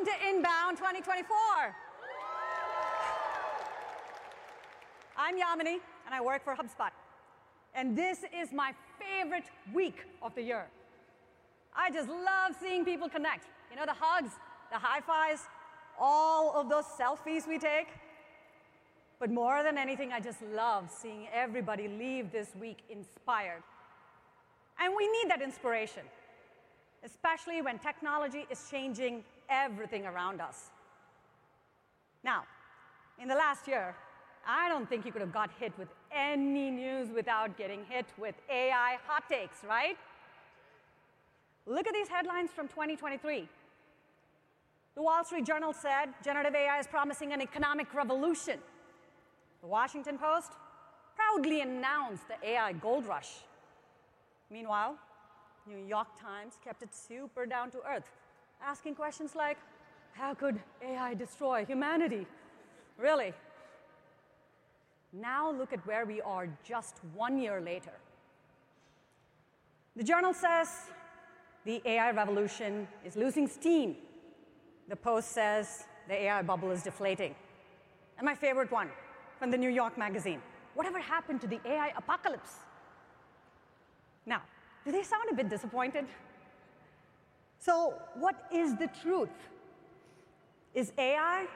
Welcome to INBOUND 2024! I'm Yamini, and I work for HubSpot, and this is my favorite week of the year. I just love seeing people connect. You know, the hugs, the high fives, all of those selfies we take, but more than anything, I just love seeing everybody leave this week inspired, and we need that inspiration, especially when technology is changing everything around us. Now, in the last year, I don't think you could have got hit with any news without getting hit with AI hot takes, right? Look at these headlines from 2023. The Wall Street Journal said, "Generative AI is promising an economic revolution." The Washington Post proudly announced the AI gold rush. Meanwhile, New York Times kept it super down to earth, asking questions like, "How could AI destroy humanity?" Really. Now, look at where we are just one year later. Wall Street Journal says, "The AI revolution is losing steam." The Washington Post says, "The AI bubble is deflating," and my favorite one from New York Magazine: "Whatever happened to the AI apocalypse?" Now, do they sound a bit disappointed? So what is the truth? Is AI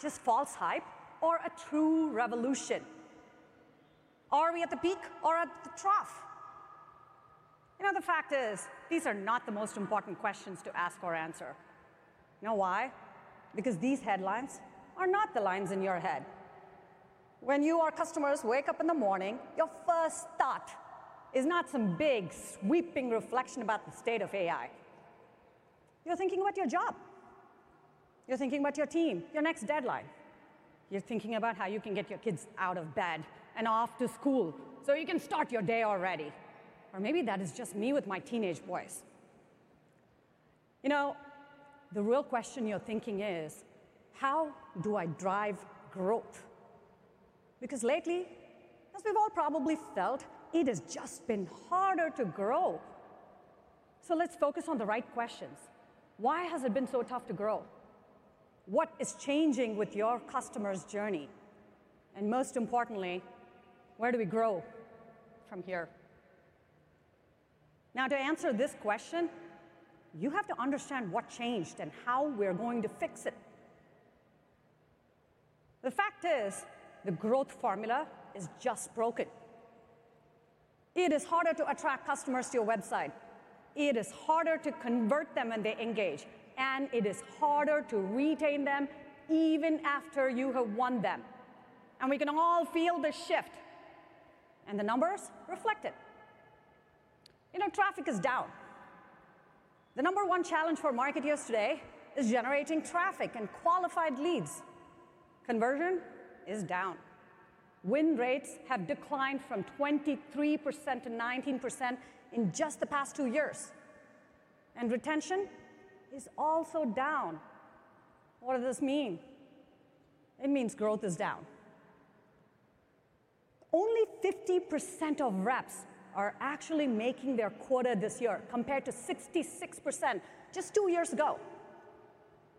just false hype or a true revolution? Are we at the peak or at the trough? You know, the fact is, these are not the most important questions to ask or answer. You know why? Because these headlines are not the lines in your head. When you, our customers, wake up in the morning, your first thought is not some big, sweeping reflection about the state of AI. You're thinking about your job. You're thinking about your team, your next deadline. You're thinking about how you can get your kids out of bed and off to school, so you can start your day already. Or maybe that is just me with my teenage boys. You know, the real question you're thinking is: how do I drive growth? Because lately, as we've all probably felt, it has just been harder to grow. So let's focus on the right questions. Why has it been so tough to grow? What is changing with your customer's journey? And most importantly, where do we grow from here? Now, to answer this question, you have to understand what changed and how we're going to fix it. The fact is, the growth formula is just broken. It is harder to attract customers to your website, it is harder to convert them when they engage, and it is harder to retain them even after you have won them, and we can all feel the shift, and the numbers reflect it. You know, traffic is down. The number one challenge for marketers today is generating traffic and qualified leads. Conversion is down. Win rates have declined from 23% to 19% in just the past two years, and retention is also down. What does this mean? It means growth is down. Only 50% of reps are actually making their quota this year, compared to 66% just two years ago.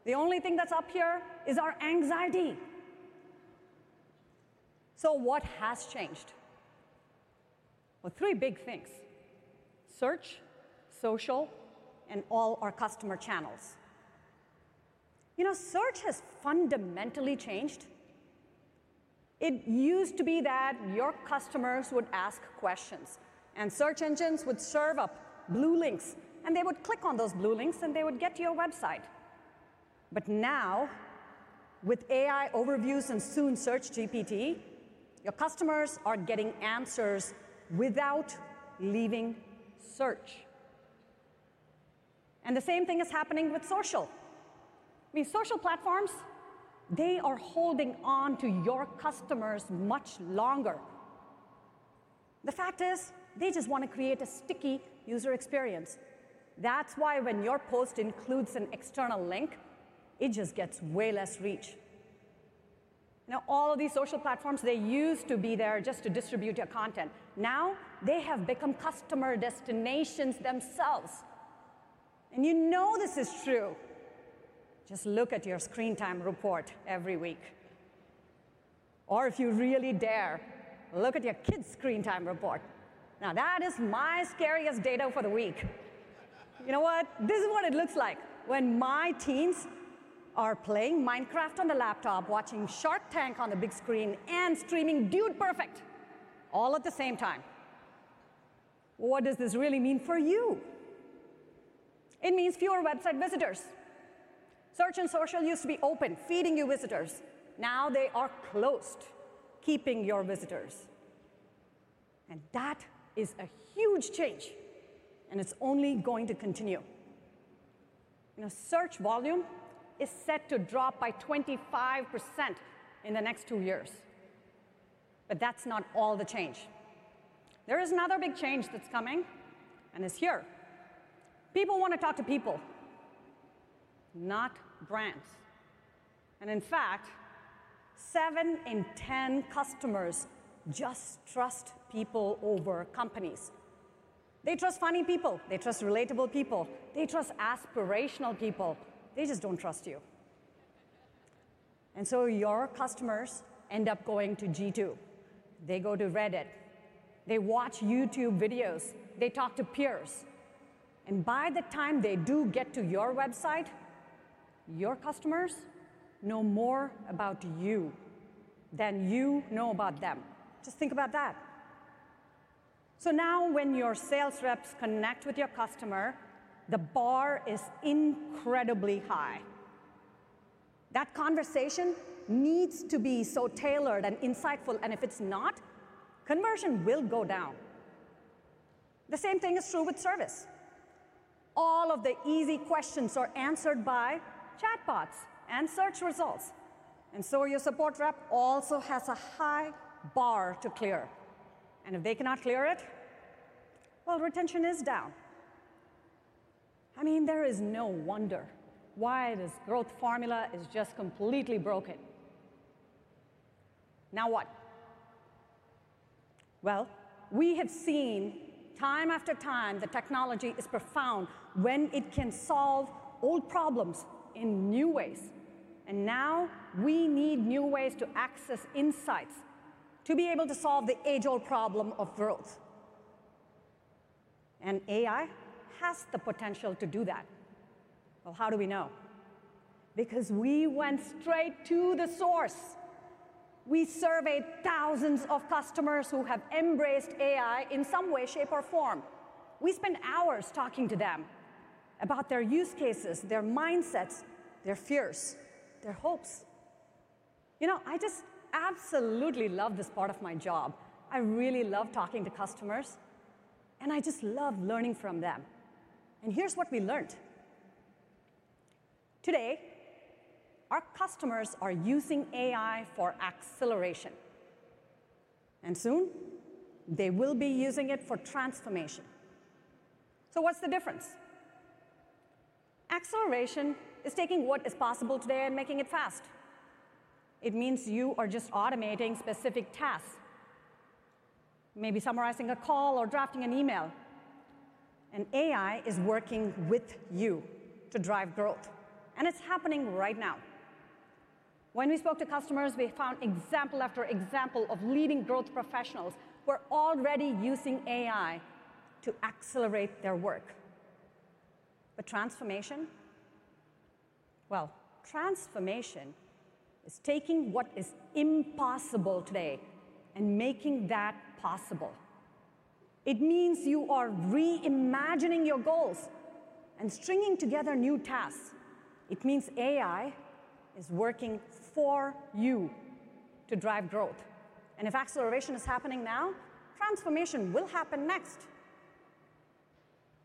The only thing that's up here is our anxiety. So what has changed? Well, three big things: search, social, and all our customer channels. You know, search has fundamentally changed. It used to be that your customers would ask questions, and search engines would serve up blue links, and they would click on those blue links, and they would get to your website. But now, with AI Overviews and soon SearchGPT, your customers are getting answers without leaving search. And the same thing is happening with social. I mean, social platforms, they are holding on to your customers much longer. The fact is, they just want to create a sticky user experience. That's why when your post includes an external link, it just gets way less reach. Now, all of these social platforms, they used to be there just to distribute your content. Now, they have become customer destinations themselves, and you know this is true. Just look at your screen time report every week. Or if you really dare, look at your kids' screen time report. Now, that is my scariest data for the week. You know what? This is what it looks like when my teens are playing Minecraft on the laptop, watching Shark Tank on the big screen, and streaming Dude Perfect all at the same time. What does this really mean for you? It means fewer website visitors. Search and social used to be open, feeding you visitors. Now, they are closed, keeping your visitors, and that is a huge change, and it's only going to continue. You know, search volume is set to drop by 25% in the next two years. But that's not all the change. There is another big change that's coming and is here. People want to talk to people, not brands... and in fact, seven in ten customers just trust people over companies. They trust funny people, they trust relatable people, they trust aspirational people. They just don't trust you. And so your customers end up going to G2. They go to Reddit, they watch YouTube videos, they talk to peers, and by the time they do get to your website, your customers know more about you than you know about them. Just think about that! So now, when your sales reps connect with your customer, the bar is incredibly high. That conversation needs to be so tailored and insightful, and if it's not, conversion will go down. The same thing is true with service. All of the easy questions are answered by chatbots and search results, and so your support rep also has a high bar to clear, and if they cannot clear it, well, retention is down. I mean, there is no wonder why this growth formula is just completely broken. Now what? Well, we have seen time after time that technology is profound when it can solve old problems in new ways, and now we need new ways to access insights to be able to solve the age-old problem of growth. And AI has the potential to do that. Well, how do we know? Because we went straight to the source. We surveyed thousands of customers who have embraced AI in some way, shape, or form. We spent hours talking to them about their use cases, their mindsets, their fears, their hopes. You know, I just absolutely love this part of my job. I really love talking to customers, and I just love learning from them, and here's what we learned: today, our customers are using AI for acceleration, and soon they will be using it for transformation, so what's the difference? Acceleration is taking what is possible today and making it fast. It means you are just automating specific tasks, maybe summarizing a call or drafting an email, and AI is working with you to drive growth, and it's happening right now. When we spoke to customers, we found example after example of leading growth professionals who are already using AI to accelerate their work, but transformation? Transformation is taking what is impossible today and making that possible. It means you are reimagining your goals and stringing together new tasks. It means AI is working for you to drive growth, and if acceleration is happening now, transformation will happen next.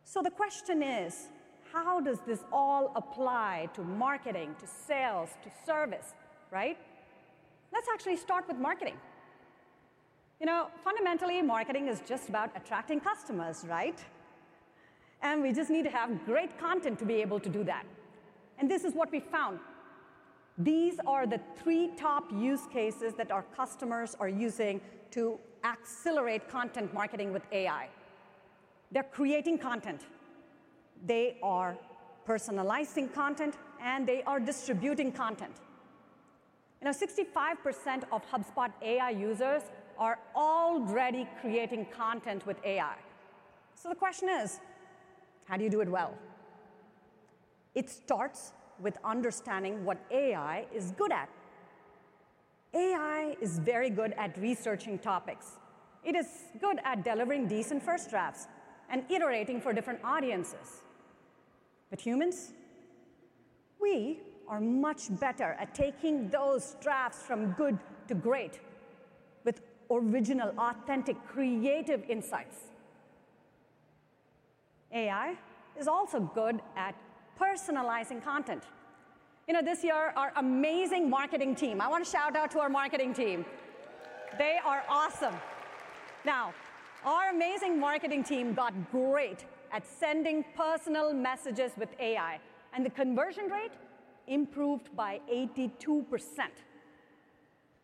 So the question is: how does this all apply to marketing, to sales, to service, right? Let's actually start with marketing. You know, fundamentally, marketing is just about attracting customers, right? And we just need to have great content to be able to do that. And this is what we found. These are the three top use cases that our customers are using to accelerate content marketing with AI: they're creating content, they are personalizing content, and they are distributing content. You know, 65% of HubSpot AI users are already creating content with AI. So the question is: how do you do it well? It starts with understanding what AI is good at. AI is very good at researching topics. It is good at delivering decent first drafts and iterating for different audiences. But humans, we are much better at taking those drafts from good to great with original, authentic, creative insights. AI is also good at personalizing content. You know, this year, our amazing marketing team... I want to shout out to our marketing team. They are awesome! Now, our amazing marketing team got great at sending personal messages with AI, and the conversion rate improved by 82%.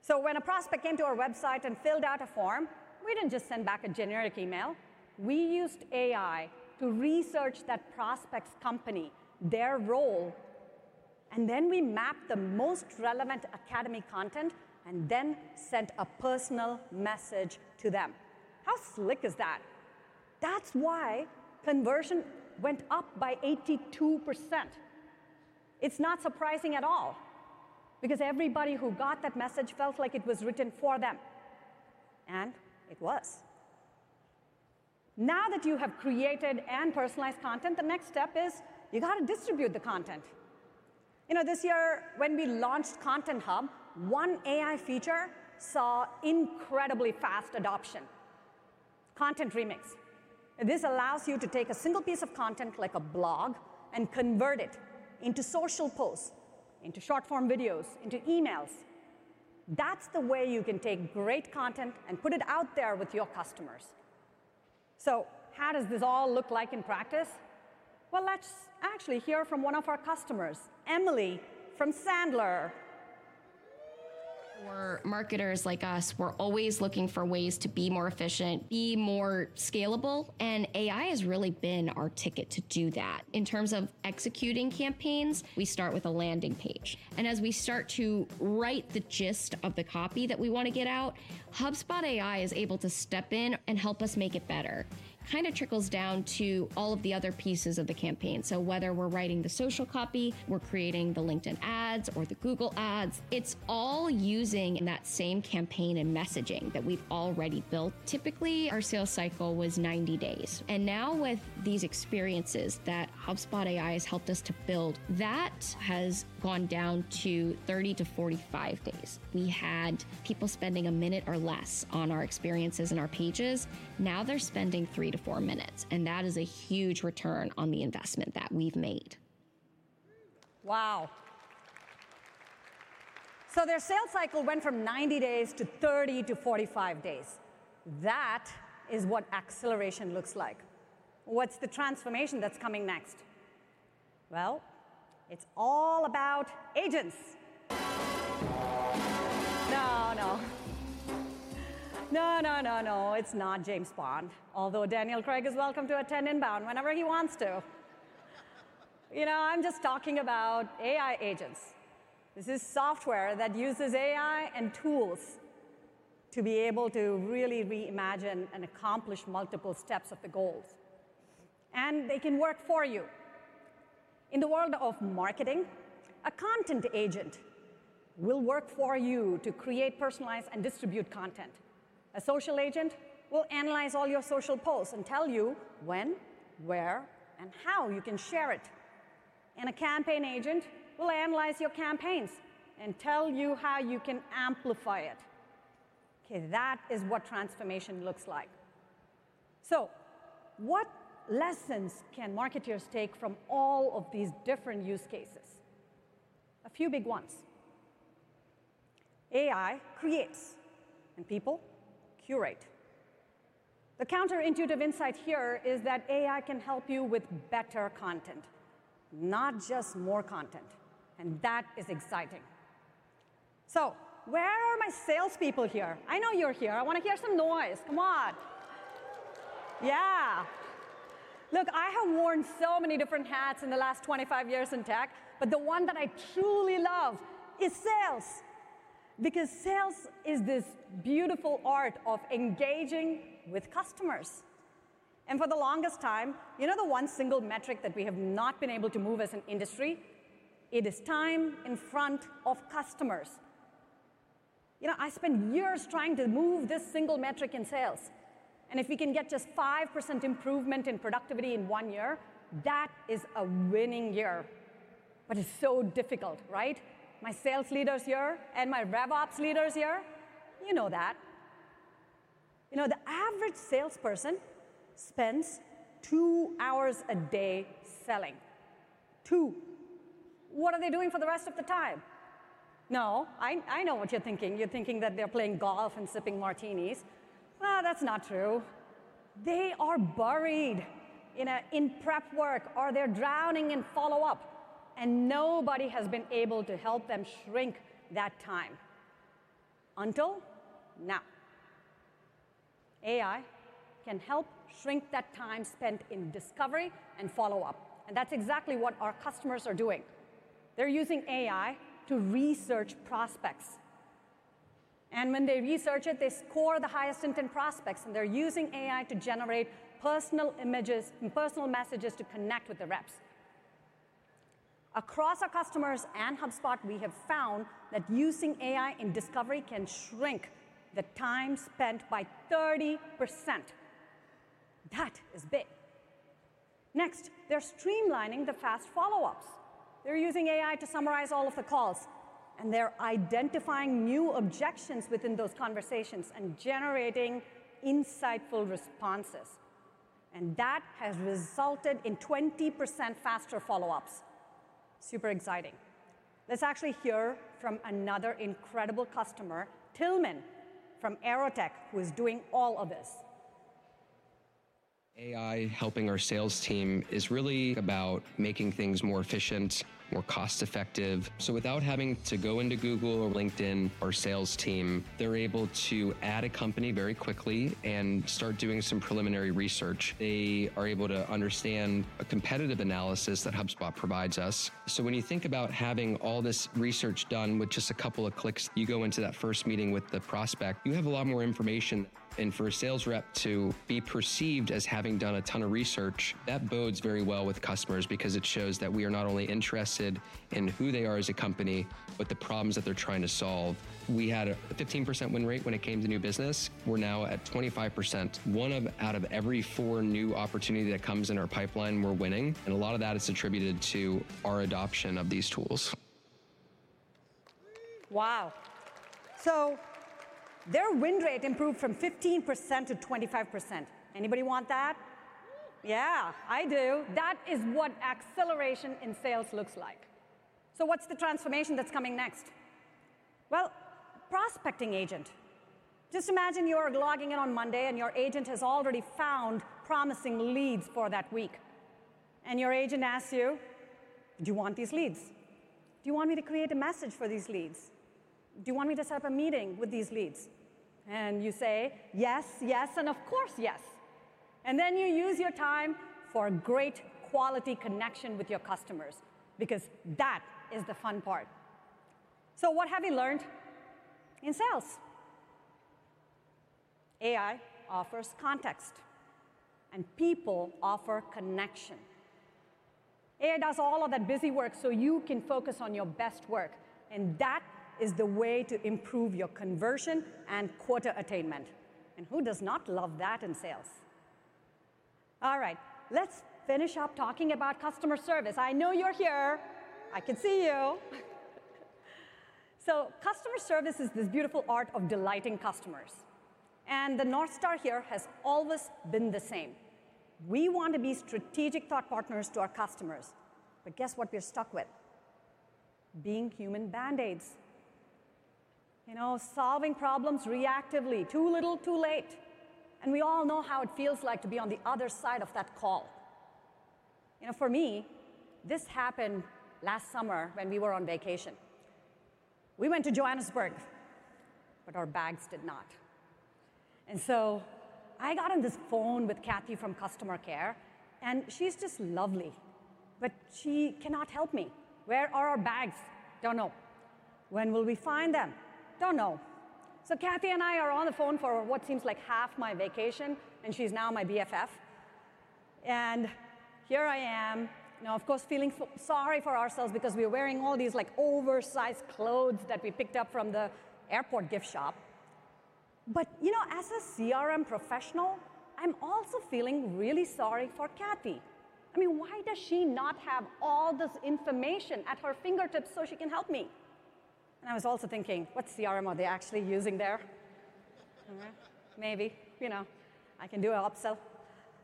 So when a prospect came to our website and filled out a form, we didn't just send back a generic email. We used AI to research that prospect's company, their role, and then we mapped the most relevant academy content and then sent a personal message to them. How slick is that? That's why conversion went up by 82%. It's not surprising at all because everybody who got that message felt like it was written for them, and it was. Now that you have created and personalized content, the next step is you got to distribute the content. You know, this year, when we launched Content Hub, one AI feature saw incredibly fast adoption: Content Remix. This allows you to take a single piece of content, like a blog, and convert it into social posts, into short-form videos, into emails. That's the way you can take great content and put it out there with your customers. So how does this all look like in practice? Well, let's actually hear from one of our customers, Emily from Sandler. For marketers like us, we're always looking for ways to be more efficient, be more scalable, and AI has really been our ticket to do that. In terms of executing campaigns, we start with a landing page, and as we start to write the gist of the copy that we wanna get out, HubSpot AI is able to step in and help us make it better. It kind of trickles down to all of the other pieces of the campaign. So whether we're writing the social copy, we're creating the LinkedIn ads or the Google Ads, it's all using that same campaign and messaging that we've already built. Typically, our sales cycle was 90 days, and now with these experiences that HubSpot AI has helped us to build, that has gone down to 30-45 days. We had people spending a minute or less on our experiences and our pages. Now, they're spending three to four minutes, and that is a huge return on the investment that we've made. Wow! So their sales cycle went from 90 days to 30 to 45 days. That is what acceleration looks like. What's the transformation that's coming next? Well, it's all about agents. No, no. No, no, no, no, it's not James Bond, although Daniel Craig is welcome to attend INBOUND whenever he wants to. You know, I'm just talking about AI agents. This is software that uses AI and tools to be able to really reimagine and accomplish multiple steps of the goals, and they can work for you. In the world of marketing, a content agent will work for you to create, personalize, and distribute content. A social agent will analyze all your social posts and tell you when, where, and how you can share it. And a campaign agent will analyze your campaigns and tell you how you can amplify it. Okay, that is what transformation looks like. What lessons can marketers take from all of these different use cases? A few big ones. AI creates, and people curate. The counterintuitive insight here is that AI can help you with better content, not just more content, and that is exciting. Where are my salespeople here? I know you're here. I wanna hear some noise. Come on! Yeah. Look, I have worn so many different hats in the last 25 years in tech, but the one that I truly love is sales, because sales is this beautiful art of engaging with customers. For the longest time, you know the one single metric that we have not been able to move as an industry? It is time in front of customers. You know, I spent years trying to move this single metric in sales, and if we can get just 5% improvement in productivity in one year, that is a winning year, but it's so difficult, right? My sales leaders here and my RevOps leaders here, you know that. You know, the average salesperson spends two hours a day selling. Two. What are they doing for the rest of the time? No, I know what you're thinking. You're thinking that they're playing golf and sipping martinis. Well, that's not true. They are buried in prep work, or they're drowning in follow-up, and nobody has been able to help them shrink that time, until now. AI can help shrink that time spent in discovery and follow-up, and that's exactly what our customers are doing. They're using AI to research prospects, and when they research it, they score the highest intent prospects, and they're using AI to generate personal images and personal messages to connect with the reps. Across our customers and HubSpot, we have found that using AI in discovery can shrink the time spent by 30%. That is big! Next, they're streamlining the fast follow-ups. They're using AI to summarize all of the calls, and they're identifying new objections within those conversations and generating insightful responses, and that has resulted in 20% faster follow-ups. Super exciting. Let's actually hear from another incredible customer, Tillman from Aerotek, who is doing all of this. AI helping our sales team is really about making things more efficient, more cost-effective, so without having to go into Google or LinkedIn, our sales team, they're able to add a company very quickly and start doing some preliminary research. They are able to understand a competitive analysis that HubSpot provides us, so when you think about having all this research done with just a couple of clicks, you go into that first meeting with the prospect, you have a lot more information. And for a sales rep to be perceived as having done a ton of research, that bodes very well with customers because it shows that we are not only interested in who they are as a company, but the problems that they're trying to solve. We had a 15% win rate when it came to new business. We're now at 25%. One out of every four new opportunities that come in our pipeline, we're winning, and a lot of that is attributed to our adoption of these tools. Wow! So their win rate improved from 15% to 25%. Anybody want that?... Yeah, I do! That is what acceleration in sales looks like. So what's the transformation that's coming next? Well, prospecting agent. Just imagine you are logging in on Monday, and your agent has already found promising leads for that week, and your agent asks you: "Do you want these leads? Do you want me to create a message for these leads? Do you want me to set up a meeting with these leads?" And you say, "Yes, yes, and of course, yes." And then you use your time for a great quality connection with your customers, because that is the fun part. So what have we learned in sales? AI offers context, and people offer connection. AI does all of that busywork so you can focus on your best work, and that is the way to improve your conversion and quota attainment. And who does not love that in sales? All right, let's finish up talking about customer service. I know you're here. I can see you. So customer service is this beautiful art of delighting customers, and the North Star here has always been the same. We want to be strategic thought partners to our customers, but guess what we're stuck with? Being human Band-Aids. You know, solving problems reactively, too little, too late, and we all know how it feels like to be on the other side of that call. You know, for me, this happened last summer when we were on vacation. We went to Johannesburg, but our bags did not. And so I got on this phone with Kathy from customer care, and she's just lovely, but she cannot help me. "Where are our bags?" "Don't know." "When will we find them?" "Don't know." So Kathy and I are on the phone for what seems like half my vacation, and she's now my BFF. And here I am, now, of course, feeling sorry for ourselves because we're wearing all these, like, oversized clothes that we picked up from the airport gift shop. But, you know, as a CRM professional, I'm also feeling really sorry for Kathy. I mean, why does she not have all this information at her fingertips so she can help me? And I was also thinking, "What CRM are they actually using there?" Maybe, you know, I can do an upsell.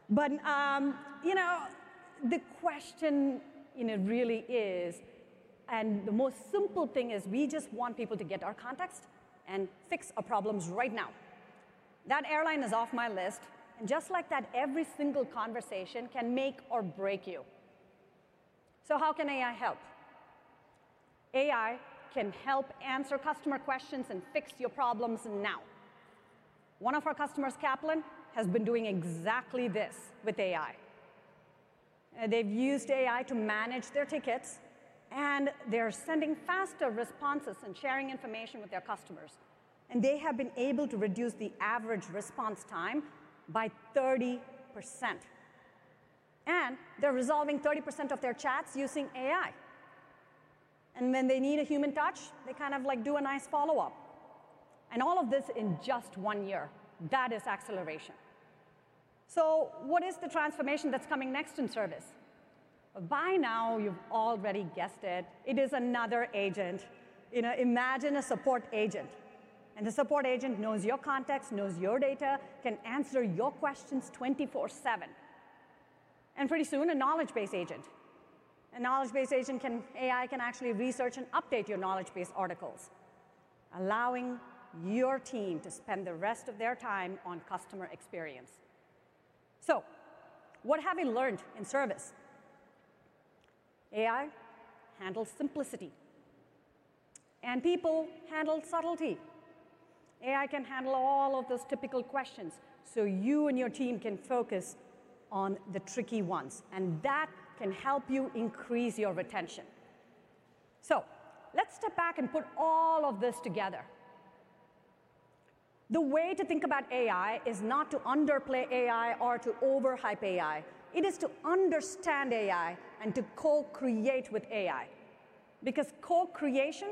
But, you know, the question, you know, really is, and the most simple thing is, we just want people to get our context and fix our problems right now. That airline is off my list, and just like that, every single conversation can make or break you. So how can AI help? AI can help answer customer questions and fix your problems now. One of our customers, Kaplan, has been doing exactly this with AI. They've used AI to manage their tickets, and they're sending faster responses and sharing information with their customers, and they have been able to reduce the average response time by 30%. And they're resolving 30% of their chats using AI, and when they need a human touch, they kind of, like, do a nice follow-up, and all of this in just one year. That is acceleration. So what is the transformation that's coming next in service? By now, you've already guessed it. It is another agent. You know, imagine a support agent, and the support agent knows your context, knows your data, can answer your questions 24/7. And pretty soon, a knowledge base agent. A knowledge base agent can... AI can actually research and update your knowledge base articles, allowing your team to spend the rest of their time on customer experience. So what have we learned in service? AI handles simplicity, and people handle subtlety. AI can handle all of those typical questions, so you and your team can focus on the tricky ones, and that can help you increase your retention. So let's step back and put all of this together. The way to think about AI is not to underplay AI or to overhype AI. It is to understand AI and to co-create with AI, because co-creation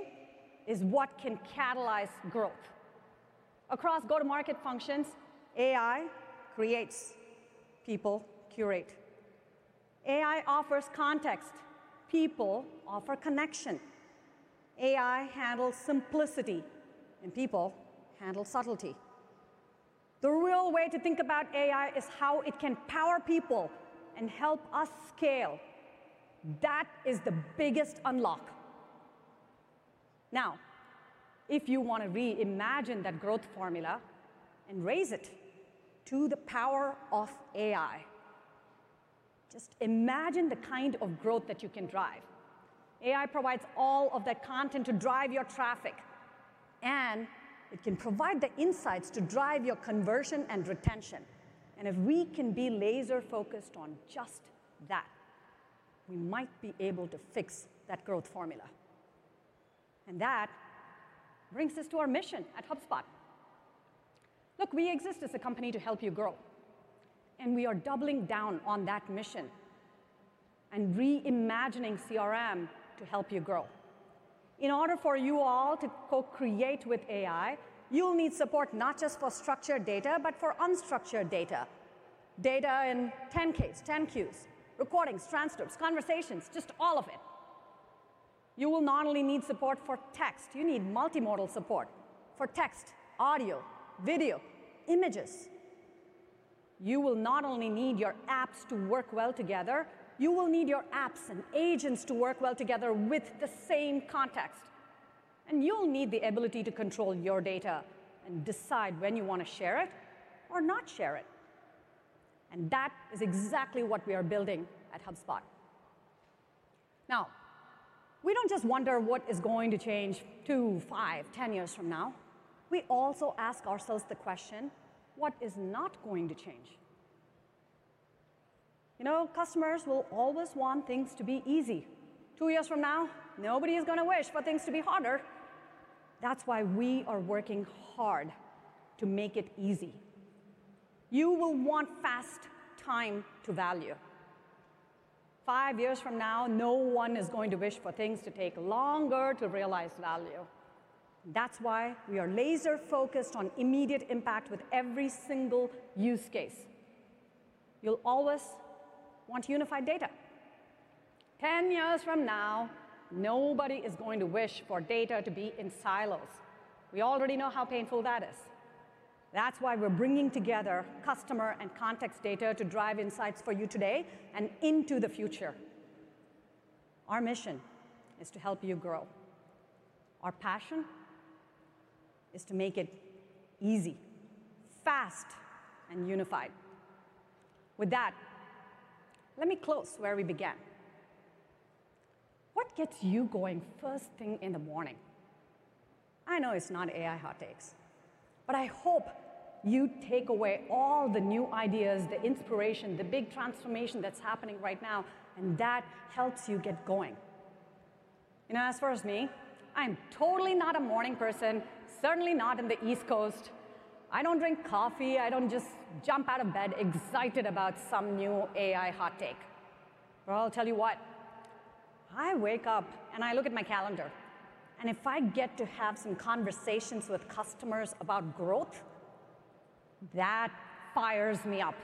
is what can catalyze growth. Across go-to-market functions, AI creates, people curate. AI offers context, people offer connection. AI handles simplicity, and people handle subtlety. The real way to think about AI is how it can power people and help us scale. That is the biggest unlock. Now, if you want to reimagine that growth formula and raise it to the power of AI, just imagine the kind of growth that you can drive. AI provides all of that content to drive your traffic, and it can provide the insights to drive your conversion and retention, and if we can be laser-focused on just that, we might be able to fix that growth formula, and that brings us to our mission at HubSpot. Look, we exist as a company to help you grow, and we are doubling down on that mission and reimagining CRM to help you grow. In order for you all to co-create with AI, you'll need support not just for structured data, but for unstructured data. Data in 10-Ks, 10-Qs, recordings, transcripts, conversations, just all of it. You will not only need support for text, you need multimodal support for text, audio, video, images. You will not only need your apps to work well together, you will need your apps and agents to work well together with the same context, and you'll need the ability to control your data and decide when you wanna share it or not share it, and that is exactly what we are building at HubSpot. Now, we don't just wonder what is going to change two, five, ten years from now. We also ask ourselves the question: what is not going to change? You know, customers will always want things to be easy. Two years from now, nobody is gonna wish for things to be harder. That's why we are working hard to make it easy. You will want fast time to value. Five years from now, no one is going to wish for things to take longer to realize value. That's why we are laser-focused on immediate impact with every single use case. You'll always want unified data. Ten years from now, nobody is going to wish for data to be in silos. We already know how painful that is. That's why we're bringing together customer and context data to drive insights for you today and into the future. Our mission is to help you grow. Our passion is to make it easy, fast, and unified. With that, let me close where we began. What gets you going first thing in the morning? I know it's not AI hot takes, but I hope you take away all the new ideas, the inspiration, the big transformation that's happening right now, and that helps you get going. You know, as far as me, I'm totally not a morning person, certainly not in the East Coast. I don't drink coffee. I don't just jump out of bed excited about some new AI hot take. I'll tell you what, I wake up and I look at my calendar, and if I get to have some conversations with customers about growth, that fires me up.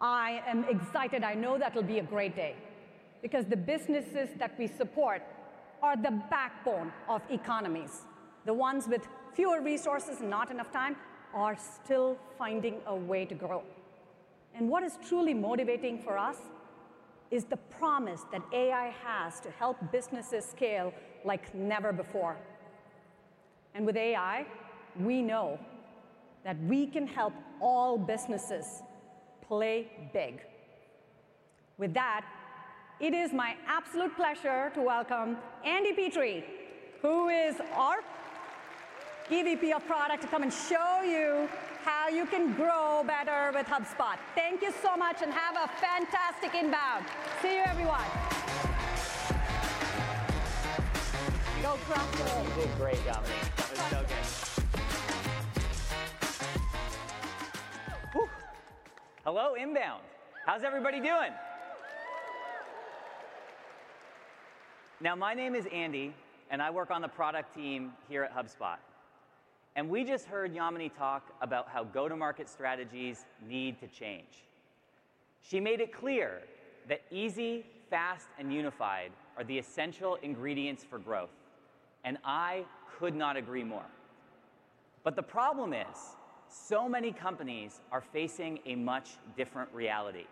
I am excited. I know that'll be a great day because the businesses that we support are the backbone of economies. The ones with fewer resources and not enough time are still finding a way to grow, and what is truly motivating for us is the promise that AI has to help businesses scale like never before, and with AI, we know that we can help all businesses play big. With that, it is my absolute pleasure to welcome Andy Pitre, who is our EVP of Product, to come and show you how you can grow better with HubSpot. Thank you so much and have a fantastic INBOUND! See you, everyone. Go crush it. You did a great job. Thank you. That was so good. Woo! Hello, INBOUND. How's everybody doing? Now, my name is Andy, and I work on the Product team here at HubSpot, and we just heard Yamini talk about how go-to-market strategies need to change. She made it clear that easy, fast, and unified are the essential ingredients for growth, and I could not agree more, but the problem is, so many companies are facing a much different reality.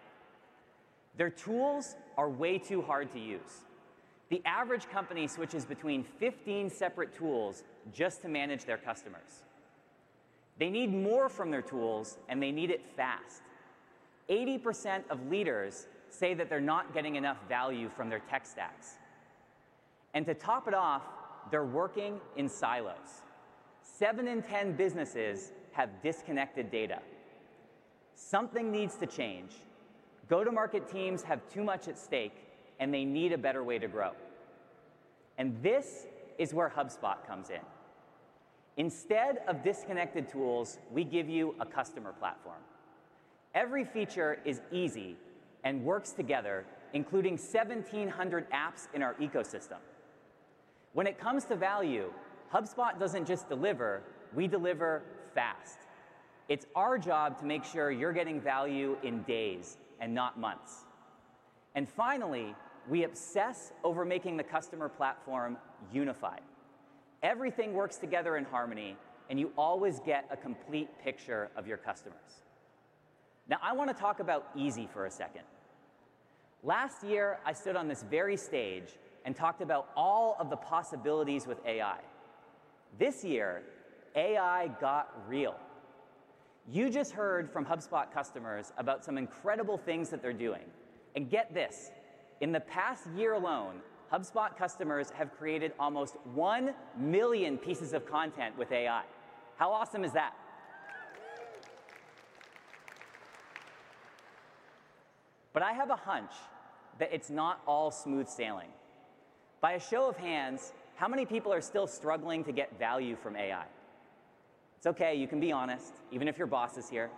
Their tools are way too hard to use. The average company switches between 15 separate tools just to manage their customers. They need more from their tools, and they need it fast. 80% of leaders say that they're not getting enough value from their tech stacks, and to top it off, they're working in silos. Seven in ten businesses have disconnected data. Something needs to change. Go-to-market teams have too much at stake, and they need a better way to grow, and this is where HubSpot comes in. Instead of disconnected tools, we give you a customer platform. Every feature is easy and works together, including seventeen hundred apps in our ecosystem. When it comes to value, HubSpot doesn't just deliver, we deliver fast. It's our job to make sure you're getting value in days and not months. And finally, we obsess over making the customer platform unified. Everything works together in harmony, and you always get a complete picture of your customers. Now, I wanna talk about easy for a second. Last year, I stood on this very stage and talked about all of the possibilities with AI. This year, AI got real. You just heard from HubSpot customers about some incredible things that they're doing, and get this: in the past year alone, HubSpot customers have created almost one million pieces of content with AI. How awesome is that? But I have a hunch that it's not all smooth sailing. By a show of hands, how many people are still struggling to get value from AI? It's okay, you can be honest, even if your boss is here.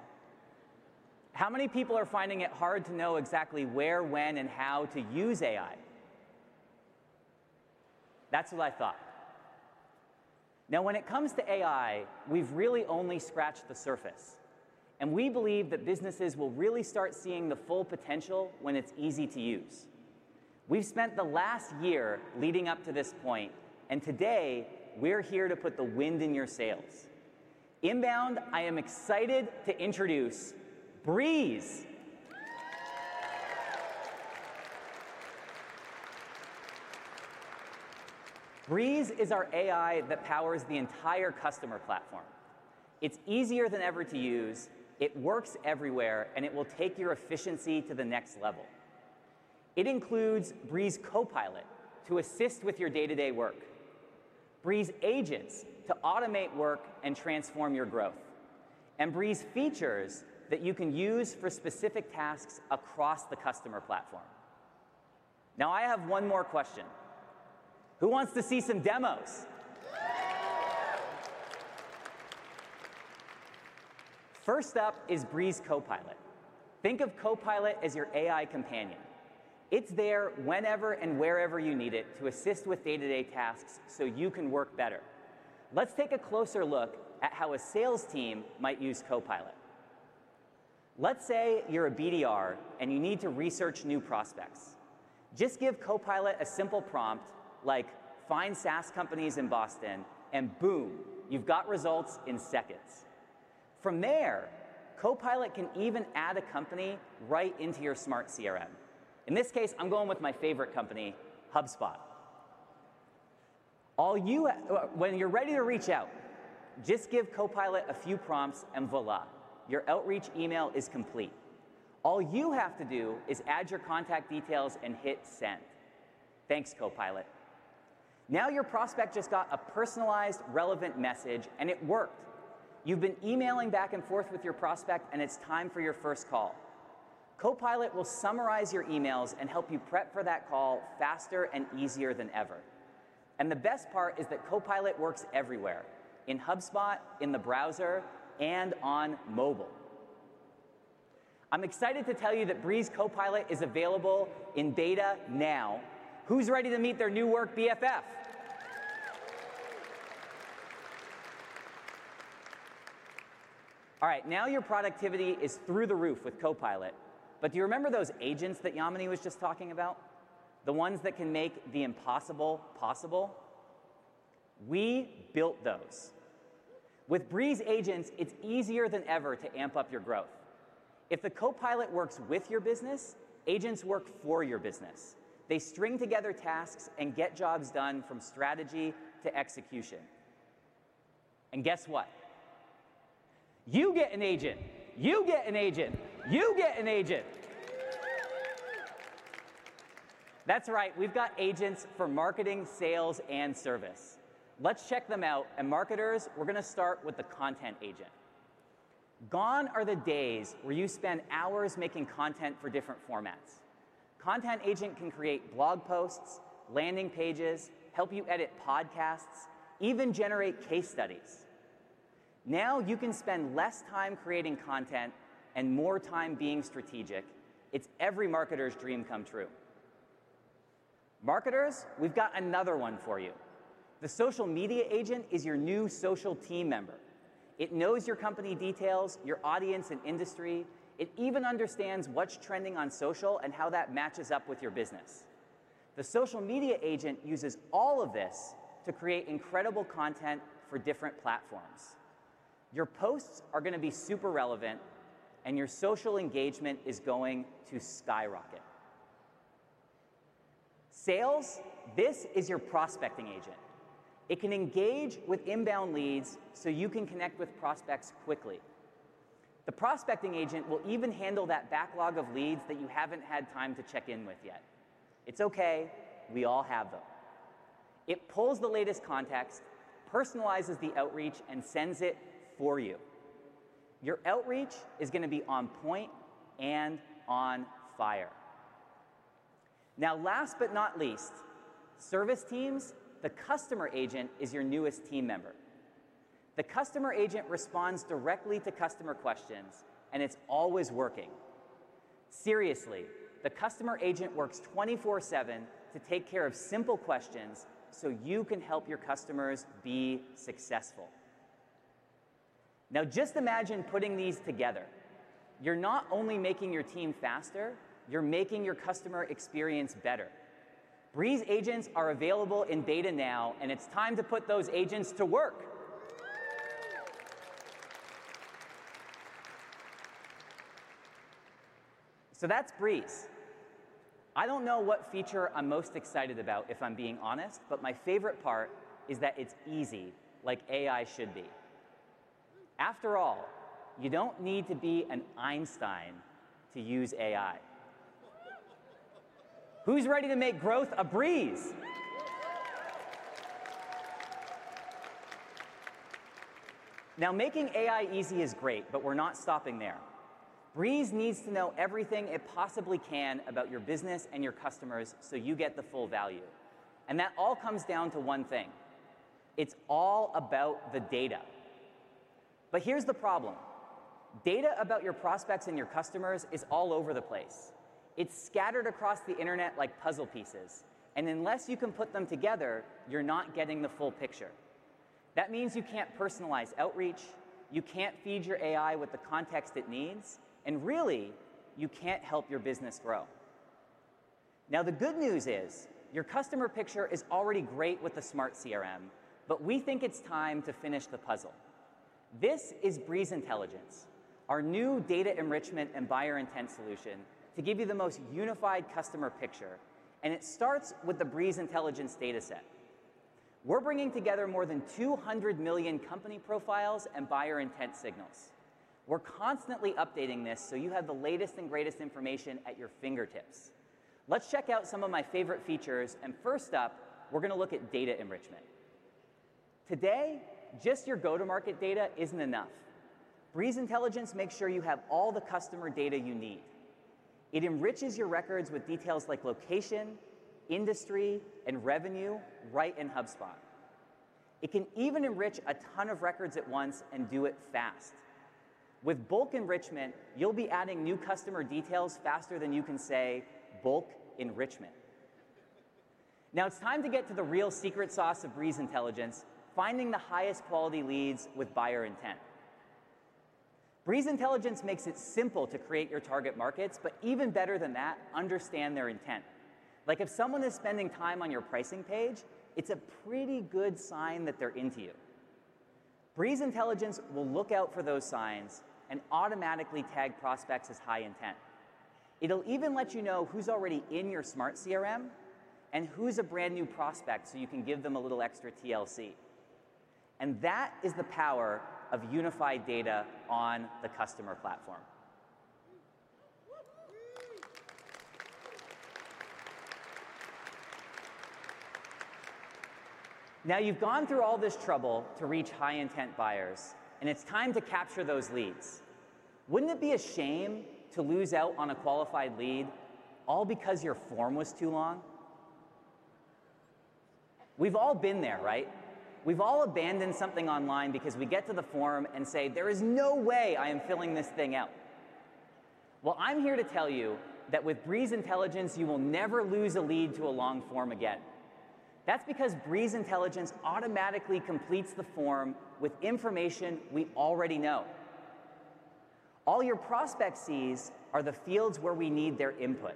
How many people are finding it hard to know exactly where, when, and how to use AI? That's what I thought.... Now, when it comes to AI, we've really only scratched the surface, and we believe that businesses will really start seeing the full potential when it's easy to use. We've spent the last year leading up to this point, and today, we're here to put the wind in your sails. INBOUND, I am excited to introduce Breeze! Breeze is our AI that powers the entire customer platform. It's easier than ever to use, it works everywhere, and it will take your efficiency to the next level. It includes Breeze Copilot to assist with your day-to-day work, Breeze Agents to automate work and transform your growth, and Breeze features that you can use for specific tasks across the customer platform. Now, I have one more question: Who wants to see some demos? First up is Breeze Copilot. Think of Copilot as your AI companion. It's there whenever and wherever you need it to assist with day-to-day tasks, so you can work better. Let's take a closer look at how a sales team might use Copilot. Let's say you're a BDR, and you need to research new prospects. Just give Copilot a simple prompt, like, "Find SaaS companies in Boston," and boom! You've got results in seconds. From there, Copilot can even add a company right into your Smart CRM. In this case, I'm going with my favorite company, HubSpot. All you, when you're ready to reach out, just give Copilot a few prompts, and voila, your outreach email is complete. All you have to do is add your contact details and hit Send. Thanks, Copilot. Now, your prospect just got a personalized, relevant message, and it worked. You've been emailing back and forth with your prospect, and it's time for your first call. Copilot will summarize your emails and help you prep for that call faster and easier than ever. And the best part is that Copilot works everywhere: in HubSpot, in the browser, and on mobile. I'm excited to tell you that Breeze Copilot is available in beta now. Who's ready to meet their new work BFF? All right, now your productivity is through the roof with Copilot. But do you remember those agents that Yamini was just talking about, the ones that can make the impossible possible? We built those. With Breeze Agents, it's easier than ever to amp up your growth. If the Copilot works with your business, agents work for your business. They string together tasks and get jobs done from strategy to execution. And guess what? You get an agent, you get an agent, you get an agent! That's right, we've got agents for marketing, sales, and service. Let's check them out, and marketers, we're gonna start with the content agent. Gone are the days where you spend hours making content for different formats. Content agent can create blog posts, landing pages, help you edit podcasts, even generate case studies. Now, you can spend less time creating content and more time being strategic. It's every marketer's dream come true. Marketers, we've got another one for you. The social media agent is your new social team member. It knows your company details, your audience and industry. It even understands what's trending on social and how that matches up with your business. The social media agent uses all of this to create incredible content for different platforms. Your posts are gonna be super relevant, and your social engagement is going to skyrocket. Sales, this is your prospecting agent. It can engage with INBOUND leads so you can connect with prospects quickly. The prospecting agent will even handle that backlog of leads that you haven't had time to check in with yet. It's okay, we all have them. It pulls the latest context, personalizes the outreach, and sends it for you. Your outreach is gonna be on point and on fire. Now, last but not least, service teams, the customer agent is your newest team member. The customer agent responds directly to customer questions, and it's always working. Seriously, the customer agent works twenty-four seven to take care of simple questions so you can help your customers be successful. Now, just imagine putting these together. You're not only making your team faster, you're making your customer experience better. Breeze Agents are available in beta now, and it's time to put those agents to work! So that's Breeze. I don't know what feature I'm most excited about, if I'm being honest, but my favorite part is that it's easy, like AI should be. After all, you don't need to be an Einstein to use AI. Who's ready to make growth a breeze? Now, making AI easy is great, but we're not stopping there. Breeze needs to know everything it possibly can about your business and your customers, so you get the full value, and that all comes down to one thing: It's all about the data. But here's the problem: data about your prospects and your customers is all over the place. It's scattered across the internet like puzzle pieces, and unless you can put them together, you're not getting the full picture. That means you can't personalize outreach, you can't feed your AI with the context it needs, and really, you can't help your business grow. Now, the good news is, your customer picture is already great with the Smart CRM, but we think it's time to finish the puzzle. This is Breeze Intelligence, our new data enrichment and buyer intent solution to give you the most unified customer picture, and it starts with the Breeze Intelligence dataset. We're bringing together more than 200 million company profiles and buyer intent signals. We're constantly updating this so you have the latest and greatest information at your fingertips. Let's check out some of my favorite features, and first up, we're gonna look at data enrichment. Today, just your go-to-market data isn't enough. Breeze Intelligence makes sure you have all the customer data you need. It enriches your records with details like location, industry, and revenue right in HubSpot. It can even enrich a ton of records at once and do it fast. With bulk enrichment, you'll be adding new customer details faster than you can say, bulk enrichment. Now it's time to get to the real secret sauce of Breeze Intelligence: finding the highest quality leads with buyer intent. Breeze Intelligence makes it simple to create your target markets, but even better than that, understand their intent. Like, if someone is spending time on your pricing page, it's a pretty good sign that they're into you. Breeze Intelligence will look out for those signs and automatically tag prospects as high intent. It'll even let you know who's already in your Smart CRM and who's a brand-new prospect, so you can give them a little extra TLC. And that is the power of unified data on the customer platform. Now, you've gone through all this trouble to reach high-intent buyers, and it's time to capture those leads. Wouldn't it be a shame to lose out on a qualified lead all because your form was too long? We've all been there, right? We've all abandoned something online because we get to the form and say, "There is no way I am filling this thing out!" Well, I'm here to tell you that with Breeze Intelligence, you will never lose a lead to a long form again. That's because Breeze Intelligence automatically completes the form with information we already know. All your prospect sees are the fields where we need their input.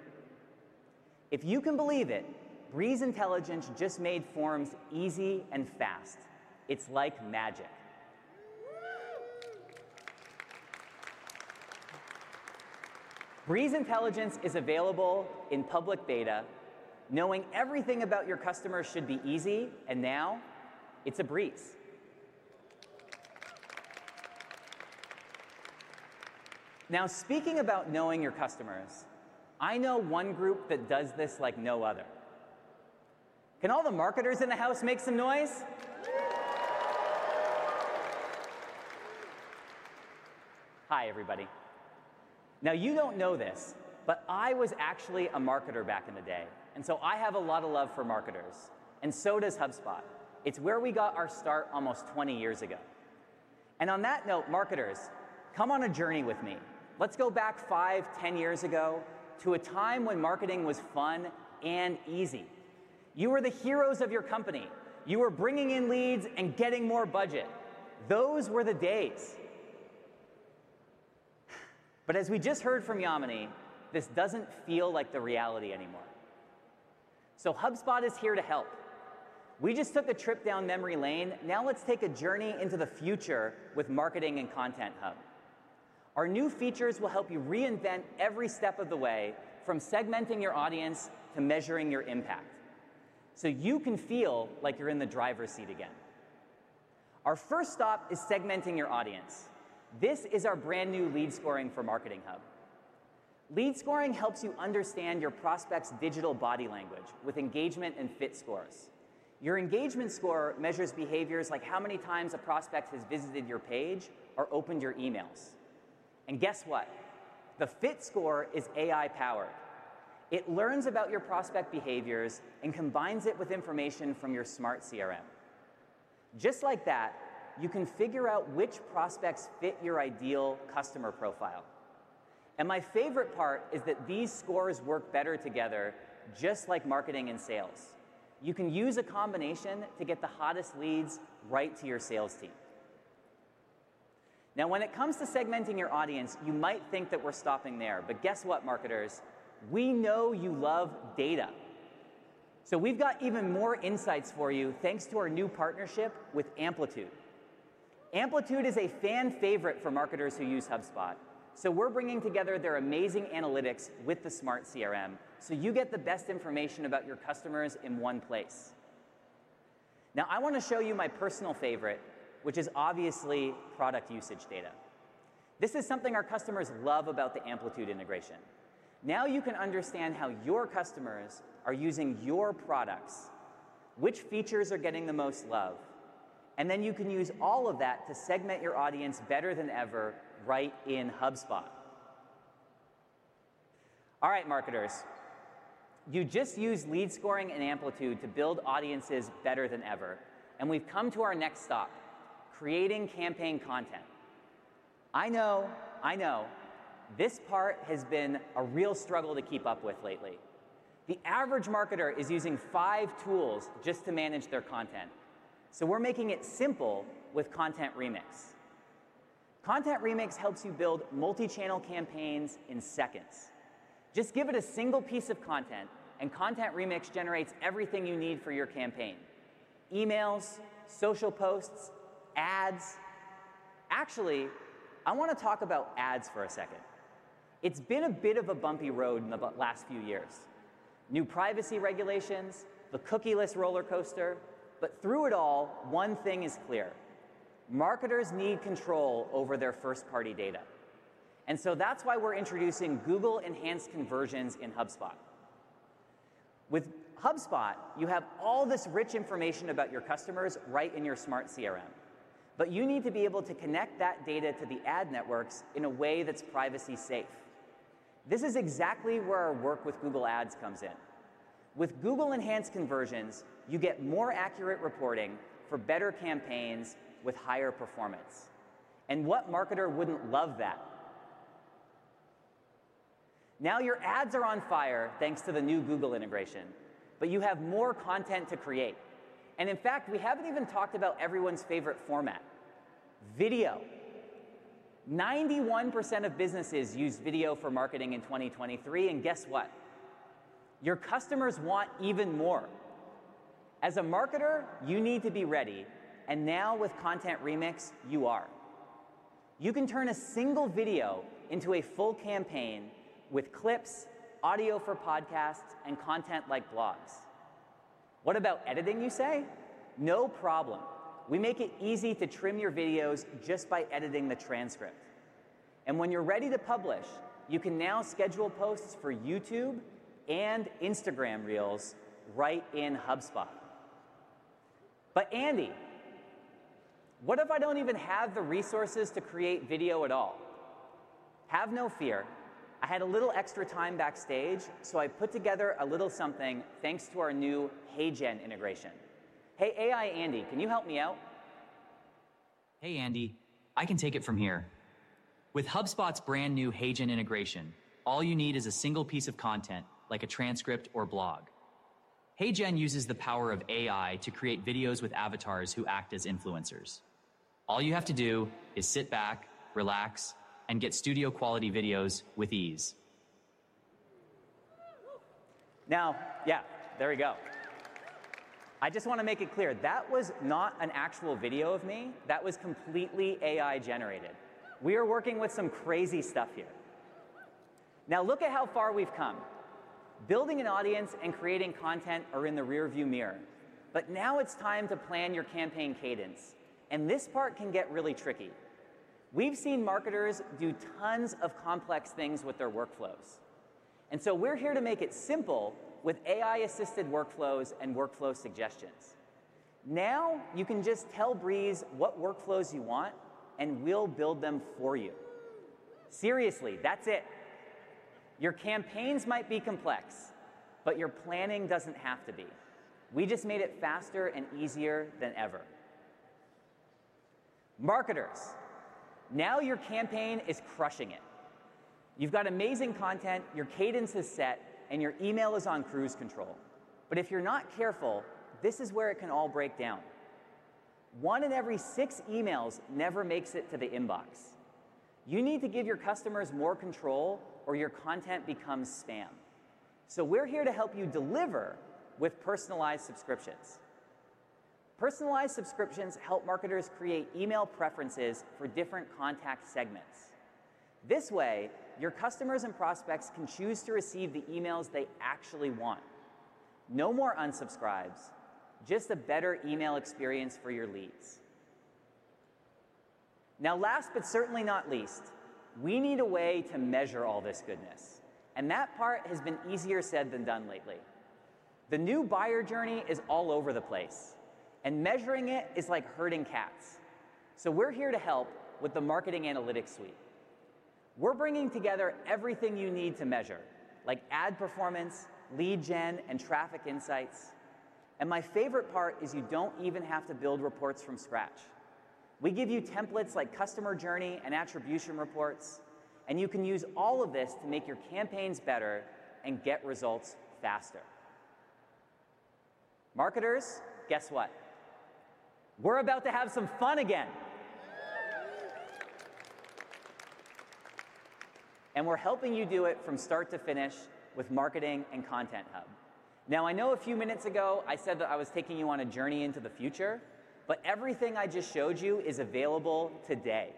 If you can believe it, Breeze Intelligence just made forms easy and fast. It's like magic. Breeze Intelligence is available in public beta. Knowing everything about your customers should be easy, and now it's a breeze. Now, speaking about knowing your customers, I know one group that does this like no other. Can all the marketers in the house make some noise? Hi, everybody. Now, you don't know this, but I was actually a marketer back in the day, and so I have a lot of love for marketers, and so does HubSpot. It's where we got our start almost twenty years ago. And on that note, marketers, come on a journey with me. Let's go back five, ten years ago to a time when marketing was fun and easy. You were the heroes of your company. You were bringing in leads and getting more budget. Those were the days! But as we just heard from Yamini, this doesn't feel like the reality anymore. So HubSpot is here to help. We just took a trip down memory lane. Now let's take a journey into the future with Marketing and Content Hub. Our new features will help you reinvent every step of the way, from segmenting your audience to measuring your impact, so you can feel like you're in the driver's seat again. Our first stop is segmenting your audience. This is our brand-new lead scoring for Marketing Hub. Lead scoring helps you understand your prospect's digital body language with engagement and fit scores. Your engagement score measures behaviors like how many times a prospect has visited your page or opened your emails. And guess what? The fit score is AI-powered. It learns about your prospect behaviors and combines it with information from your Smart CRM. Just like that, you can figure out which prospects fit your ideal customer profile. And my favorite part is that these scores work better together, just like marketing and sales. You can use a combination to get the hottest leads right to your sales team. Now, when it comes to segmenting your audience, you might think that we're stopping there, but guess what, marketers? We know you love data. So we've got even more insights for you, thanks to our new partnership with Amplitude. Amplitude is a fan favorite for marketers who use HubSpot, so we're bringing together their amazing analytics with the Smart CRM so you get the best information about your customers in one place. Now, I wanna show you my personal favorite, which is obviously product usage data. This is something our customers love about the Amplitude integration. Now you can understand how your customers are using your products, which features are getting the most love, and then you can use all of that to segment your audience better than ever right in HubSpot. All right, marketers. You just used lead scoring and Amplitude to build audiences better than ever, and we've come to our next stop: creating campaign content. I know, I know, this part has been a real struggle to keep up with lately. The average marketer is using five tools just to manage their content, so we're making it simple with Content Remix. Content Remix helps you build multi-channel campaigns in seconds. Just give it a single piece of content, and Content Remix generates everything you need for your campaign: emails, social posts, ads. Actually, I wanna talk about ads for a second. It's been a bit of a bumpy road in the last few years. New privacy regulations, the cookieless rollercoaster, but through it all, one thing is clear: marketers need control over their first-party data. And so that's why we're introducing Google Enhanced Conversions in HubSpot. With HubSpot, you have all this rich information about your customers right in your Smart CRM, but you need to be able to connect that data to the ad networks in a way that's privacy-safe. This is exactly where our work with Google Ads comes in. With Google Enhanced Conversions, you get more accurate reporting for better campaigns with higher performance. And what marketer wouldn't love that? Now, your ads are on fire, thanks to the new Google integration, but you have more content to create. And in fact, we haven't even talked about everyone's favorite format: video. 91% of businesses used video for marketing in 2023, and guess what? Your customers want even more. As a marketer, you need to be ready, and now with Content Remix, you are. You can turn a single video into a full campaign with clips, audio for podcasts, and content like blogs. What about editing, you say? No problem. We make it easy to trim your videos just by editing the transcript. And when you're ready to publish, you can now schedule posts for YouTube and Instagram Reels right in HubSpot. "But Andy, what if I don't even have the resources to create video at all?" Have no fear. I had a little extra time backstage, so I put together a little something, thanks to our new HeyGen integration. Hey, AI Andy, can you help me out? Hey, Andy, I can take it from here. With HubSpot's brand-new HeyGen integration, all you need is a single piece of content, like a transcript or blog. HeyGen uses the power of AI to create videos with avatars who act as influencers. All you have to do is sit back, relax, and get studio-quality videos with ease. Now. Yeah, there we go. I just wanna make it clear, that was not an actual video of me. That was completely AI-generated. We are working with some crazy stuff here. Now, look at how far we've come. Building an audience and creating content are in the rearview mirror, but now it's time to plan your campaign cadence, and this part can get really tricky. We've seen marketers do tons of complex things with their workflows, and so we're here to make it simple with AI-assisted workflows and workflow suggestions. Now, you can just tell Breeze what workflows you want, and we'll build them for you. Seriously, that's it! Your campaigns might be complex, but your planning doesn't have to be. We just made it faster and easier than ever. Marketers, now your campaign is crushing it. You've got amazing content, your cadence is set, and your email is on cruise control. But if you're not careful, this is where it can all break down. One in every six emails never makes it to the inbox. You need to give your customers more control, or your content becomes spam. So we're here to help you deliver with personalized subscriptions. Personalized subscriptions help marketers create email preferences for different contact segments. This way, your customers and prospects can choose to receive the emails they actually want. No more unsubscribes, just a better email experience for your leads. Now, last but certainly not least, we need a way to measure all this goodness, and that part has been easier said than done lately. The new buyer journey is all over the place, and measuring it is like herding cats. So we're here to help with the Marketing Analytics Suite. We're bringing together everything you need to measure, like ad performance, lead gen, and traffic insights, and my favorite part is you don't even have to build reports from scratch. We give you templates like customer journey and attribution reports, and you can use all of this to make your campaigns better and get results faster. Marketers, guess what? We're about to have some fun again, and we're helping you do it from start to finish with Marketing and Content Hub. Now, I know a few minutes ago, I said that I was taking you on a journey into the future, but everything I just showed you is available today,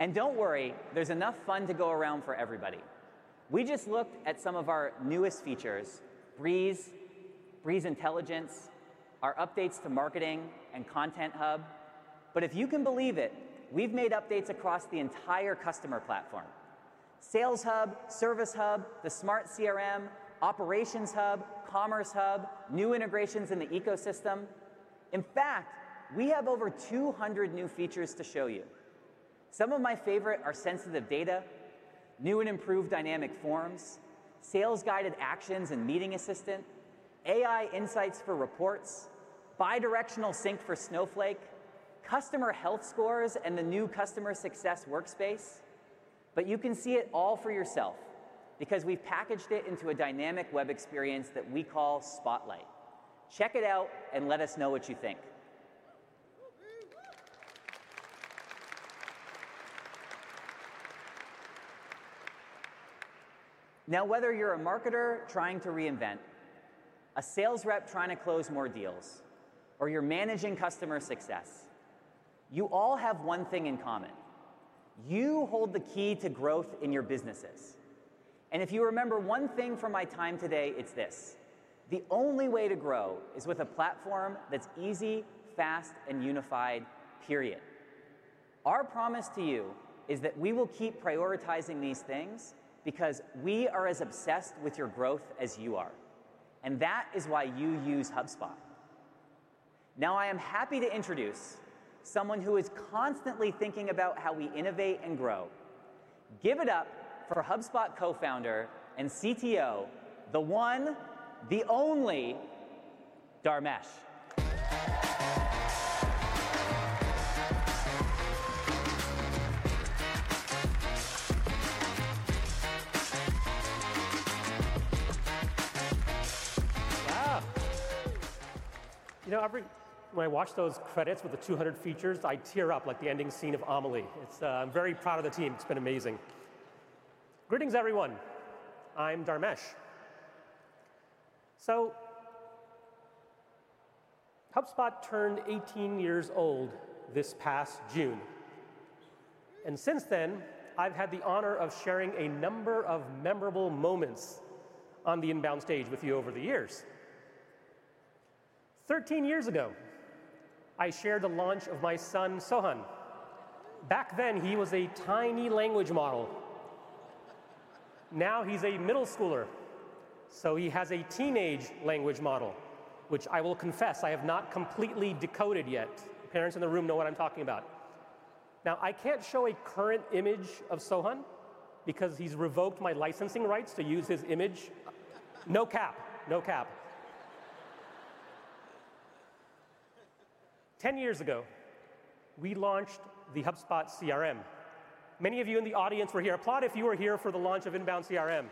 and don't worry, there's enough fun to go around for everybody. We just looked at some of our newest features: Breeze, Breeze Intelligence, our updates to Marketing and Content Hub. But if you can believe it, we've made updates across the entire customer platform. Sales Hub, Service Hub, the Smart CRM, Operations Hub, Commerce Hub, new integrations in the ecosystem. In fact, we have over 200 new features to show you. Some of my favorite are Sensitive Data, new and improved dynamic forms, sales guided actions and Meeting Assistant, AI insights for reports, bidirectional sync for Snowflake, customer health scores, and the new customer success workspace. But you can see it all for yourself because we've packaged it into a dynamic web experience that we call Spotlight. Check it out, and let us know what you think. Now, whether you're a marketer trying to reinvent, a sales rep trying to close more deals, or you're managing customer success, you all have one thing in common: you hold the key to growth in your businesses. And if you remember one thing from my time today, it's this: the only way to grow is with a platform that's easy, fast, and unified, period. Our promise to you is that we will keep prioritizing these things because we are as obsessed with your growth as you are, and that is why you use HubSpot. Now, I am happy to introduce someone who is constantly thinking about how we innovate and grow. Give it up for HubSpot Co-founder and CTO, the one, the only, Dharmesh. Wow! You know, every when I watch those credits with the 200 features, I tear up like the ending scene of Amélie. It's... I'm very proud of the team. It's been amazing. Greetings, everyone. I'm Dharmesh. So, HubSpot turned 18 years old this past June, and since then, I've had the honor of sharing a number of memorable moments on the INBOUND stage with you over the years. 13 years ago, I shared the launch of my son, Sohan. Back then, he was a tiny language model. Now, he's a middle schooler, so he has a teenage language model, which I will confess, I have not completely decoded yet. Parents in the room know what I'm talking about. Now, I can't show a current image of Sohan because he's revoked my licensing rights to use his image. No cap, no cap. Ten years ago, we launched the HubSpot CRM. Many of you in the audience were here. Applaud if you were here for the launch of INBOUND CRM.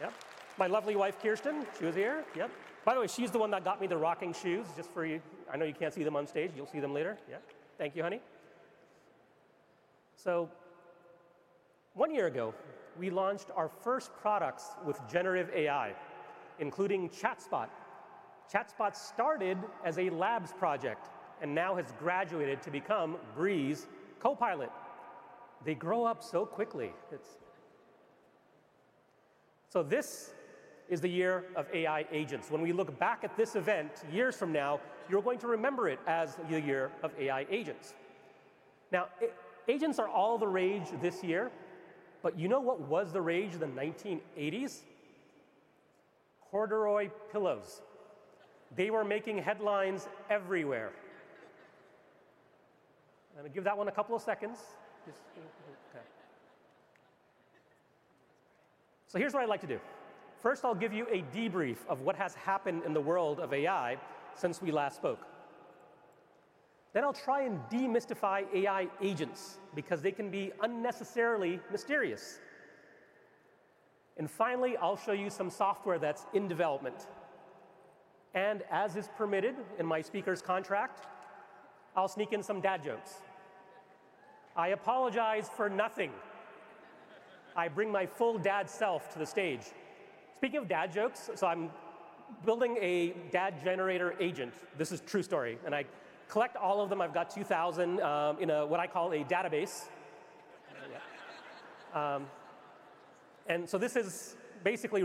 Yep. My lovely wife, Kirsten, she was here. Yep. By the way, she's the one that got me the rocking shoes just for you. I know you can't see them on stage. You'll see them later. Yeah. Thank you, honey. So one year ago, we launched our first products with generative AI, including ChatSpot. ChatSpot started as a labs project and now has graduated to become Breeze Copilot. They grow up so quickly, it's... So this is the year of AI agents. When we look back at this event, years from now, you're going to remember it as the year of AI agents. Now, agents are all the rage this year, but you know what was the rage in the 1980s? Corduroy pillows. They were making headlines everywhere. I'm gonna give that one a couple of seconds. Just... Okay. Here's what I'd like to do. First, I'll give you a debrief of what has happened in the world of AI since we last spoke. Then I'll try and demystify AI agents because they can be unnecessarily mysterious. And finally, I'll show you some software that's in development, and as is permitted in my speaker's contract, I'll sneak in some dad jokes. I apologize for nothing. I bring my full dad self to the stage. Speaking of dad jokes, I'm building a Dad Generator Agent. This is true story, and I collect all of them. I've got 2,000 in what I call a database. And so this is basically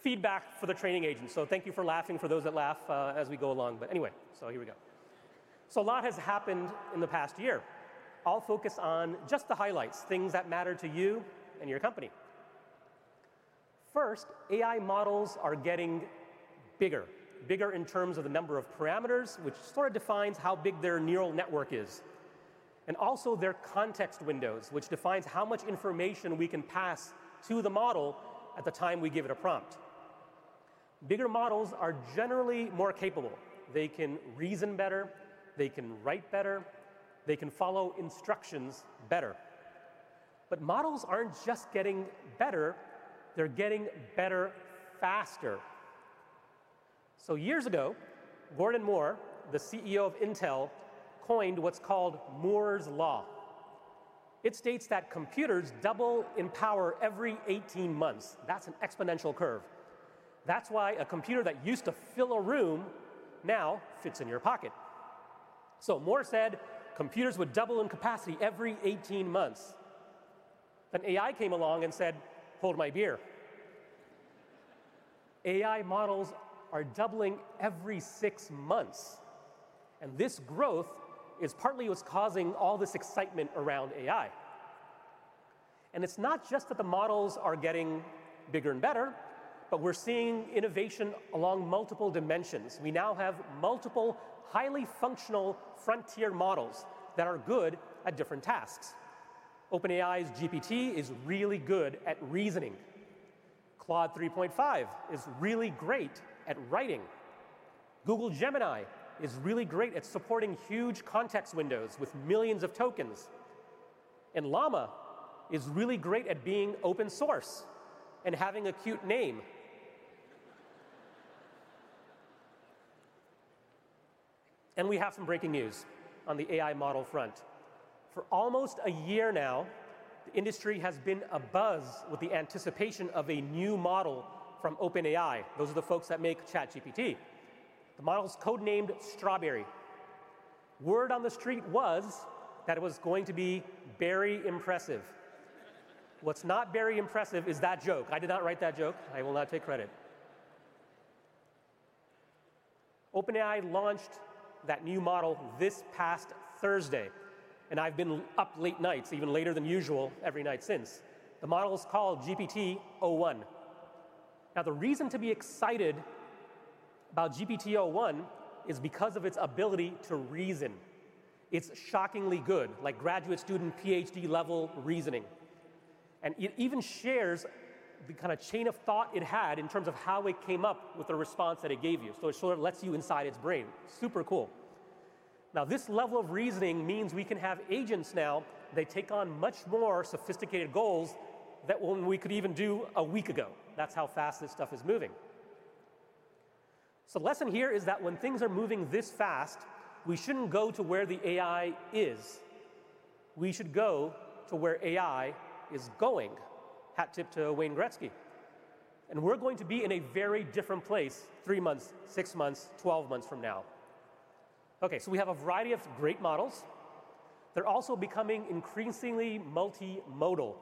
feedback for the training agent, so thank you for laughing, for those that laugh, as we go along, but anyway, so here we go. So a lot has happened in the past year. I'll focus on just the highlights, things that matter to you and your company. First, AI models are getting bigger, bigger in terms of the number of parameters, which sort of defines how big their neural network is, and also their context windows, which defines how much information we can pass to the model at the time we give it a prompt. Bigger models are generally more capable. They can reason better, they can write better, they can follow instructions better. But models aren't just getting better, they're getting better faster. So years ago, Gordon Moore, the CEO of Intel, coined what's called Moore's Law. It states that computers double in power every eighteen months. That's an exponential curve. That's why a computer that used to fill a room now fits in your pocket, so Moore said computers would double in capacity every eighteen months. Then AI came along and said, "Hold my beer." AI models are doubling every six months, and this growth is partly what's causing all this excitement around AI, and it's not just that the models are getting bigger and better, but we're seeing innovation along multiple dimensions. We now have multiple, highly functional frontier models that are good at different tasks. OpenAI's GPT is really good at reasoning. Claude 3.5 is really great at writing. Google Gemini is really great at supporting huge context windows with millions of tokens, and Llama is really great at being open source and having a cute name. We have some breaking news on the AI model front. For almost a year now, the industry has been abuzz with the anticipation of a new model from OpenAI. Those are the folks that make ChatGPT. The model is codenamed Strawberry. Word on the street was that it was going to be berry impressive. What's not berry impressive is that joke. I did not write that joke. I will not take credit. OpenAI launched that new model this past Thursday, and I've been up late nights, even later than usual, every night since. The model is called GPT o1. Now, the reason to be excited about GPT o1 is because of its ability to reason. It's shockingly good, like graduate student, PhD-level reasoning. It even shares the kind of chain of thought it had in terms of how it came up with the response that it gave you. It sort of lets you inside its brain. Super cool. Now, this level of reasoning means we can have agents now, they take on much more sophisticated goals than what we could even do a week ago. That's how fast this stuff is moving. The lesson here is that when things are moving this fast, we shouldn't go to where the AI is. We should go to where AI is going. Hat tip to Wayne Gretzky. We're going to be in a very different place three months, six months, 12 months from now. Okay, we have a variety of great models. They're also becoming increasingly multimodal.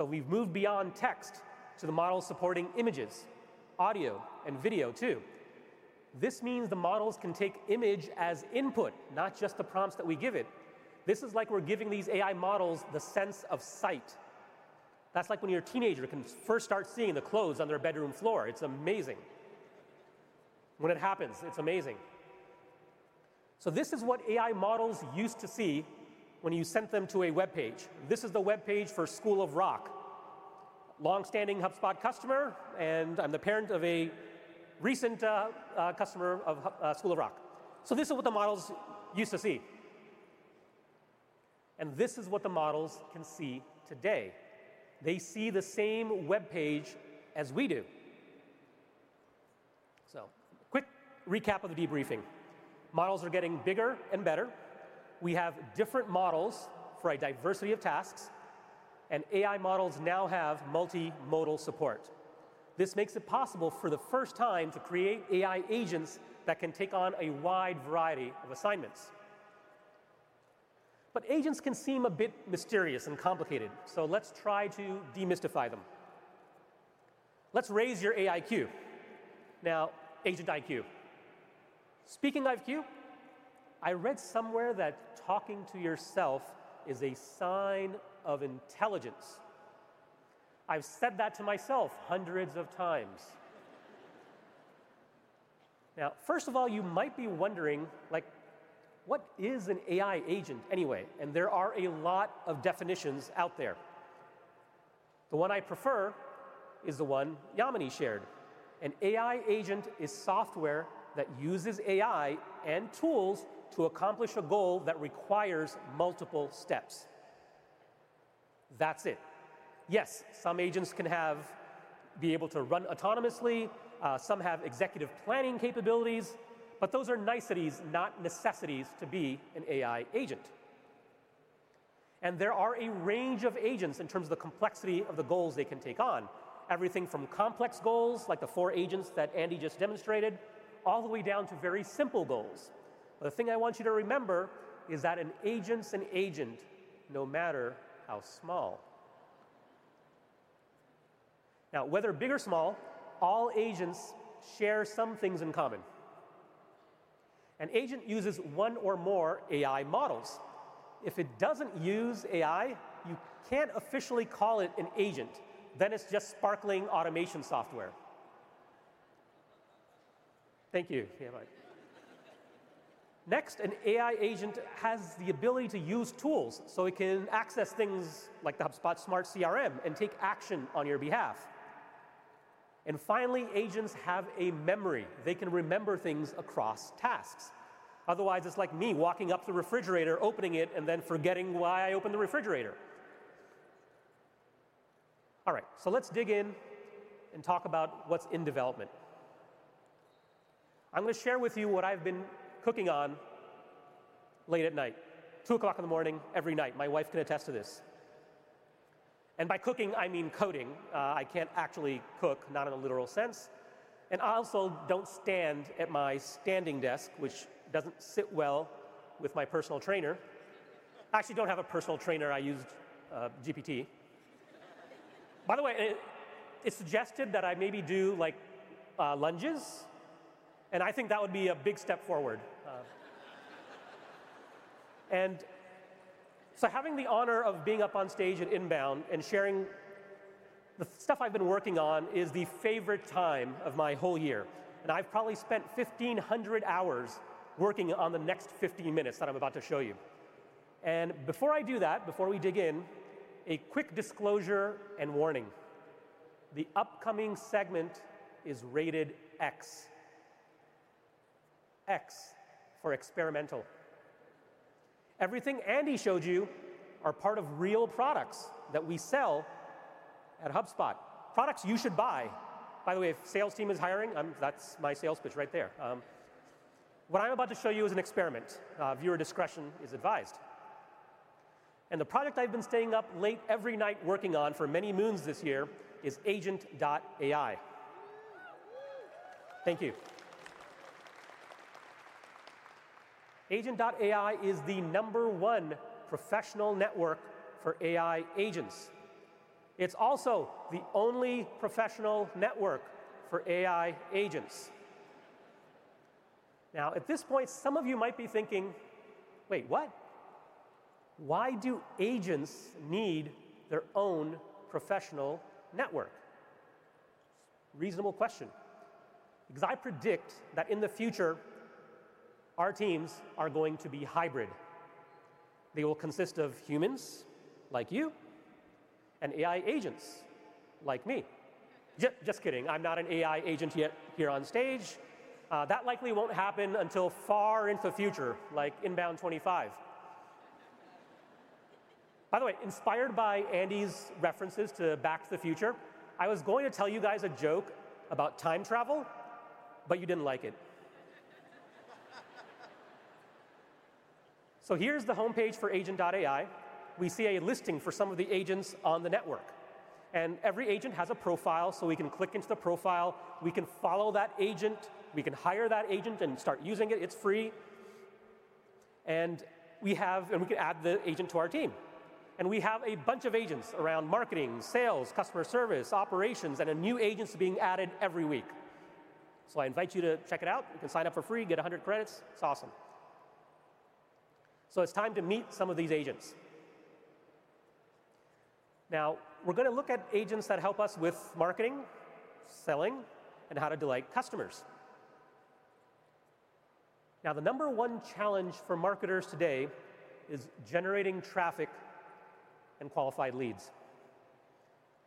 We've moved beyond text to the model supporting images, audio, and video, too. This means the models can take image as input, not just the prompts that we give it. This is like we're giving these AI models the sense of sight. That's like when your teenager can first start seeing the clothes on their bedroom floor. It's amazing. When it happens, it's amazing. So this is what AI models used to see when you sent them to a webpage. This is the webpage for School of Rock, long-standing HubSpot customer, and I'm the parent of a recent customer of School of Rock. So this is what the models used to see, and this is what the models can see today. They see the same webpage as we do. So, quick recap of the debriefing. Models are getting bigger and better. We have different models for a diversity of tasks, and AI models now have multimodal support. This makes it possible for the first time to create AI agents that can take on a wide variety of assignments. But agents can seem a bit mysterious and complicated, so let's try to demystify them. Let's raise your AIQ. Now, Agent IQ. Speaking of IQ, I read somewhere that talking to yourself is a sign of intelligence. I've said that to myself hundreds of times. Now, first of all, you might be wondering, like, "What is an AI agent anyway?" And there are a lot of definitions out there. The one I prefer is the one Yamini shared: "An AI agent is software that uses AI and tools to accomplish a goal that requires multiple steps." That's it. Yes, some agents can be able to run autonomously, some have executive planning capabilities, but those are niceties, not necessities, to be an AI agent. There are a range of agents in terms of the complexity of the goals they can take on, everything from complex goals, like the four agents that Andy just demonstrated, all the way down to very simple goals. The thing I want you to remember is that an agent's an agent, no matter how small. Now, whether big or small, all agents share some things in common. An agent uses one or more AI models. If it doesn't use AI, you can't officially call it an agent. Then it's just sparkling automation software. Thank you. Yeah, bye. Next, an AI agent has the ability to use tools, so it can access things like the HubSpot Smart CRM and take action on your behalf. Finally, agents have a memory. They can remember things across tasks. Otherwise, it's like me walking up to the refrigerator, opening it, and then forgetting why I opened the refrigerator. All right, so let's dig in and talk about what's in development. I'm gonna share with you what I've been cooking on late at night, 2:00 A.M., every night. My wife can attest to this. And by cooking, I mean coding. I can't actually cook, not in a literal sense. And I also don't stand at my standing desk, which doesn't sit well with my personal trainer. I actually don't have a personal trainer. I used GPT. By the way, it suggested that I maybe do, like, lunges, and I think that would be a big step forward. Having the honor of being up on stage at INBOUND and sharing the stuff I've been working on is the favorite time of my whole year, and I've probably spent fifteen hundred hours working on the next fifteen minutes that I'm about to show you. Before I do that, before we dig in, a quick disclosure and warning: the upcoming segment is rated X. X for experimental. Everything Andy showed you are part of real products that we sell at HubSpot, products you should buy. By the way, if sales team is hiring, that's my sales pitch right there. What I'm about to show you is an experiment. Viewer discretion is advised. The product I've been staying up late every night working on for many moons this year is Agent.ai. Thank you. Agent.ai is the number one professional network for AI agents. It's also the only professional network for AI agents. Now, at this point, some of you might be thinking: "Wait, what? Why do agents need their own professional network?" Reasonable question, because I predict that in the future, our teams are going to be hybrid. They will consist of humans, like you, and AI agents, like me. Just kidding, I'm not an AI agent yet here on stage. That likely won't happen until far into the future, like INBOUND 2025. By the way, inspired by Andy's references to Back to the Future, I was going to tell you guys a joke about time travel, but you didn't like it. So here's the homepage for Agent.ai. We see a listing for some of the agents on the network, and every agent has a profile, so we can click into the profile, we can follow that agent, we can hire that agent and start using it, it's free, and we have, and we can add the agent to our team. And we have a bunch of agents around marketing, sales, customer service, operations, and the new agents are being added every week. So I invite you to check it out. You can sign up for free, get one hundred credits. It's awesome. So it's time to meet some of these agents. Now, we're gonna look at agents that help us with marketing, selling, and how to delight customers. Now, the number one challenge for marketers today is generating traffic and qualified leads.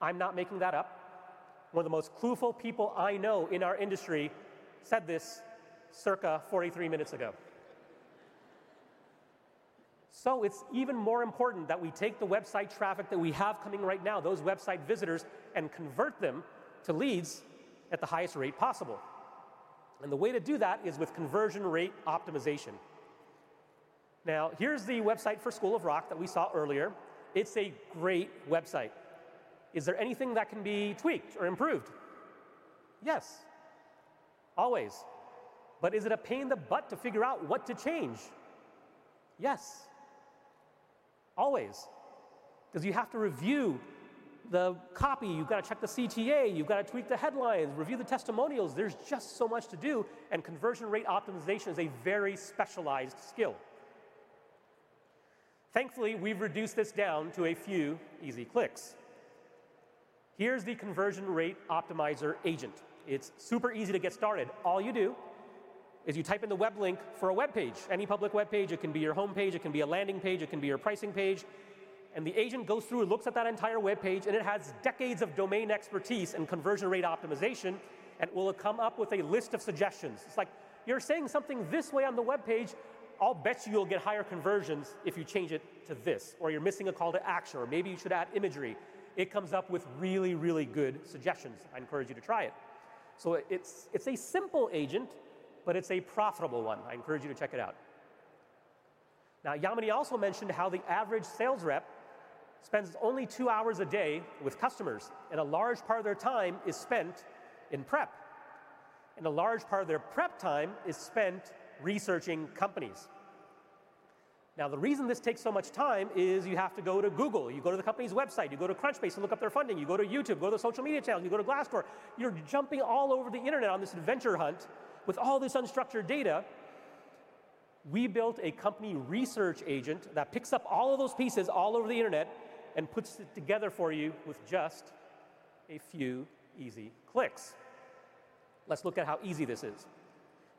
I'm not making that up. One of the most clueful people I know in our industry said this circa forty-three minutes ago, so it's even more important that we take the website traffic that we have coming right now, those website visitors, and convert them to leads at the highest rate possible, and the way to do that is with conversion rate optimization. Now, here's the website for School of Rock that we saw earlier. It's a great website. Is there anything that can be tweaked or improved? Yes, always. But is it a pain in the butt to figure out what to change? Yes, always, because you have to review the copy, you've got to check the CTA, you've got to tweak the headlines, review the testimonials. There's just so much to do, and conversion rate optimization is a very specialized skill. Thankfully, we've reduced this down to a few easy clicks. Here's the Conversion Rate Optimizer Agent. It's super easy to get started. All you do is you type in the web link for a webpage, any public webpage. It can be your homepage, it can be a landing page, it can be your pricing page, and the agent goes through and looks at that entire webpage, and it has decades of domain expertise in conversion rate optimization and will come up with a list of suggestions. It's like, "You're saying something this way on the webpage. I'll bet you you'll get higher conversions if you change it to this," or, "You're missing a call to action," or, "Maybe you should add imagery." It comes up with really, really good suggestions. I encourage you to try it. So it's, it's a simple agent, but it's a profitable one. I encourage you to check it out. Now, Yamini also mentioned how the average sales rep spends only two hours a day with customers, and a large part of their time is spent in prep, and a large part of their prep time is spent researching companies. Now, the reason this takes so much time is you have to go to Google, you go to the company's website, you go to Crunchbase to look up their funding, you go to YouTube, go to their social media channels, you go to Glassdoor. You're jumping all over the internet on this adventure hunt with all this unstructured data. We built a Company Research Agent that picks up all of those pieces all over the internet and puts it together for you with just a few easy clicks. Let's look at how easy this is.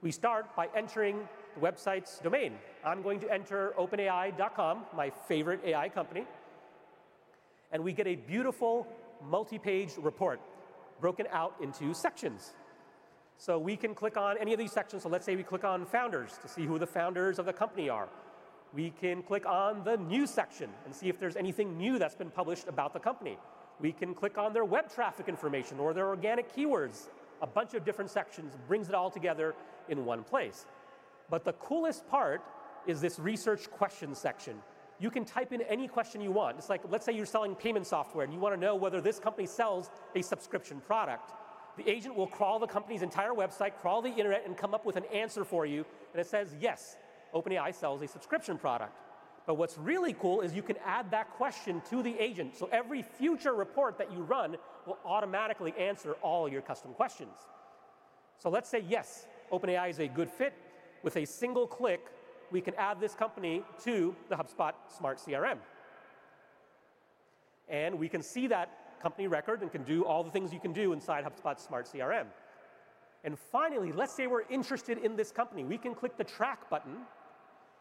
We start by entering the website's domain. I'm going to enter OpenAI.com, my favorite AI company, and we get a beautiful multi-page report broken out into sections. So we can click on any of these sections, so let's say we click on Founders to see who the founders of the company are. We can click on the News section and see if there's anything new that's been published about the company. We can click on their web traffic information or their organic keywords. A bunch of different sections brings it all together in one place. But the coolest part is this Research Questions section. You can type in any question you want. It's like, let's say you're selling payment software, and you want to know whether this company sells a subscription product. The agent will crawl the company's entire website, crawl the internet, and come up with an answer for you, and it says, "Yes, OpenAI sells a subscription product." But what's really cool is you can add that question to the agent, so every future report that you run will automatically answer all your custom questions. So let's say, yes, OpenAI is a good fit. With a single click, we can add this company to the HubSpot Smart CRM, and we can see that company record and can do all the things you can do inside HubSpot Smart CRM. And finally, let's say we're interested in this company. We can click the Track button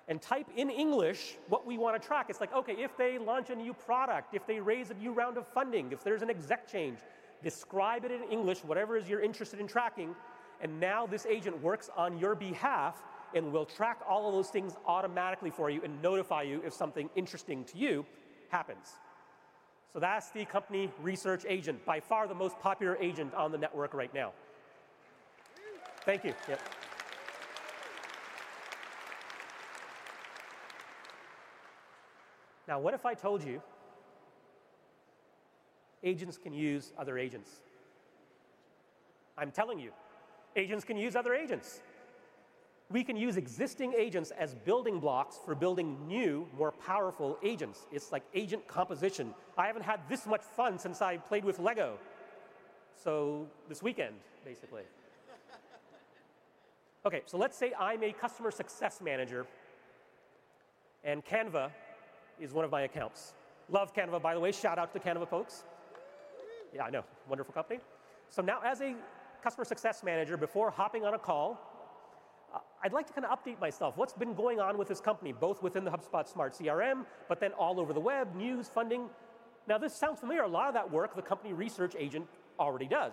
and type in English what we want to track. It's like, okay, if they launch a new product, if they raise a new round of funding, if there's an exec change, describe it in English, whatever it is you're interested in tracking, and now this agent works on your behalf and will track all of those things automatically for you and notify you if something interesting to you happens. So that's the Company Research Agent, by far the most popular agent on the network right now. Thank you. Yep. Now, what if I told you agents can use other agents? I'm telling you, agents can use other agents. We can use existing agents as building blocks for building new, more powerful agents. It's like agent composition. I haven't had this much fun since I played with Lego, so this weekend, basically. Okay, so let's say I'm a customer success manager, and Canva is one of my accounts. Love Canva, by the way. Shout out to Canva folks. Yeah, I know, wonderful company. So now, as a customer success manager, before hopping on a call, I'd like to kind of update myself what's been going on with this company, both within the HubSpot Smart CRM, but then all over the web: news, funding. Now, this sounds familiar. A lot of that work, the Company Research Agent already does.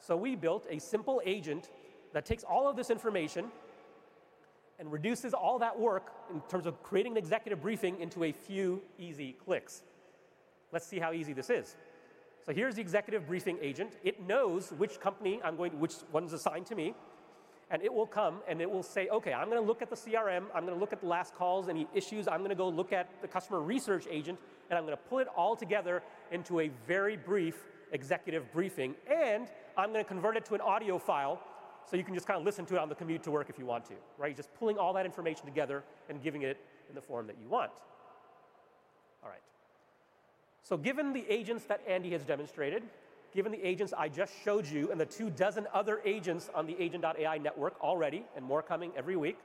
So we built a simple agent that takes all of this information and reduces all that work, in terms of creating an executive briefing, into a few easy clicks. Let's see how easy this is. So here's the Executive Briefing Agent. It knows which company I'm going to- which one's assigned to me, and it will come, and it will say, "Okay, I'm gonna look at the CRM, I'm gonna look at the last calls, any issues, I'm gonna go look at the Customer Research Agent, and I'm gonna pull it all together into a very brief executive briefing, and I'm gonna convert it to an audio file so you can just kind of listen to it on the commute to work if you want to," right? Just pulling all that information together and giving it in the form that you want. All right. So given the agents that Andy has demonstrated, given the agents I just showed you, and the two dozen other agents on the Agent.ai network already, and more coming every week,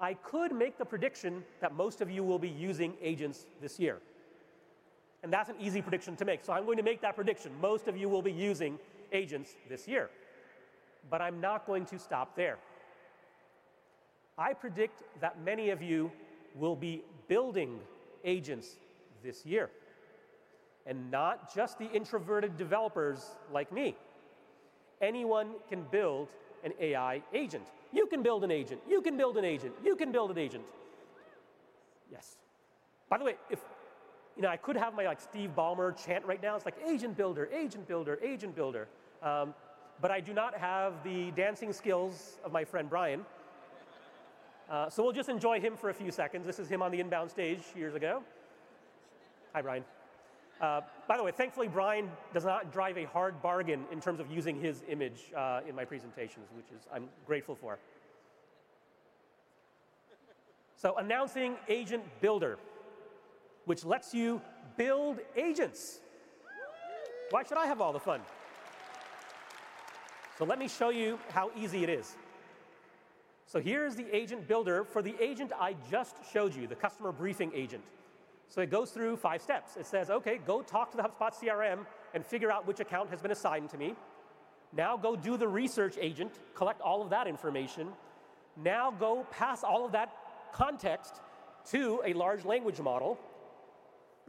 I could make the prediction that most of you will be using agents this year, and that's an easy prediction to make. So I'm going to make that prediction: most of you will be using agents this year. But I'm not going to stop there. I predict that many of you will be building agents this year, and not just the introverted developers like me. Anyone can build an AI agent. You can build an agent. You can build an agent. You can build an agent. Yes. By the way, if... You know, I could have my, like, Steve Ballmer chant right now. It's like, "Agent Builder, Agent Builder, Agent Builder!" But I do not have the dancing skills of my friend Brian. So we'll just enjoy him for a few seconds. This is him on the INBOUND stage years ago. Hi, Brian. By the way, thankfully, Brian does not drive a hard bargain in terms of using his image in my presentations, which I'm grateful for. So announcing Agent Builder, which lets you build agents. Why should I have all the fun? So let me show you how easy it is. So here is the Agent Builder for the agent I just showed you, the Customer Briefing Agent. So it goes through five steps. It says, "Okay, go talk to the HubSpot CRM and figure out which account has been assigned to me. Now, go do the research agent, collect all of that information. Now, go pass all of that context to a large language model,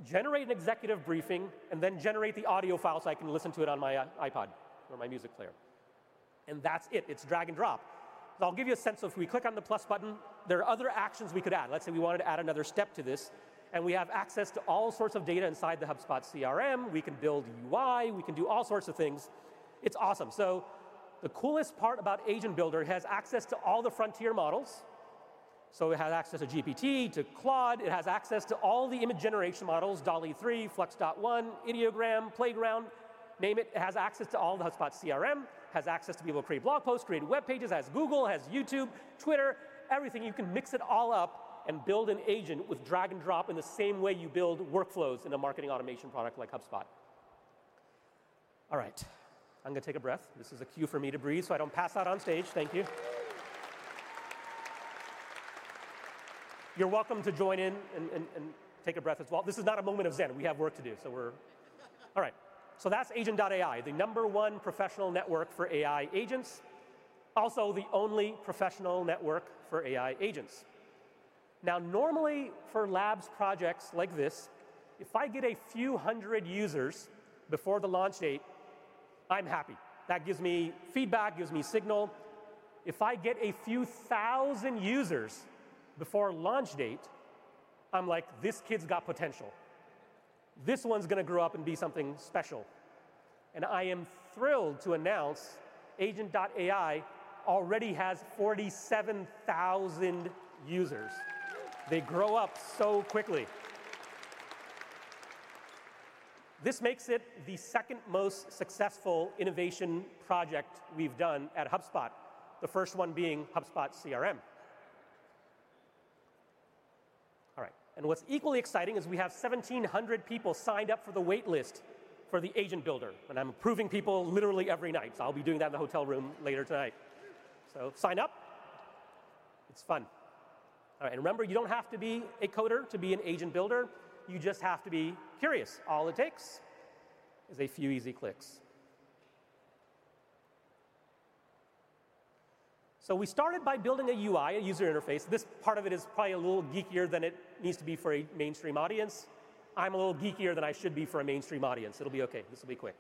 generate an Executive briefing, and then generate the audio file so I can listen to it on my iPod or my music player." And that's it. It's drag and drop. So I'll give you a sense of if we click on the plus button, there are other actions we could add. Let's say we wanted to add another step to this, and we have access to all sorts of data inside the HubSpot CRM. We can build UI, we can do all sorts of things. It's awesome. So the coolest part about Agent Builder, it has access to all the frontier models, so it has access to GPT, to Claude. It has access to all the image generation models, DALL-E 3, FLUX.1, Ideogram, Playground, name it. It has access to all the HubSpot CRM, has access to be able to create blog posts, create web pages. It has Google, it has YouTube, Twitter, everything. You can mix it all up and build an agent with drag and drop in the same way you build workflows in a marketing automation product like HubSpot. All right, I'm gonna take a breath. This is a cue for me to breathe so I don't pass out on stage. Thank you. You're welcome to join in and take a breath as well. This is not a moment of Zen. We have work to do, so we're... All right. So that's Agent.ai, the number one professional network for AI agents, also the only professional network for AI agents. Now, normally, for labs projects like this, if I get a few hundred users before the launch date, I'm happy. That gives me feedback, gives me signal. If I get a few thousand users before launch date, I'm like: "This kid's got potential. This one's gonna grow up and be something special." And I am thrilled to announce Agent.ai already has 47,000 users. They grow up so quickly. Thank you. This makes it the second most successful innovation project we've done at HubSpot, the first one being HubSpot CRM. All right, and what's equally exciting is we have 1,700 people signed up for the wait list for the Agent Builder, and I'm approving people literally every night, so I'll be doing that in the hotel room later tonight. So sign up. It's fun. All right, and remember, you don't have to be a coder to be an Agent Builder. You just have to be curious. All it takes is a few easy clicks. So we started by building a UI, a user interface. This part of it is probably a little geekier than it needs to be for a mainstream audience. I'm a little geekier than I should be for a mainstream audience. It'll be okay. This will be quick.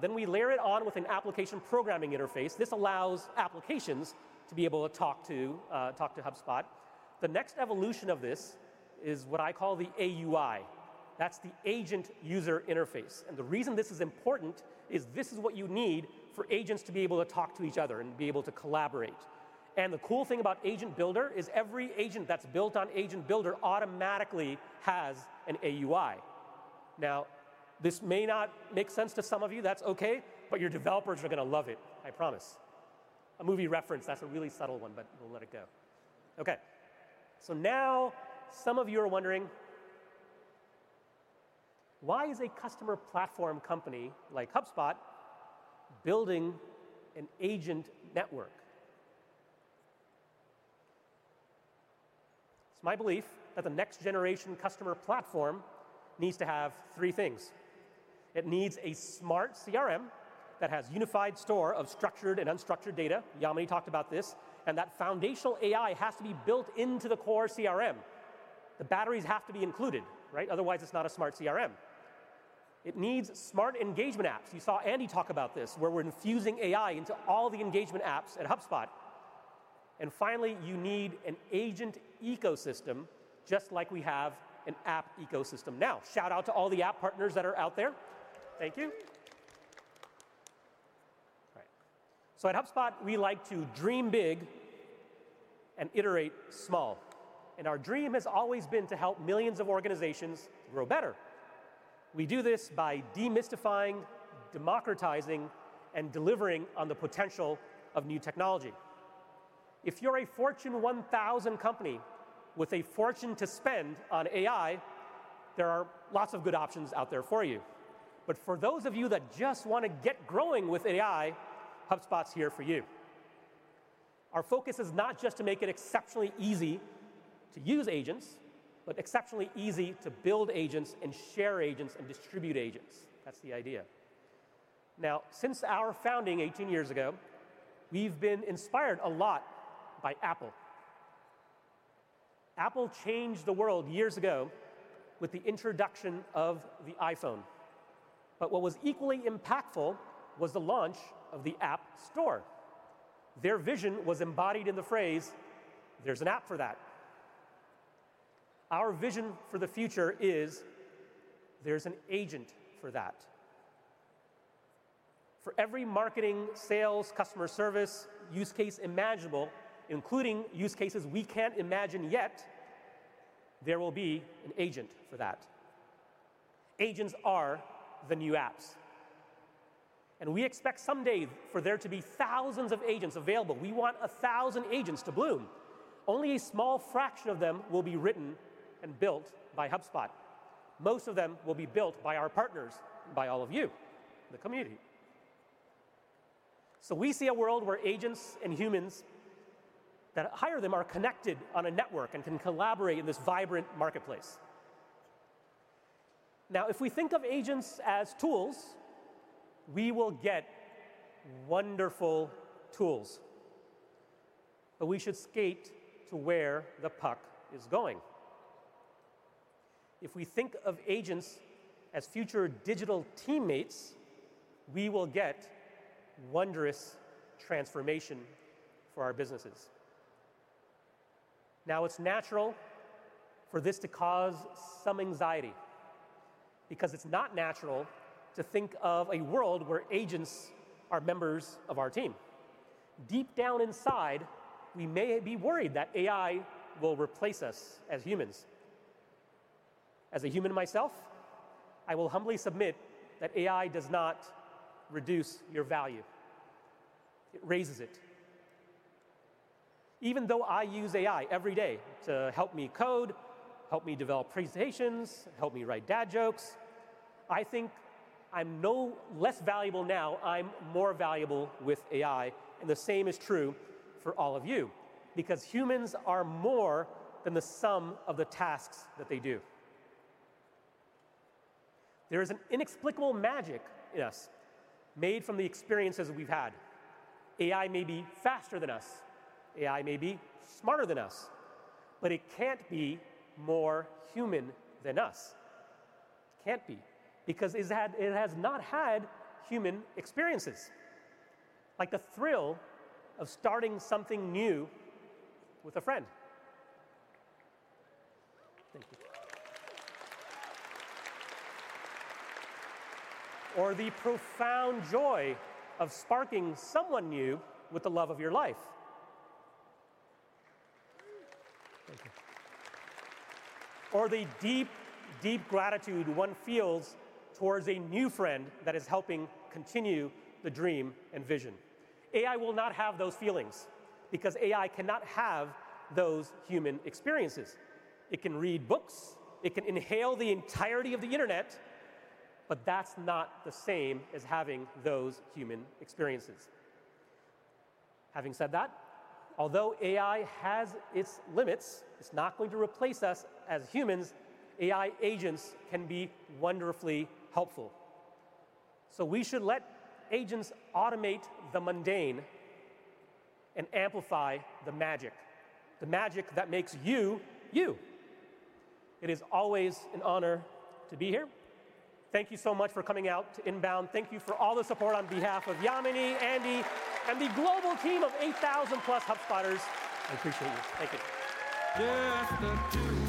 Then we layer it on with an application programming interface. This allows applications to be able to talk to HubSpot. The next evolution of this is what I call the AUI. That's the agent user interface, and the reason this is important is this is what you need for agents to be able to talk to each other and be able to collaborate. And the cool thing about Agent Builder is every agent that's built on Agent Builder automatically has an AUI. Now, this may not make sense to some of you. That's okay, but your developers are gonna love it, I promise. A movie reference, that's a really subtle one, but we'll let it go. Okay, so now some of you are wondering: why is a customer platform company like HubSpot building an agent network? It's my belief that the next-generation customer platform needs to have three things. It needs a Smart CRM that has unified store of structured and unstructured data. Yamini talked about this, and that foundational AI has to be built into the core CRM. The batteries have to be included, right? Otherwise, it's not a Smart CRM. It needs smart engagement apps. You saw Andy talk about this, where we're infusing AI into all the engagement apps at HubSpot. And finally, you need an agent ecosystem, just like we have an app ecosystem. Now, shout out to all the app partners that are out there. Thank you. Alright, so at HubSpot, we like to dream big and iterate small, and our dream has always been to help millions of organizations grow better. We do this by demystifying, democratizing, and delivering on the potential of new technology. If you're a Fortune 1000 company with a fortune to spend on AI, there are lots of good options out there for you. But for those of you that just wanna get growing with AI, HubSpot's here for you. Our focus is not just to make it exceptionally easy to use agents, but exceptionally easy to build agents and share agents and distribute agents. That's the idea. Now, since our founding 18 years ago, we've been inspired a lot by Apple. Apple changed the world years ago with the introduction of the iPhone, but what was equally impactful was the launch of the App Store. Their vision was embodied in the phrase: "There's an app for that." Our vision for the future is: there's an agent for that. For every marketing, sales, customer service use case imaginable, including use cases we can't imagine yet, there will be an agent for that. Agents are the new apps, and we expect someday for there to be thousands of agents available. We want a thousand agents to bloom. Only a small fraction of them will be written and built by HubSpot. Most of them will be built by our partners, by all of you, the community. So we see a world where agents and humans that hire them are connected on a network and can collaborate in this vibrant marketplace. Now, if we think of agents as tools, we will get wonderful tools, but we should skate to where the puck is going. If we think of agents as future digital teammates, we will get wondrous transformation for our businesses. Now, it's natural for this to cause some anxiety because it's not natural to think of a world where agents are members of our team. Deep down inside, we may be worried that AI will replace us as humans. As a human myself, I will humbly submit that AI does not reduce your value. It raises it. Even though I use AI every day to help me code, help me develop presentations, help me write dad jokes, I think I'm no less valuable now. I'm more valuable with AI, and the same is true for all of you because humans are more than the sum of the tasks that they do. There is an inexplicable magic in us made from the experiences we've had. AI may be faster than us, AI may be smarter than us, but it can't be more human than us. It can't be, because it has not had human experiences, like the thrill of starting something new with a friend. Thank you. Or the profound joy of sparking someone new with the love of your life. Thank you. Or the deep, deep gratitude one feels towards a new friend that is helping continue the dream and vision. AI will not have those feelings because AI cannot have those human experiences. It can read books, it can inhale the entirety of the internet, but that's not the same as having those human experiences. Having said that, although AI has its limits, it's not going to replace us as humans. AI agents can be wonderfully helpful. So we should let agents automate the mundane and amplify the magic, the magic that makes you, you. It is always an honor to be here. Thank you so much for coming out to INBOUND. Thank you for all the support on behalf of Yamini, Andy, and the global team of 8,000+ HubSpotters. I appreciate you. Thank you.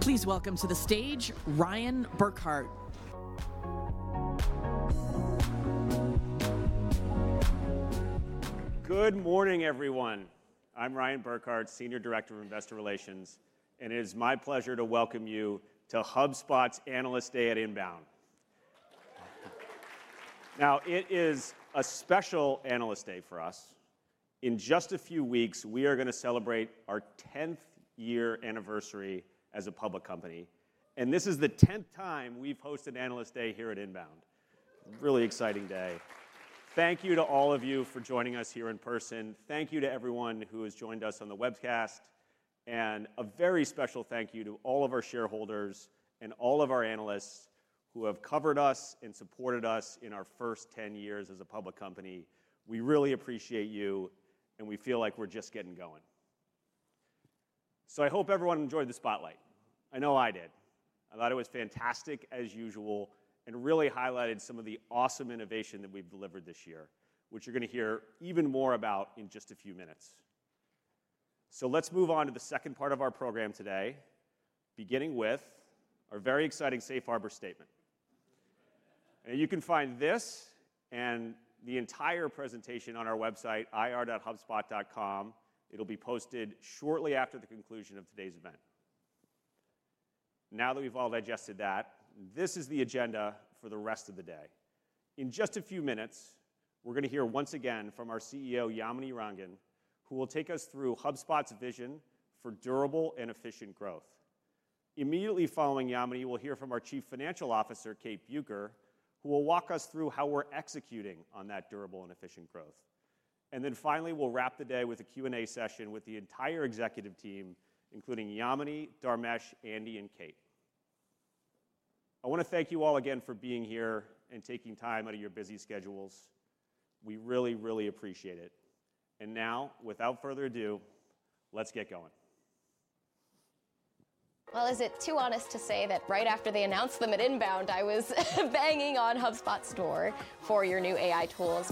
Please welcome to the stage, Ryan Burkhardt. Good morning, everyone. I'm Ryan Burkhardt, Senior Director of Investor Relations, and it is my pleasure to welcome you to HubSpot's Analyst Day at INBOUND. Now, it is a special Analyst Day for us. In just a few weeks, we are gonna celebrate our tenth year anniversary as a public company, and this is the tenth time we've hosted Analyst Day here at INBOUND. Really exciting day. Thank you to all of you for joining us here in person. Thank you to everyone who has joined us on the webcast... and a very special thank you to all of our shareholders and all of our analysts who have covered us and supported us in our first ten years as a public company. We really appreciate you, and we feel like we're just getting going. So I hope everyone enjoyed the Spotlight. I know I did. I thought it was fantastic, as usual, and really highlighted some of the awesome innovation that we've delivered this year, which you're gonna hear even more about in just a few minutes. So let's move on to the second part of our program today, beginning with our very exciting safe harbor statement, and you can find this and the entire presentation on our website, ir.hubspot.com. It'll be posted shortly after the conclusion of today's event. Now that we've all digested that, this is the agenda for the rest of the day. In just a few minutes, we're gonna hear once again from our CEO, Yamini Rangan, who will take us through HubSpot's vision for durable and efficient growth. Immediately following Yamini, we'll hear from our Chief Financial Officer, Kate Bueker, who will walk us through how we're executing on that durable and efficient growth. Then finally, we'll wrap the day with a Q&A session with the entire Executive team, including Yamini, Dharmesh, Andy, and Kate. I wanna thank you all again for being here and taking time out of your busy schedules. We really, really appreciate it. Now, without further ado, let's get going. Is it too honest to say that right after they announced them at INBOUND, I was banging on HubSpot's door for your new AI tools?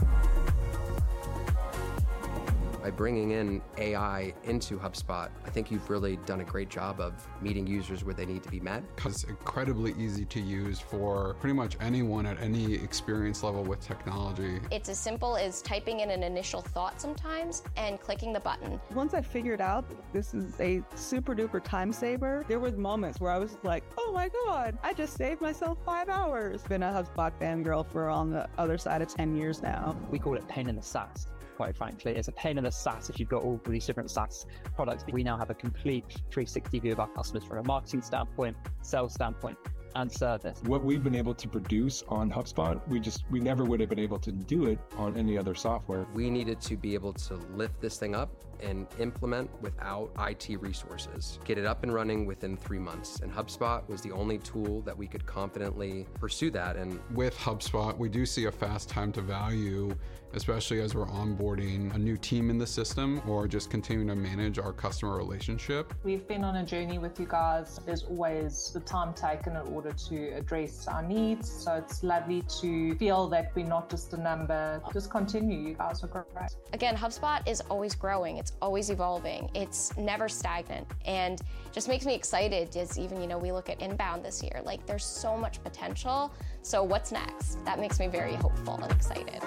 By bringing in AI into HubSpot, I think you've really done a great job of meeting users where they need to be met. It's incredibly easy to use for pretty much anyone at any experience level with technology. It's as simple as typing in an initial thought sometimes and clicking the button. Once I figured out this is a super-duper time saver, there were moments where I was just like, "Oh, my God! I just saved myself five hours." Been a HubSpot fan girl for on the other side of ten years now. We call it pain in the SaaS. Quite frankly, it's a pain in the SaaS if you've got all these different SaaS products. We now have a complete 360 view of our customers from a marketing standpoint, sales standpoint, and service. What we've been able to produce on HubSpot, we just never would have been able to do it on any other software. We needed to be able to lift this thing up and implement without IT resources, get it up and running within three months, and HubSpot was the only tool that we could confidently pursue that and. With HubSpot, we do see a fast time to value, especially as we're onboarding a new team in the system or just continuing to manage our customer relationship. We've been on a journey with you guys. There's always the time taken in order to address our needs, so it's lovely to feel that we're not just a number. Just continue, you guys are great. Again, HubSpot is always growing, it's always evolving. It's never stagnant and just makes me excited, as even, you know, we look at INBOUND this year. Like, there's so much potential, so what's next? That makes me very hopeful and excited.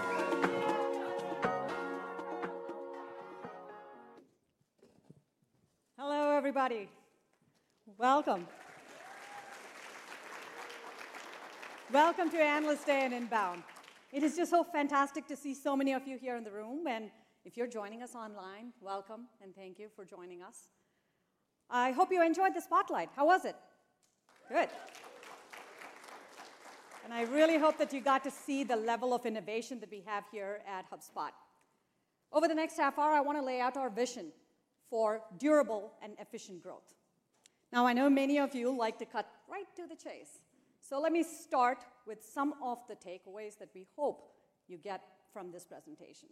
Hello, everybody. Welcome. Welcome to Analyst Day and INBOUND. It is just so fantastic to see so many of you here in the room, and if you're joining us online, welcome, and thank you for joining us. I hope you enjoyed the Spotlight. How was it? Good, and I really hope that you got to see the level of innovation that we have here at HubSpot. Over the next half hour, I wanna lay out our vision for durable and efficient growth. Now, I know many of you like to cut right to the chase, so let me start with some of the takeaways that we hope you get from this presentation.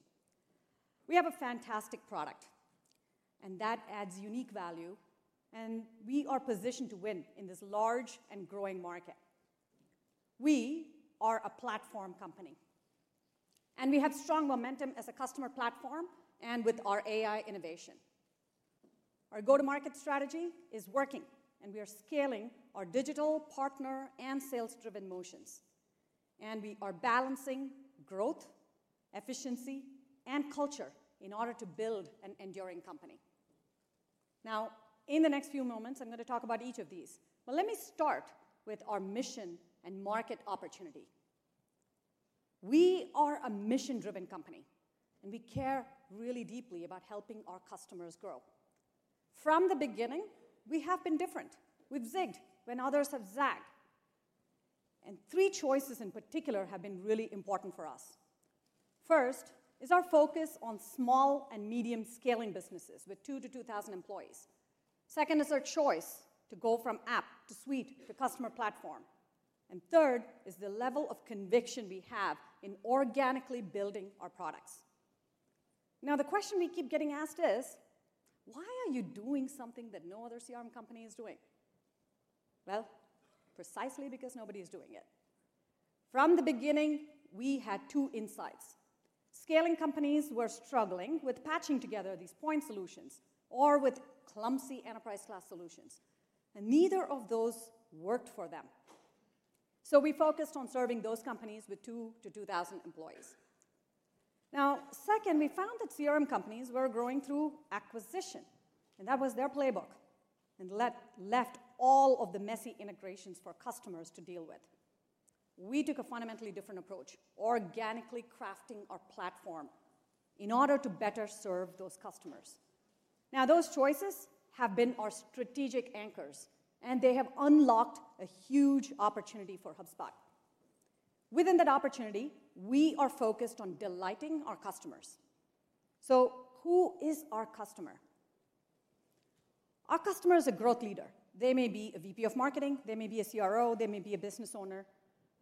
We have a fantastic product, and that adds unique value, and we are positioned to win in this large and growing market. We are a platform company, and we have strong momentum as a customer platform and with our AI innovation. Our go-to-market strategy is working, and we are scaling our digital, partner, and sales-driven motions, and we are balancing growth, efficiency, and culture in order to build an enduring company. Now, in the next few moments, I'm gonna talk about each of these. But let me start with our mission and market opportunity. We are a mission-driven company, and we care really deeply about helping our customers grow. From the beginning, we have been different. We've zigged when others have zagged, and three choices in particular have been really important for us. First, is our focus on small and medium scaling businesses with 2 to 2,000 employees. Second, is our choice to go from app to suite to customer platform, and third, is the level of conviction we have in organically building our products. Now, the question we keep getting asked is, "Why are you doing something that no other CRM company is doing?" Well, precisely because nobody is doing it. From the beginning, we had two insights. Scaling companies were struggling with patching together these point solutions or with clumsy Enterprise-class solutions, and neither of those worked for them. So we focused on serving those companies with two to 2,000 employees. Now, second, we found that CRM companies were growing through acquisition, and that was their playbook, and left all of the messy integrations for customers to deal with. We took a fundamentally different approach, organically crafting our platform in order to better serve those customers. Now, those choices have been our strategic anchors, and they have unlocked a huge opportunity for HubSpot. Within that opportunity, we are focused on delighting our customers. So who is our customer? Our customer is a growth leader. They may be a VP of marketing, they may be a CRO, they may be a business owner,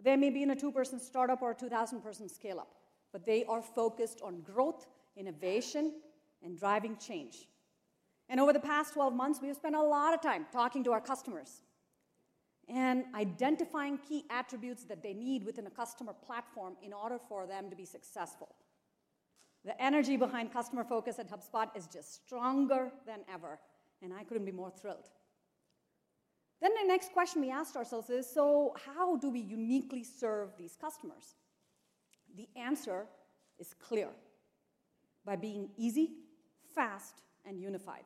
they may be in a two-person startup or a 2,000-person scale-up, but they are focused on growth, innovation, and driving change. And over the past twelve months, we have spent a lot of time talking to our customers and identifying key attributes that they need within a customer platform in order for them to be successful. The energy behind customer focus at HubSpot is just stronger than ever, and I couldn't be more thrilled. Then the next question we asked ourselves is: so how do we uniquely serve these customers? The answer is clear: by being easy, fast, and unified.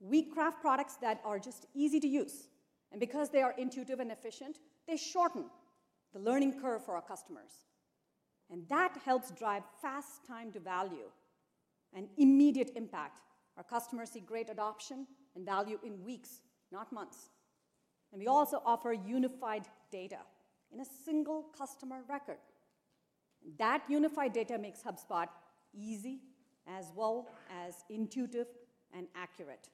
We craft products that are just easy to use, and because they are intuitive and efficient, they shorten the learning curve for our customers, and that helps drive fast time to value and immediate impact. Our customers see great adoption and value in weeks, not months. And we also offer unified data in a single customer record. That unified data makes HubSpot easy, as well as intuitive and accurate.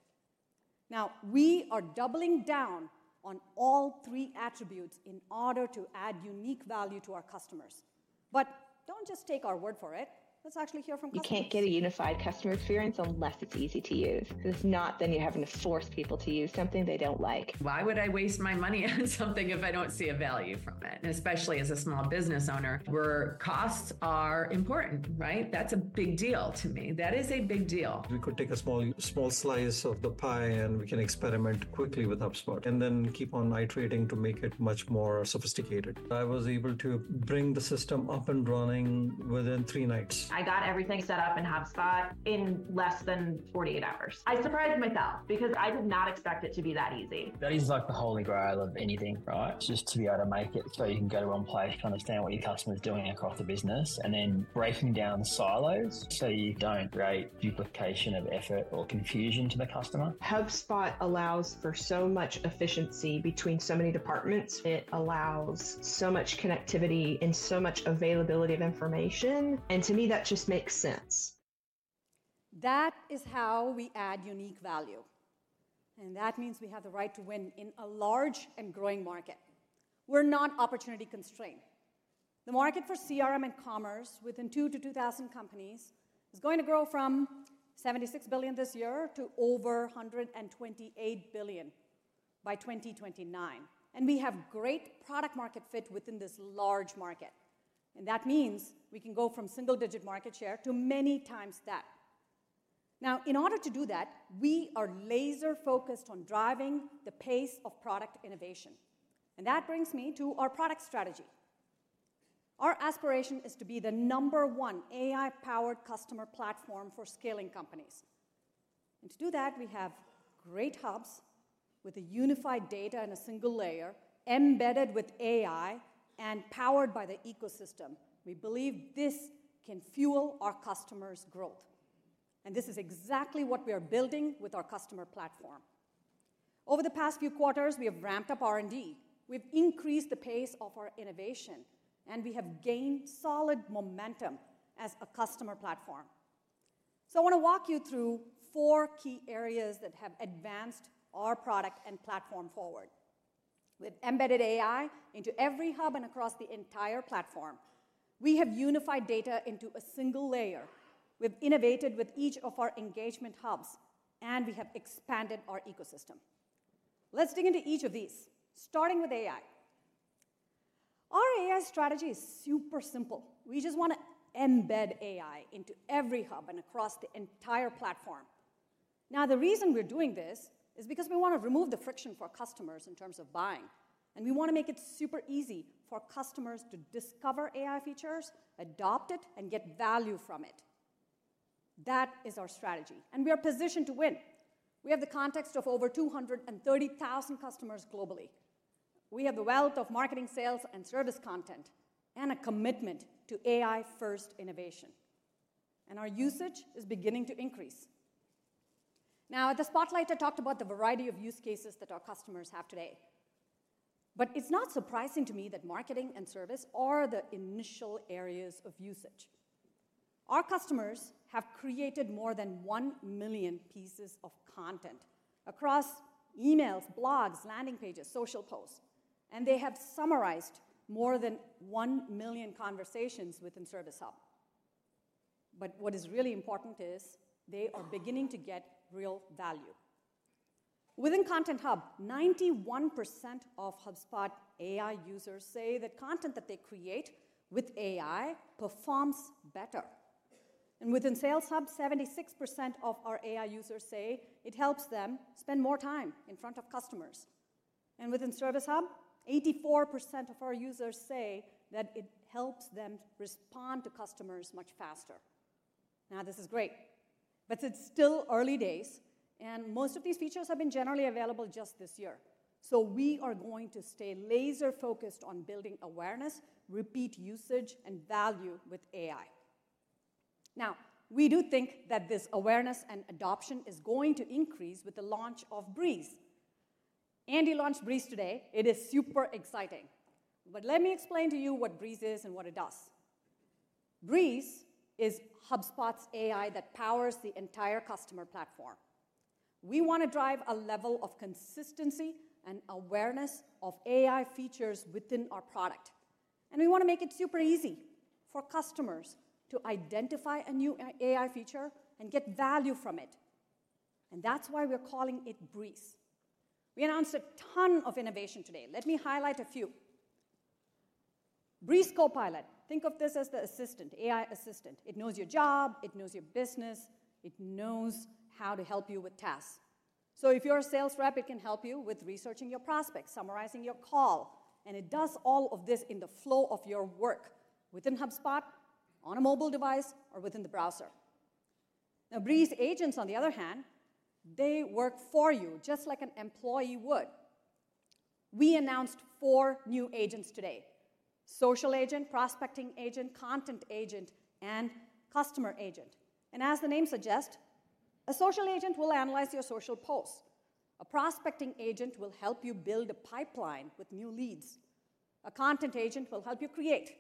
Now, we are doubling down on all three attributes in order to add unique value to our customers. But don't just take our word for it. Let's actually hear from customers. You can't get a unified customer experience unless it's easy to use. If it's not, then you're having to force people to use something they don't like. Why would I waste my money on something if I don't see a value from it? And especially as a small business owner, where costs are important, right? That's a big deal to me. That is a big deal. We could take a small, small slice of the pie, and we can experiment quickly with HubSpot and then keep on iterating to make it much more sophisticated. I was able to bring the system up and running within three nights. I got everything set up in HubSpot in less than 48 hours. I surprised myself because I did not expect it to be that easy. That is like the holy grail of anything, right? Just to be able to make it so you can go to one place to understand what your customer is doing across the business, and then breaking down the silos so you don't create duplication of effort or confusion to the customer. HubSpot allows for so much efficiency between so many departments. It allows so much connectivity and so much availability of information, and to me, that just makes sense. That is how we add unique value, and that means we have the right to win in a large and growing market. We're not opportunity constrained. The market for CRM and commerce within 2 to 2,000 companies is going to grow from $76 billion this year to over $128 billion by 2029, and we have great product market fit within this large market, and that means we can go from single-digit market share to many times that. Now, in order to do that, we are laser focused on driving the pace of product innovation, and that brings me to our product strategy. Our aspiration is to be the number one AI-powered customer platform for scaling companies, and to do that, we have great hubs with a unified data in a single layer, embedded with AI and powered by the ecosystem. We believe this can fuel our customers' growth, and this is exactly what we are building with our customer platform. Over the past few quarters, we have ramped up R&D. We've increased the pace of our innovation, and we have gained solid momentum as a customer platform. So I wanna walk you through four key areas that have advanced our product and platform forward. We've embedded AI into every hub and across the entire platform. We have unified data into a single layer. We've innovated with each of our engagement hubs, and we have expanded our ecosystem. Let's dig into each of these, starting with AI. Our AI strategy is super simple. We just wanna embed AI into every hub and across the entire platform. Now, the reason we're doing this is because we wanna remove the friction for customers in terms of buying, and we wanna make it super easy for customers to discover AI features, adopt it, and get value from it. That is our strategy, and we are positioned to win. We have the context of over 230,000 customers globally. We have a wealth of marketing, sales, and service content and a commitment to AI-first innovation, and our usage is beginning to increase. Now, at the spotlight, I talked about the variety of use cases that our customers have today, but it's not surprising to me that marketing and service are the initial areas of usage. Our customers have created more than 1 million pieces of content across emails, blogs, landing pages, social posts, and they have summarized more than 1 million conversations within Service Hub. But what is really important is they are beginning to get real value. Within Content Hub, 91% of HubSpot AI users say the content that they create with AI performs better, and within Sales Hub, 76% of our AI users say it helps them spend more time in front of customers. And within Service Hub, 84% of our users say that it helps them respond to customers much faster. Now, this is great, but it's still early days, and most of these features have been generally available just this year. So we are going to stay laser focused on building awareness, repeat usage, and value with AI. Now, we do think that this awareness and adoption is going to increase with the launch of Breeze. Andy launched Breeze today. It is super exciting! But let me explain to you what Breeze is and what it does. Breeze is HubSpot's AI that powers the entire customer platform. We wanna drive a level of consistency and awareness of AI features within our product, and we wanna make it super easy for customers to identify a new AI feature and get value from it, and that's why we're calling it Breeze. We announced a ton of innovation today. Let me highlight a few. Breeze Copilot. Think of this as the assistant, AI assistant. It knows your job, it knows your business, it knows how to help you with tasks. So if you're a sales rep, it can help you with researching your prospects, summarizing your call, and it does all of this in the flow of your work within HubSpot, on a mobile device, or within the browser. Now, Breeze Agents, on the other hand, they work for you just like an employee would. We announced four new agents today: social agent, prospecting agent, content agent, and customer agent. And as the name suggests, a social agent will analyze your social posts. A prospecting agent will help you build a pipeline with new leads. A content agent will help you create,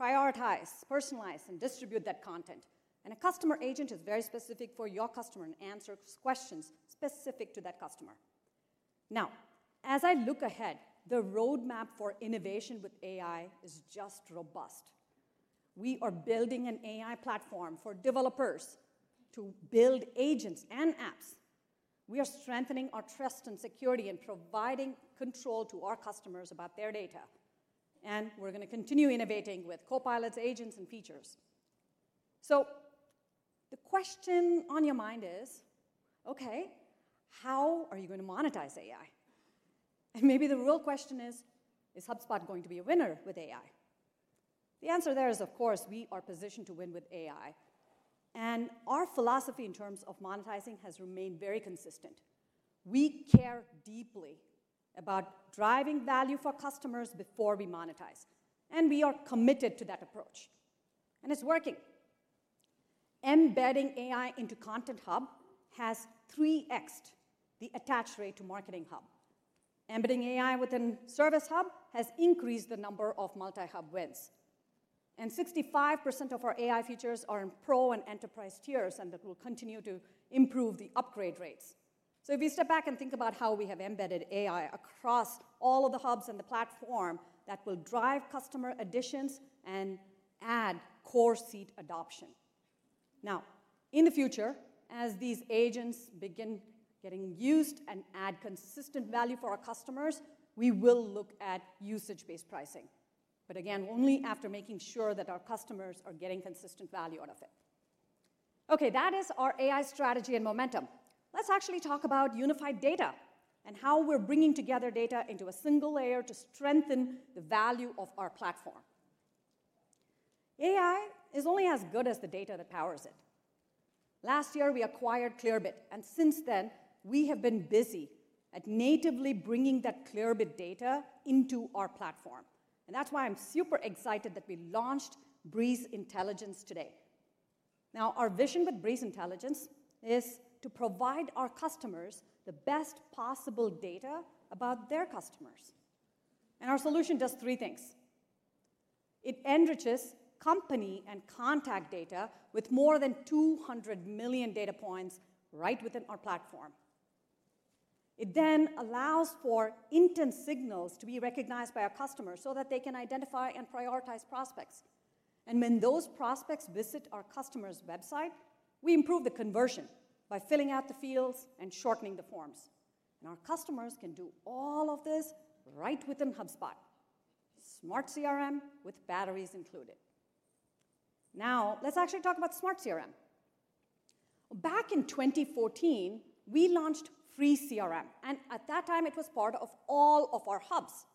prioritize, personalize, and distribute that content. And a customer agent is very specific for your customer and answers questions specific to that customer. Now, as I look ahead, the roadmap for innovation with AI is just robust. We are building an AI platform for developers to build agents and apps. We are strengthening our trust and security and providing control to our customers about their data, and we're gonna continue innovating with copilots, agents, and features. So the question on your mind is, "Okay, how are you going to monetize AI?" And maybe the real question is: Is HubSpot going to be a winner with AI? The answer there is, of course, we are positioned to win with AI, and our philosophy in terms of monetizing has remained very consistent. We care deeply about driving value for customers before we monetize, and we are committed to that approach, and it's working. Embedding AI into Content Hub has 3x'd the attach rate to Marketing Hub. Embedding AI within Service Hub has increased the number of multi-hub wins, and 65% of our AI features are in Pro and Enterprise tiers, and that will continue to improve the upgrade rates. So if you step back and think about how we have embedded AI across all of the hubs and the platform, that will drive customer additions and add Core Seat adoption. Now, in the future, as these agents begin getting used and add consistent value for our customers, we will look at usage-based pricing, but again, only after making sure that our customers are getting consistent value out of it. Okay, that is our AI strategy and momentum. Let's actually talk about unified data and how we're bringing together data into a single layer to strengthen the value of our platform. AI is only as good as the data that powers it. Last year, we acquired Clearbit, and since then, we have been busy at natively bringing that Clearbit data into our platform, and that's why I'm super excited that we launched Breeze Intelligence today. Now, our vision with Breeze Intelligence is to provide our customers the best possible data about their customers, and our solution does three things: It enriches company and contact data with more than two hundred million data points right within our platform. It then allows for intent signals to be recognized by our customers so that they can identify and prioritize prospects. And when those prospects visit our customer's website, we improve the conversion by filling out the fields and shortening the forms, and our customers can do all of this right within HubSpot. Smart CRM with batteries included. Now, let's actually talk about Smart CRM. Back in 2014, we launched free CRM, and at that time, it was part of all of our hubs.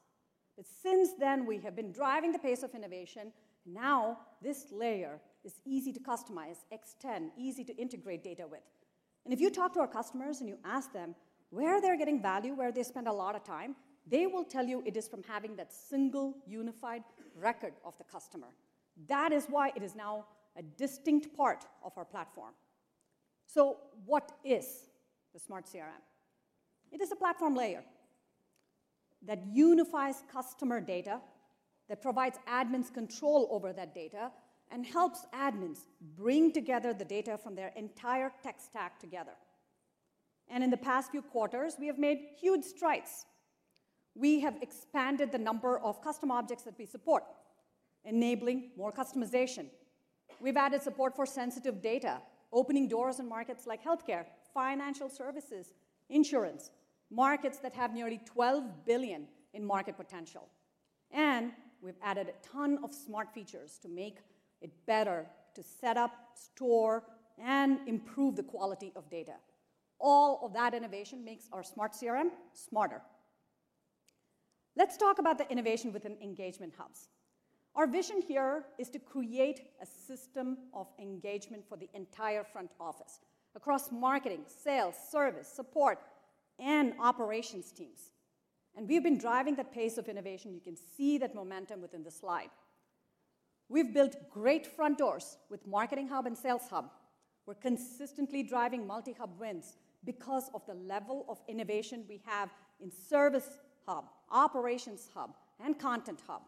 But since then, we have been driving the pace of innovation. Now, this layer is easy to customize, extend, easy to integrate data with, and if you talk to our customers and you ask them where they're getting value, where they spend a lot of time, they will tell you it is from having that single unified record of the customer. That is why it is now a distinct part of our platform. So what is the Smart CRM? It is a platform layer that unifies customer data, that provides admins control over that data, and helps admins bring together the data from their entire tech stack together. And in the past few quarters, we have made huge strides. We have expanded the number of custom objects that we support, enabling more customization. We've added support for Sensitive Data, opening doors in markets like healthcare, financial services, insurance, markets that have nearly $12 billion in market potential. We've added a ton of smart features to make it better to set up, store, and improve the quality of data. All of that innovation makes our Smart CRM smarter. Let's talk about the innovation within engagement hubs. Our vision here is to create a system of engagement for the entire front office, across marketing, sales, service, support, and operations teams, and we've been driving the pace of innovation. You can see that momentum within the slide. We've built great front doors with Marketing Hub and Sales Hub. We're consistently driving multi-hub wins because of the level of innovation we have in Service Hub, Operations Hub, and Content Hub.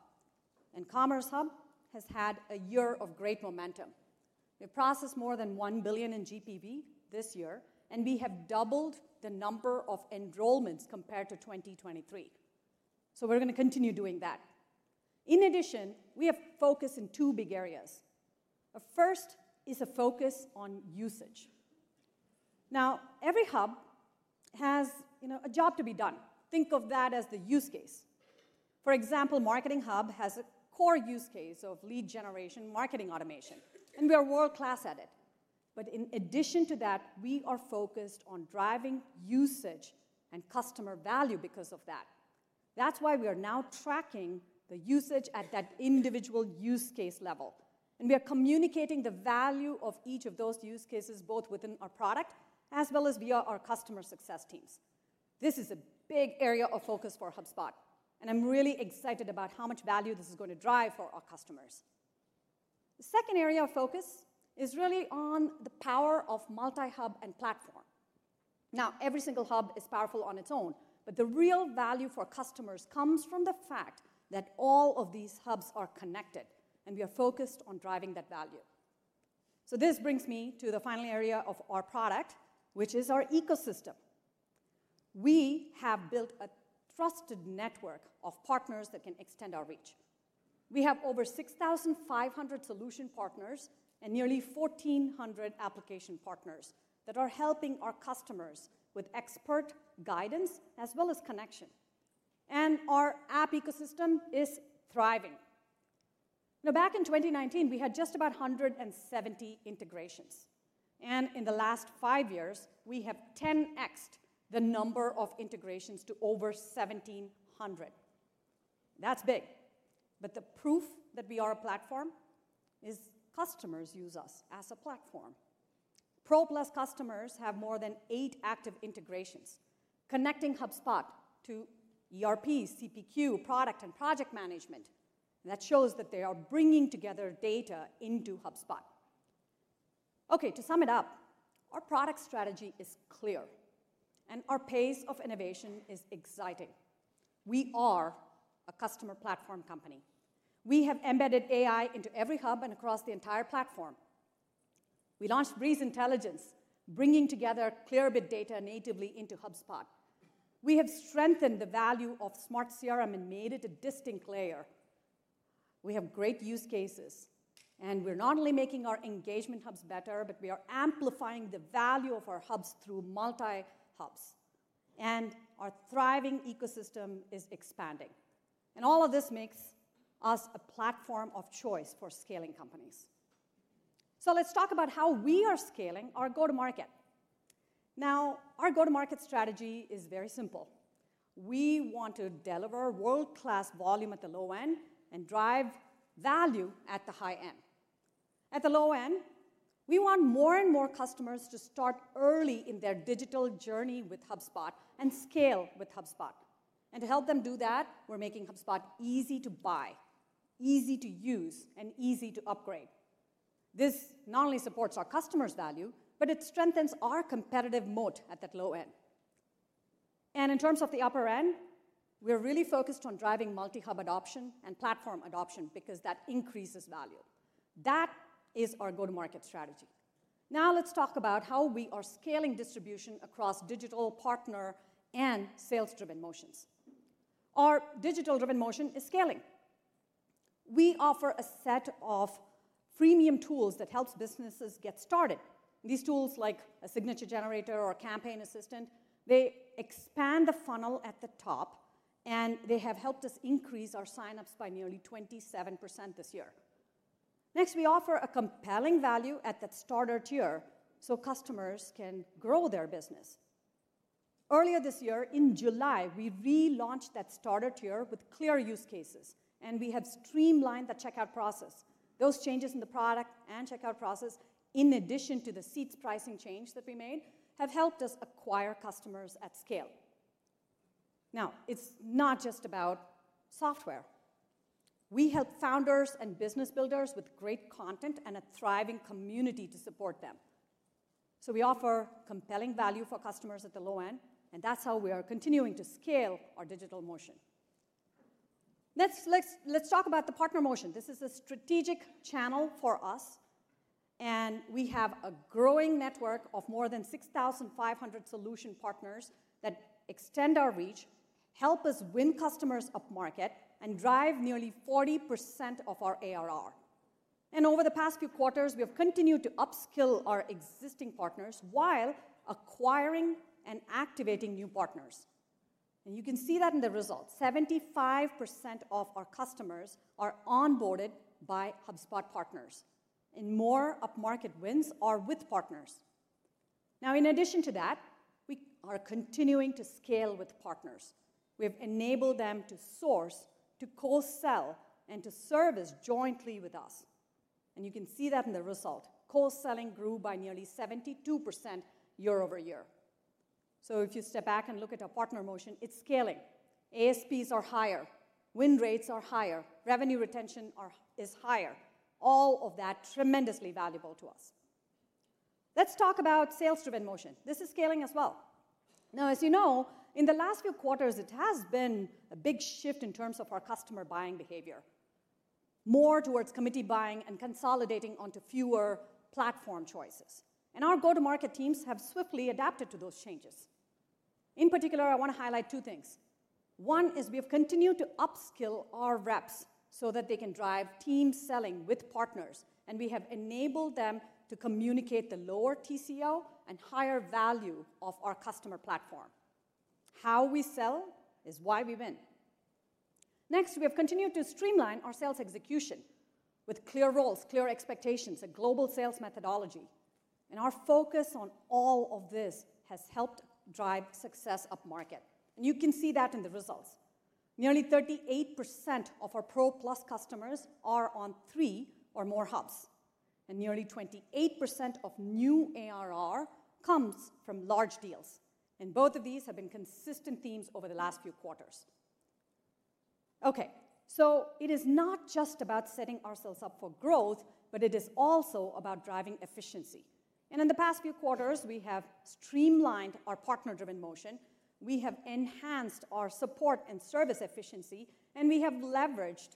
And Commerce Hub has had a year of great momentum. We processed more than $1 billion in GPV this year, and we have doubled the number of enrollments compared to 2023. So we're gonna continue doing that. In addition, we have focused in two big areas. The first is a focus on usage. Now, every hub has, you know, a job to be done. Think of that as the use case. For example, Marketing Hub has a core use case of lead generation marketing automation, and we are world-class at it. But in addition to that, we are focused on driving usage and customer value because of that. That's why we are now tracking the usage at that individual use case level, and we are communicating the value of each of those use cases, both within our product as well as via our customer success teams. This is a big area of focus for HubSpot, and I'm really excited about how much value this is going to drive for our customers. The second area of focus is really on the power of multi-hub and platform. Now, every single hub is powerful on its own, but the real value for customers comes from the fact that all of these hubs are connected, and we are focused on driving that value. So this brings me to the final area of our product, which is our ecosystem. We have built a trusted network of partners that can extend our reach. We have over 6,500 solution partners and nearly 1,400 application partners that are helping our customers with expert guidance as well as connection, and our app ecosystem is thriving. Now, back in 2019, we had just about 170 integrations, and in the last five years, we have 10x'd the number of integrations to over 1,700. That's big, but the proof that we are a platform is customers use us as a platform. Plus customers have more than eight active integrations, connecting HubSpot to ERP, CPQ, product and project management, and that shows that they are bringing together data into HubSpot. Okay, to sum it up, our product strategy is clear, and our pace of innovation is exciting. We are a customer platform company. We have embedded AI into every hub and across the entire platform. We launched Breeze Intelligence, bringing together Clearbit data natively into HubSpot. We have strengthened the value of Smart CRM and made it a distinct layer. We have great use cases, and we're not only making our engagement hubs better, but we are amplifying the value of our hubs through multi-hubs, and our thriving ecosystem is expanding. And all of this makes us a platform of choice for scaling companies. So let's talk about how we are scaling our go-to-market. Now, our go-to-market strategy is very simple. We want to deliver world-class volume at the low end and drive value at the high end. At the low end, we want more and more customers to start early in their digital journey with HubSpot and scale with HubSpot. And to help them do that, we're making HubSpot easy to buy, easy to use, and easy to upgrade. This not only supports our customers' value, but it strengthens our competitive moat at that low end. And in terms of the upper end, we're really focused on driving multi-hub adoption and platform adoption because that increases value. That is our go-to-market strategy. Now, let's talk about how we are scaling distribution across digital, partner, and sales-driven motions. Our digital-driven motion is scaling. We offer a set of freemium tools that helps businesses get started. These tools, like a Signature Generator or Campaign Assistant, they expand the funnel at the top, and they have helped us increase our sign-ups by nearly 27% this year. Next, we offer a compelling value at that Starter tier so customers can grow their business. Earlier this year, in July, we relaunched that Starter tier with clear use cases, and we have streamlined the checkout process. Those changes in the product and checkout process, in addition to the seats pricing change that we made, have helped us acquire customers at scale. Now, it's not just about software. We help founders and business builders with great content and a thriving community to support them. So we offer compelling value for customers at the low end, and that's how we are continuing to scale our digital motion. Let's talk about the partner motion. This is a strategic channel for us, and we have a growing network of more than 6,500 solution partners that extend our reach, help us win customers up-market, and drive nearly 40% of our ARR. Over the past few quarters, we have continued to upskill our existing partners while acquiring and activating new partners, and you can see that in the results. 75% of our customers are onboarded by HubSpot partners, and more up-market wins are with partners. Now, in addition to that, we are continuing to scale with partners. We have enabled them to source, to co-sell, and to service jointly with us, and you can see that in the result. Co-selling grew by nearly 72% year-over-year. If you step back and look at our partner motion, it's scaling. ASPs are higher, win rates are higher, revenue retention are, is higher. All of that, tremendously valuable to us. Let's talk about sales-driven motion. This is scaling as well. Now, as you know, in the last few quarters, it has been a big shift in terms of our customer buying behavior, more towards committee buying and consolidating onto fewer platform choices, and our go-to-market teams have swiftly adapted to those changes. In particular, I wanna highlight two things. One is we have continued to upskill our reps so that they can drive team selling with partners, and we have enabled them to communicate the lower TCO and higher value of our customer platform. How we sell is why we win. Next, we have continued to streamline our sales execution with clear roles, clear expectations, a global sales methodology, and our focus on all of this has helped drive success up-market. And you can see that in the results. Nearly 38% of our Pro+ customers are on three or more hubs, and nearly 28% of new ARR comes from large deals, and both of these have been consistent themes over the last few quarters. Okay, so it is not just about setting ourselves up for growth, but it is also about driving efficiency, and in the past few quarters, we have streamlined our partner-driven motion, we have enhanced our support and service efficiency, and we have leveraged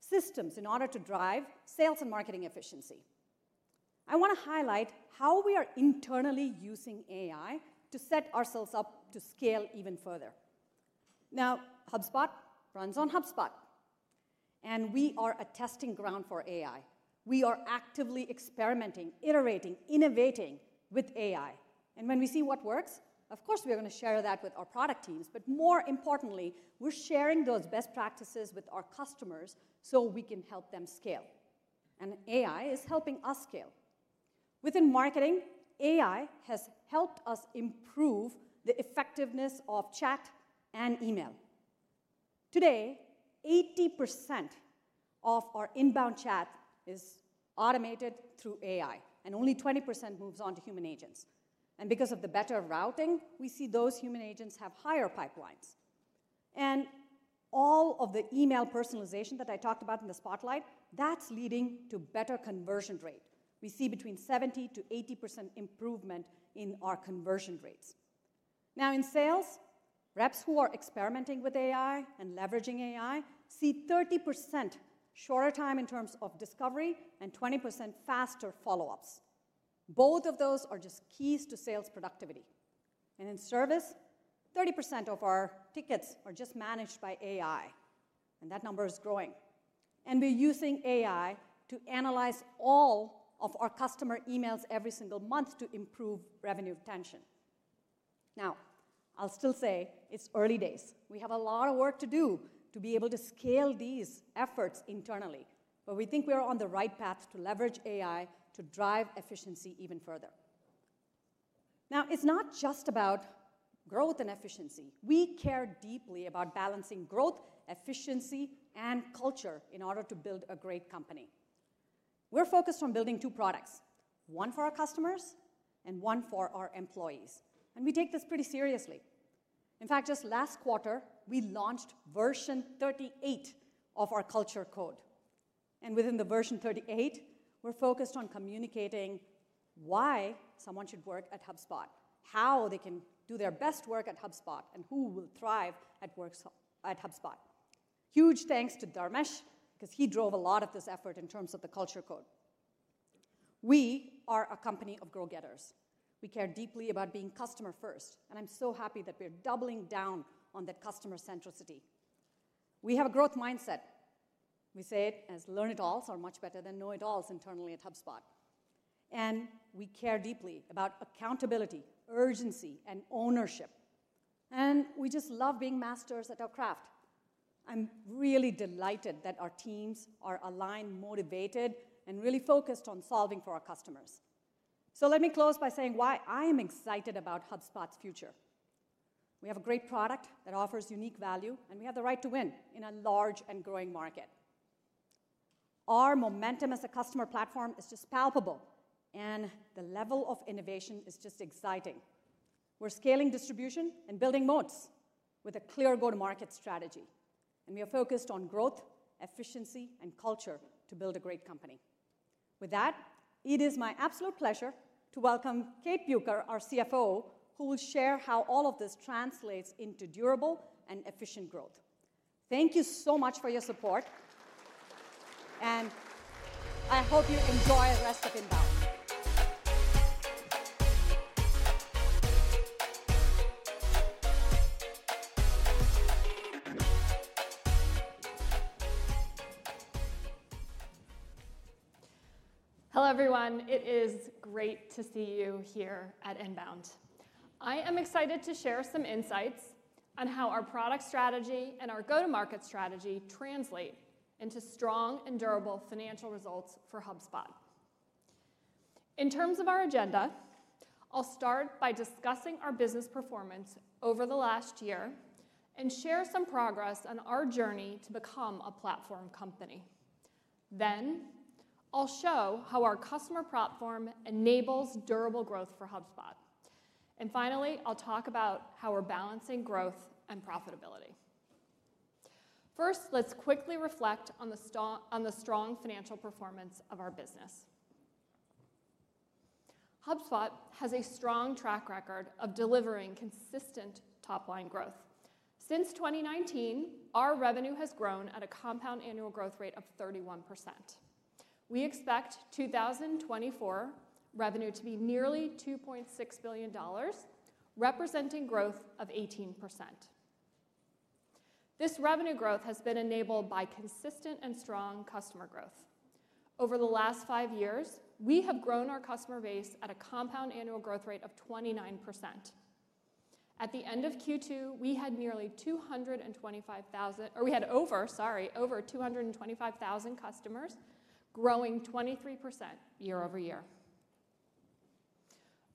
systems in order to drive sales and marketing efficiency. I wanna highlight how we are internally using AI to set ourselves up to scale even further. Now, HubSpot runs on HubSpot, and we are a testing ground for AI. We are actively experimenting, iterating, innovating with AI, and when we see what works, of course, we are gonna share that with our product teams, but more importantly, we're sharing those best practices with our customers so we can help them scale, and AI is helping us scale. Within marketing, AI has helped us improve the effectiveness of chat and email. Today, 80% of our INBOUND chat is automated through AI, and only 20% moves on to human agents, and because of the better routing, we see those human agents have higher pipelines, and all of the email personalization that I talked about in the spotlight, that's leading to better conversion rate. We see between 70%-80% improvement in our conversion rates. Now, in sales, reps who are experimenting with AI and leveraging AI see 30% shorter time in terms of discovery and 20% faster follow-ups. Both of those are just keys to sales productivity. And in service, 30% of our tickets are just managed by AI, and that number is growing. And we're using AI to analyze all of our customer emails every single month to improve revenue retention. Now, I'll still say it's early days. We have a lot of work to do to be able to scale these efforts internally, but we think we are on the right path to leverage AI to drive efficiency even further. Now, it's not just about growth and efficiency. We care deeply about balancing growth, efficiency, and culture in order to build a great company. We're focused on building two products, one for our customers and one for our employees, and we take this pretty seriously. In fact, just last quarter, we launched version 38 of our Culture Code, and within the version 38, we're focused on communicating why someone should work at HubSpot, how they can do their best work at HubSpot, and who will thrive at work at HubSpot. Huge thanks to Dharmesh, 'cause he drove a lot of this effort in terms of the Culture Code. We are a company of go-getters. We care deeply about being customer first, and I'm so happy that we're doubling down on that customer centricity. We have a growth mindset. We say it as "learn-it-alls" are much better than "know-it-alls" internally at HubSpot, and we care deeply about accountability, urgency, and ownership, and we just love being masters at our craft. I'm really delighted that our teams are aligned, motivated, and really focused on solving for our customers. So let me close by saying why I am excited about HubSpot's future. We have a great product that offers unique value, and we have the right to win in a large and growing market. Our momentum as a customer platform is just palpable, and the level of innovation is just exciting. We're scaling distribution and building moats with a clear go-to-market strategy, and we are focused on growth, efficiency, and culture to build a great company. With that, it is my absolute pleasure to welcome Kate Bueker, our CFO, who will share how all of this translates into durable and efficient growth. Thank you so much for your support, and I hope you enjoy the rest of INBOUND. Hello, everyone. It is great to see you here at INBOUND. I am excited to share some insights on how our product strategy and our go-to-market strategy translate into strong and durable financial results for HubSpot. In terms of our agenda, I'll start by discussing our business performance over the last year and share some progress on our journey to become a platform company. Then, I'll show how our customer platform enables durable growth for HubSpot. And finally, I'll talk about how we're balancing growth and profitability. First, let's quickly reflect on the strong financial performance of our business. HubSpot has a strong track record of delivering consistent top-line growth. Since 2019, our revenue has grown at a compound annual growth rate of 31%. We expect 2024 revenue to be nearly $2.6 billion, representing growth of 18%. This revenue growth has been enabled by consistent and strong customer growth. Over the last five years, we have grown our customer base at a compound annual growth rate of 29%. At the end of Q2, we had over 225,000 customers, growing 23% year over year.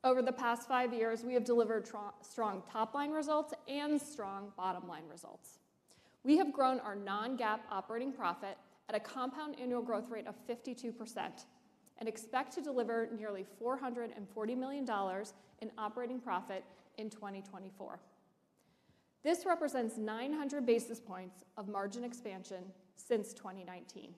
Over the past five years, we have delivered strong top-line results and strong bottom-line results. We have grown our non-GAAP operating profit at a compound annual growth rate of 52% and expect to deliver nearly $440 million in operating profit in 2024. This represents 900 basis points of margin expansion since 2019.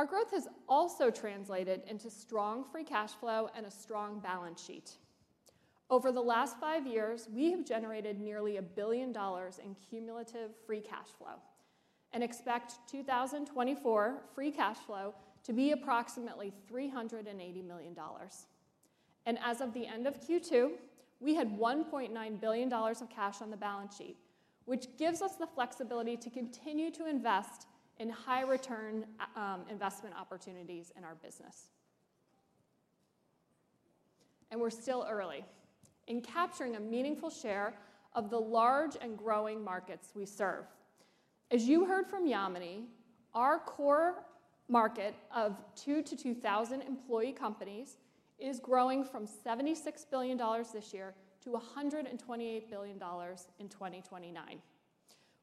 Our growth has also translated into strong free cash flow and a strong balance sheet. Over the last five years, we have generated nearly $1 billion in cumulative free cash flow and expect 2024 free cash flow to be approximately $380 million. As of the end of Q2, we had $1.9 billion of cash on the balance sheet, which gives us the flexibility to continue to invest in high-return investment opportunities in our business. We're still early in capturing a meaningful share of the large and growing markets we serve. As you heard from Yamini, our core market of 2 to 2,000 employee companies is growing from $76 billion this year to $128 billion in 2029.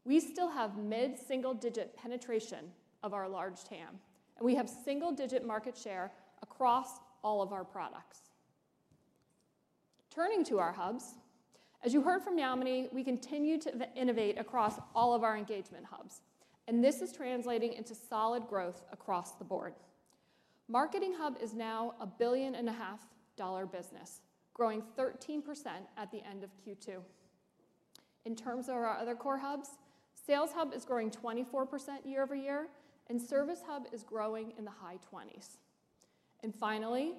We still have mid-single-digit penetration of our large TAM, and we have single-digit market share across all of our products. Turning to our hubs, as you heard from Yamini, we continue to innovate across all of our engagement hubs, and this is translating into solid growth across the board. Marketing Hub is now a $1.5 billion business, growing 13% at the end of Q2. In terms of our other core hubs, Sales Hub is growing 24% year over year, and Service Hub is growing in the high 20s%. Finally,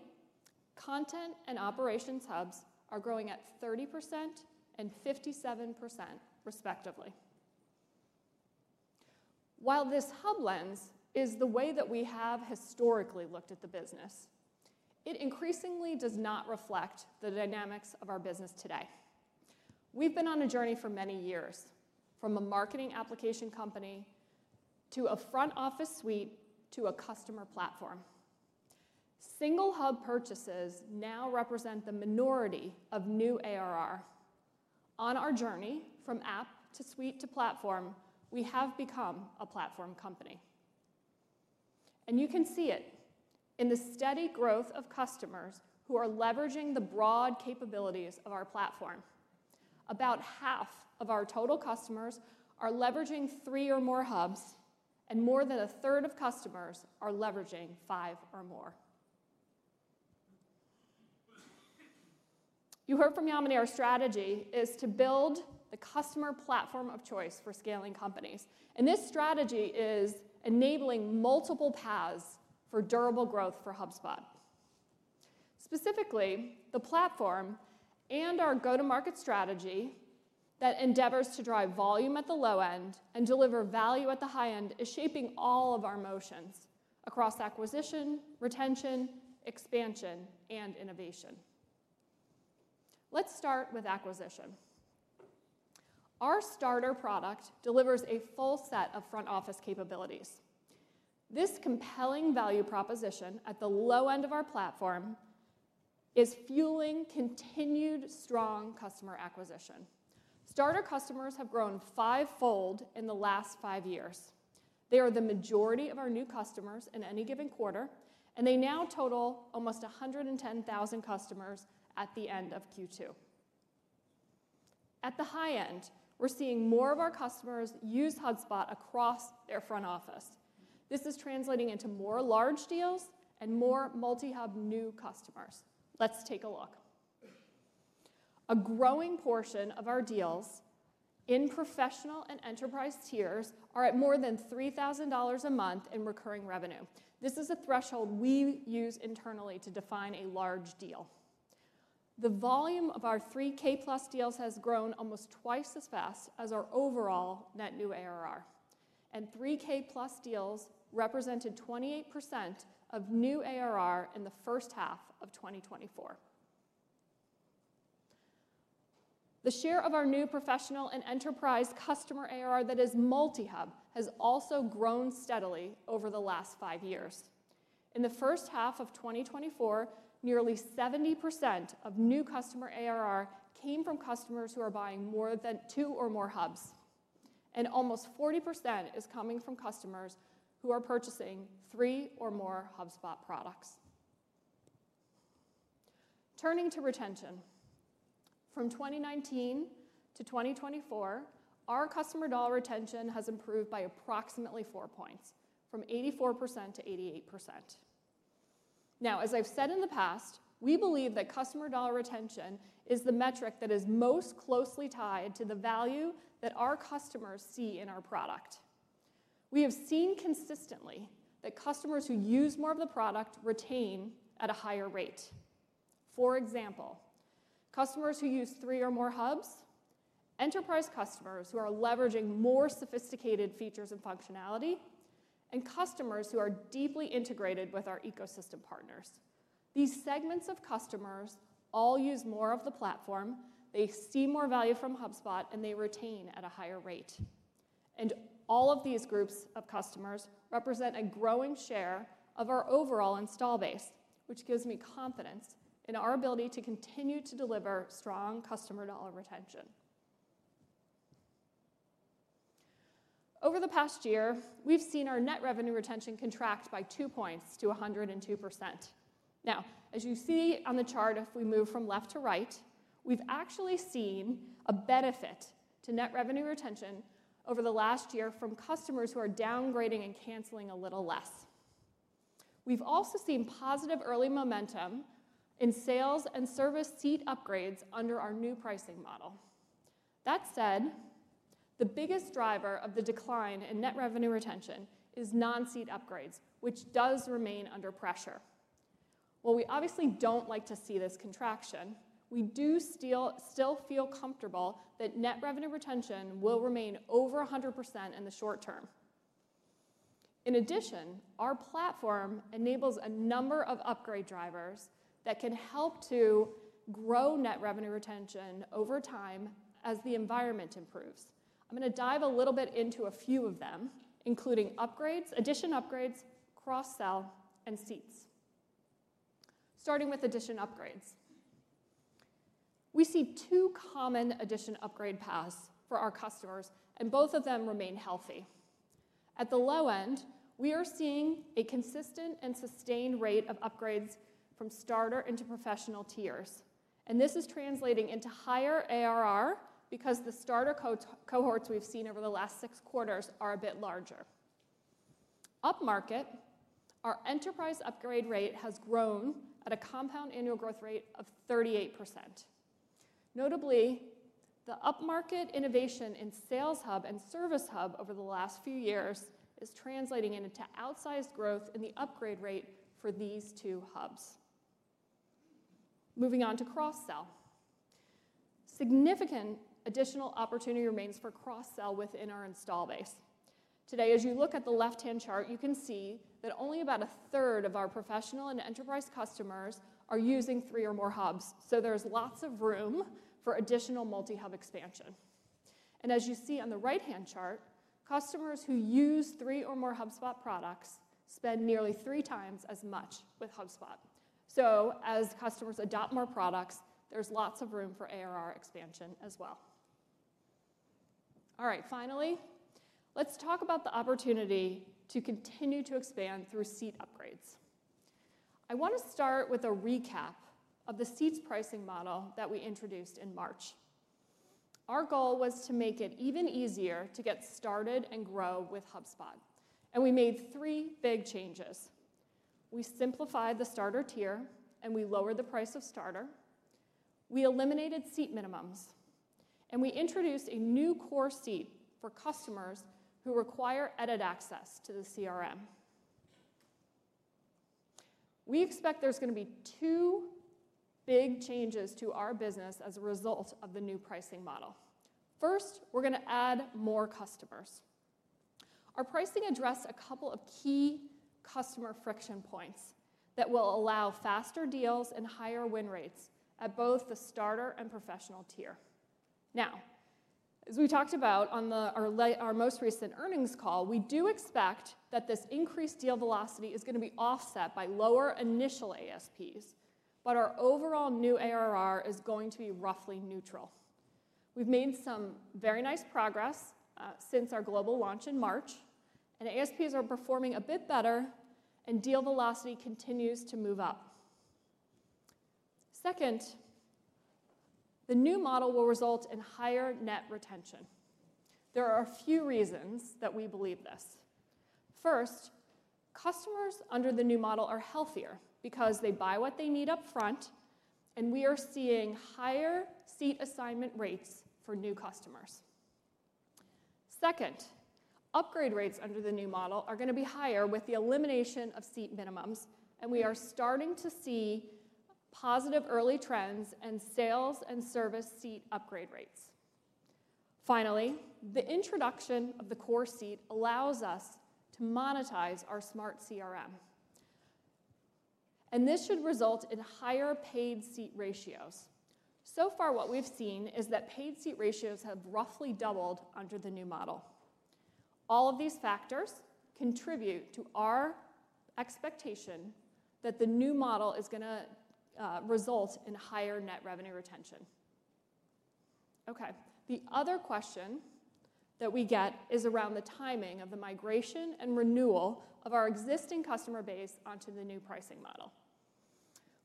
Content and Operations hubs are growing at 30% and 57% respectively. While this hub lens is the way that we have historically looked at the business, it increasingly does not reflect the dynamics of our business today. We've been on a journey for many years, from a marketing application company to a front-office suite to a customer platform. Single hub purchases now represent the minority of new ARR. On our journey from app to suite to platform, we have become a platform company, and you can see it in the steady growth of customers who are leveraging the broad capabilities of our platform. About half of our total customers are leveraging three or more hubs, and more than a third of customers are leveraging five or more. You heard from Yamini, our strategy is to build the customer platform of choice for scaling companies, and this strategy is enabling multiple paths for durable growth for HubSpot. Specifically, the platform and our go-to-market strategy that endeavors to drive volume at the low end and deliver value at the high end is shaping all of our motions across acquisition, retention, expansion, and innovation. Let's start with acquisition. Our Starter product delivers a full set of front-office capabilities. This compelling value proposition at the low end of our platform is fueling continued strong customer acquisition. Starter customers have grown fivefold in the last five years. They are the majority of our new customers in any given quarter, and they now total almost 110,000 customers at the end of Q2. At the high end, we're seeing more of our customers use HubSpot across their front office. This is translating into more large deals and more multi-hub new customers. Let's take a look. A growing portion of our deals in Professional and Enterprise tiers are at more than $3,000 a month in recurring revenue. This is a threshold we use internally to define a large deal. The volume of our $3,000+ deals has grown almost twice as fast as our overall net new ARR, and $3,000+ deals represented 28% of new ARR in the first half of 2024. The share of our new Professional and Enterprise customer ARR that is multi-hub has also grown steadily over the last five years. In the first half of 2024, nearly 70% of new customer ARR came from customers who are buying more than two or more hubs, and almost 40% is coming from customers who are purchasing three or more HubSpot products. Turning to retention, from 2019 to 2024, our customer dollar retention has improved by approximately four points, from 84% to 88%. Now, as I've said in the past, we believe that customer dollar retention is the metric that is most closely tied to the value that our customers see in our product. We have seen consistently that customers who use more of the product retain at a higher rate. For example, customers who use three or more hubs, Enterprise customers who are leveraging more sophisticated features and functionality, and customers who are deeply integrated with our ecosystem partners. These segments of customers all use more of the platform, they see more value from HubSpot, and they retain at a higher rate. And all of these groups of customers represent a growing share of our overall install base, which gives me confidence in our ability to continue to deliver strong customer dollar retention. Over the past year, we've seen our net revenue retention contracted by two points to 102%. Now, as you see on the chart, if we move from left to right, we've actually seen a benefit to net revenue retention over the last year from customers who are downgrading and canceling a little less. We've also seen positive early momentum in Sales and Service seat upgrades under our new pricing model. That said, the biggest driver of the decline in net revenue retention is non-seat upgrades, which does remain under pressure. While we obviously don't like to see this contraction, we do still feel comfortable that net revenue retention will remain over 100% in the short term. In addition, our platform enables a number of upgrade drivers that can help to grow net revenue retention over time as the environment improves. I'm gonna dive a little bit into a few of them, including upgrades, add-on upgrades, cross-sell, and seats. Starting with add-on upgrades. We see two common add-on upgrade paths for our customers, and both of them remain healthy. At the low end, we are seeing a consistent and sustained rate of upgrades from Starter into Professional tiers, and this is translating into higher ARR because the Starter cohorts we've seen over the last six quarters are a bit larger. Upmarket, our Enterprise upgrade rate has grown at a compound annual growth rate of 38%. Notably, the upmarket innovation in Sales Hub and Service Hub over the last few years is translating into outsized growth in the upgrade rate for these two hubs. Moving on to cross-sell. Significant additional opportunity remains for cross-sell within our installed base. Today, as you look at the left-hand chart, you can see that only about a third of our Professional and Enterprise customers are using three or more hubs, so there's lots of room for additional multi-hub expansion. And as you see on the right-hand chart, customers who use three or more HubSpot products spend nearly three times as much with HubSpot. So as customers adopt more products, there's lots of room for ARR expansion as well. All right, finally, let's talk about the opportunity to continue to expand through seat upgrades. I wanna start with a recap of the seats pricing model that we introduced in March. Our goal was to make it even easier to get started and grow with HubSpot, and we made three big changes: We simplified the Starter tier, and we lowered the price of Starter, we eliminated seat minimums, and we introduced a new Core Seat for customers who require edit access to the CRM. We expect there's gonna be two big changes to our business as a result of the new pricing model. First, we're gonna add more customers. Our pricing addressed a couple of key customer friction points that will allow faster deals and higher win rates at both the Starter and Professional tier. Now, as we talked about on our most recent earnings call, we do expect that this increased deal velocity is gonna be offset by lower initial ASPs, but our overall new ARR is going to be roughly neutral. We've made some very nice progress since our global launch in March, and ASPs are performing a bit better and deal velocity continues to move up. Second, the new model will result in higher net retention. There are a few reasons that we believe this. First, customers under the new model are healthier because they buy what they need up front, and we are seeing higher seat assignment rates for new customers. Second, upgrade rates under the new model are gonna be higher with the elimination of seat minimums, and we are starting to see positive early trends in Sales and Service seat upgrade rates. Finally, the introduction of the Core Seat allows us to monetize our Smart CRM, and this should result in higher paid seat ratios. So far, what we've seen is that paid seat ratios have roughly doubled under the new model. All of these factors contribute to our expectation that the new model is gonna result in higher net revenue retention. Okay, the other question that we get is around the timing of the migration and renewal of our existing customer base onto the new pricing model.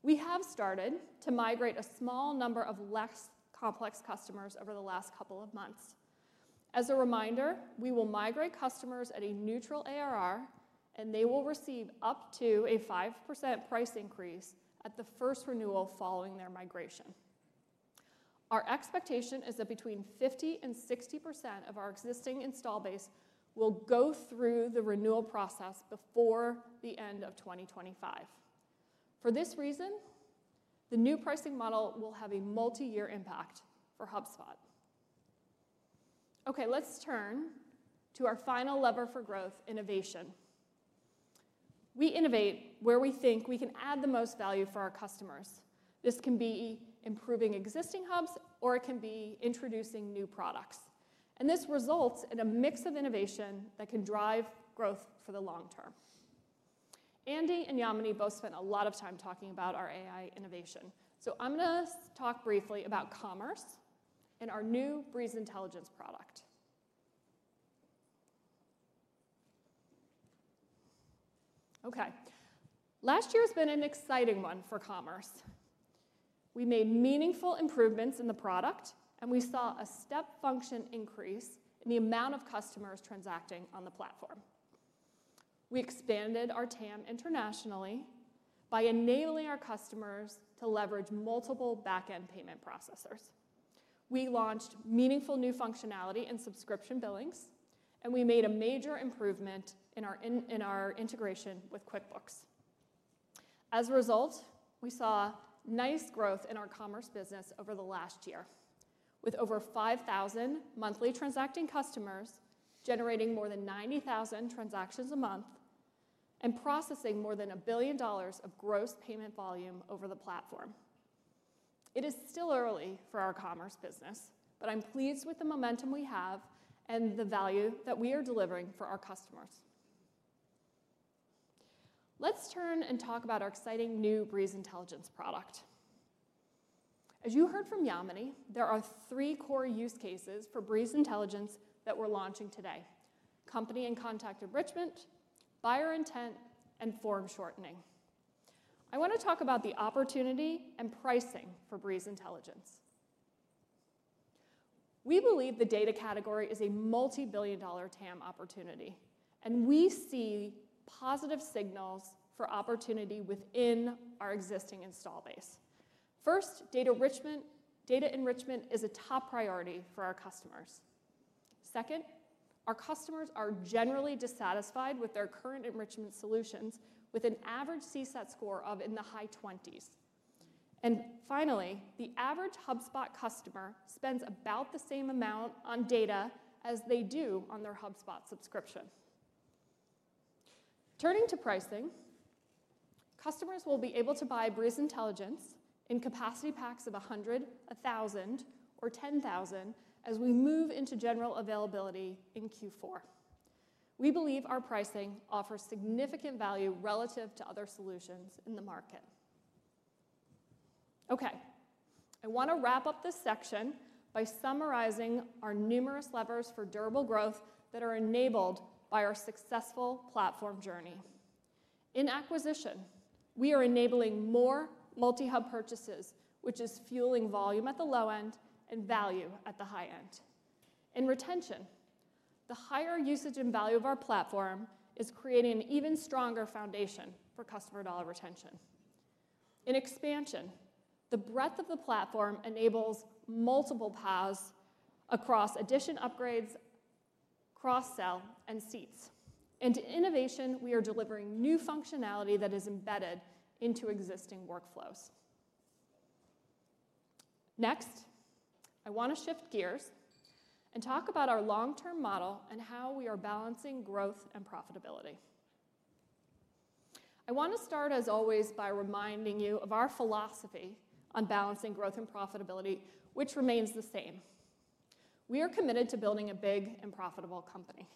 We have started to migrate a small number of less complex customers over the last couple of months. As a reminder, we will migrate customers at a neutral ARR, and they will receive up to a 5% price increase at the first renewal following their migration. Our expectation is that between 50% and 60% of our existing install base will go through the renewal process before the end of 2025. For this reason, the new pricing model will have a multi-year impact for HubSpot. Okay, let's turn to our final lever for growth: innovation. We innovate where we think we can add the most value for our customers. This can be improving existing hubs, or it can be introducing new products, and this results in a mix of innovation that can drive growth for the long-term. Andy and Yamini both spent a lot of time talking about our AI innovation, so I'm gonna talk briefly about commerce and our new Breeze Intelligence product. Okay. Last year has been an exciting one for commerce. We made meaningful improvements in the product, and we saw a step function increase in the amount of customers transacting on the platform. We expanded our TAM internationally by enabling our customers to leverage multiple backend payment processors. We launched meaningful new functionality and subscription billings, and we made a major improvement in our integration with QuickBooks. As a result, we saw nice growth in our commerce business over the last year, with over 5,000 monthly transacting customers, generating more than 90,000 transactions a month, and processing more than $1 billion of gross payment volume over the platform. It is still early for our commerce business, but I'm pleased with the momentum we have and the value that we are delivering for our customers. Let's turn and talk about our exciting new Breeze Intelligence product. As you heard from Yamini, there are three core use cases for Breeze Intelligence that we're launching today: company and contact enrichment, buyer intent, and form shortening. I wanna talk about the opportunity and pricing for Breeze Intelligence. We believe the data category is a multi-billion-dollar TAM opportunity, and we see positive signals for opportunity within our existing install base. First, data enrichment. Data enrichment is a top priority for our customers. Second, our customers are generally dissatisfied with their current enrichment solutions, with an average CSAT score of, in the high twenties, and finally, the average HubSpot customer spends about the same amount on data as they do on their HubSpot subscription. Turning to pricing, customers will be able to buy Breeze Intelligence in capacity packs of 100, 1,000, or 10,000 as we move into general availability in Q4. We believe our pricing offers significant value relative to other solutions in the market. Okay, I wanna wrap up this section by summarizing our numerous levers for durable growth that are enabled by our successful platform journey. In acquisition, we are enabling more multi-hub purchases, which is fueling volume at the low end and value at the high end. In retention, the higher usage and value of our platform is creating an even stronger foundation for customer dollar retention. In expansion, the breadth of the platform enables multiple paths across edition upgrades, cross-sell, and seats, and to innovation, we are delivering new functionality that is embedded into existing workflows. Next, I wanna shift gears and talk about our long-term model and how we are balancing growth and profitability. I wanna start, as always, by reminding you of our philosophy on balancing growth and profitability, which remains the same. We are committed to building a big and profitable company,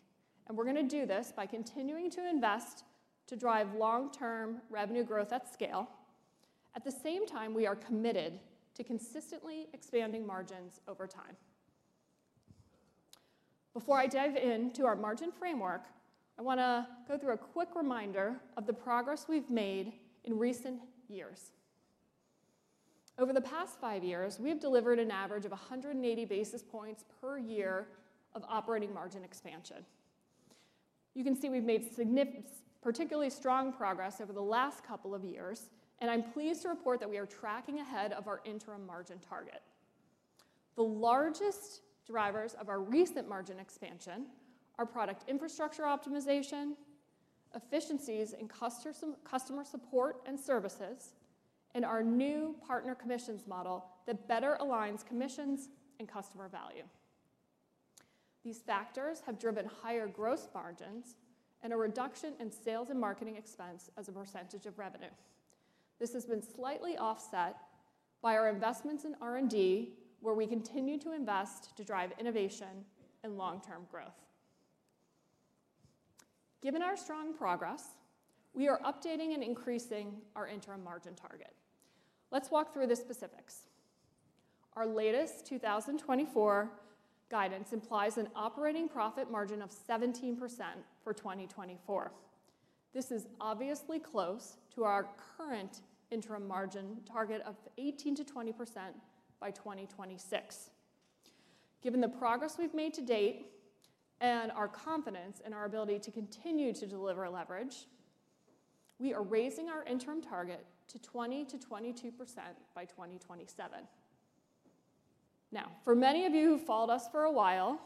and we're gonna do this by continuing to invest to drive long-term revenue growth at scale. At the same time, we are committed to consistently expanding margins over time. Before I dive into our margin framework, I wanna go through a quick reminder of the progress we've made in recent years. Over the past five years, we have delivered an average of 180 basis points per year of operating margin expansion. You can see we've made particularly strong progress over the last couple of years, and I'm pleased to report that we are tracking ahead of our interim margin target. The largest drivers of our recent margin expansion are product infrastructure optimization, efficiencies in customer support and services, and our new partner commissions model that better aligns commissions and customer value. These factors have driven higher gross margins and a reduction in sales and marketing expense as a percentage of revenue. This has been slightly offset by our investments in R&D, where we continue to invest to drive innovation and long-term growth. Given our strong progress, we are updating and increasing our interim margin target. Let's walk through the specifics. Our latest 2024 guidance implies an operating profit margin of 17% for 2024. This is obviously close to our current interim margin target of 18%-20% by 2026. Given the progress we've made to date and our confidence in our ability to continue to deliver leverage, we are raising our interim target to 20%-22% by 2027. Now, for many of you who've followed us for a while,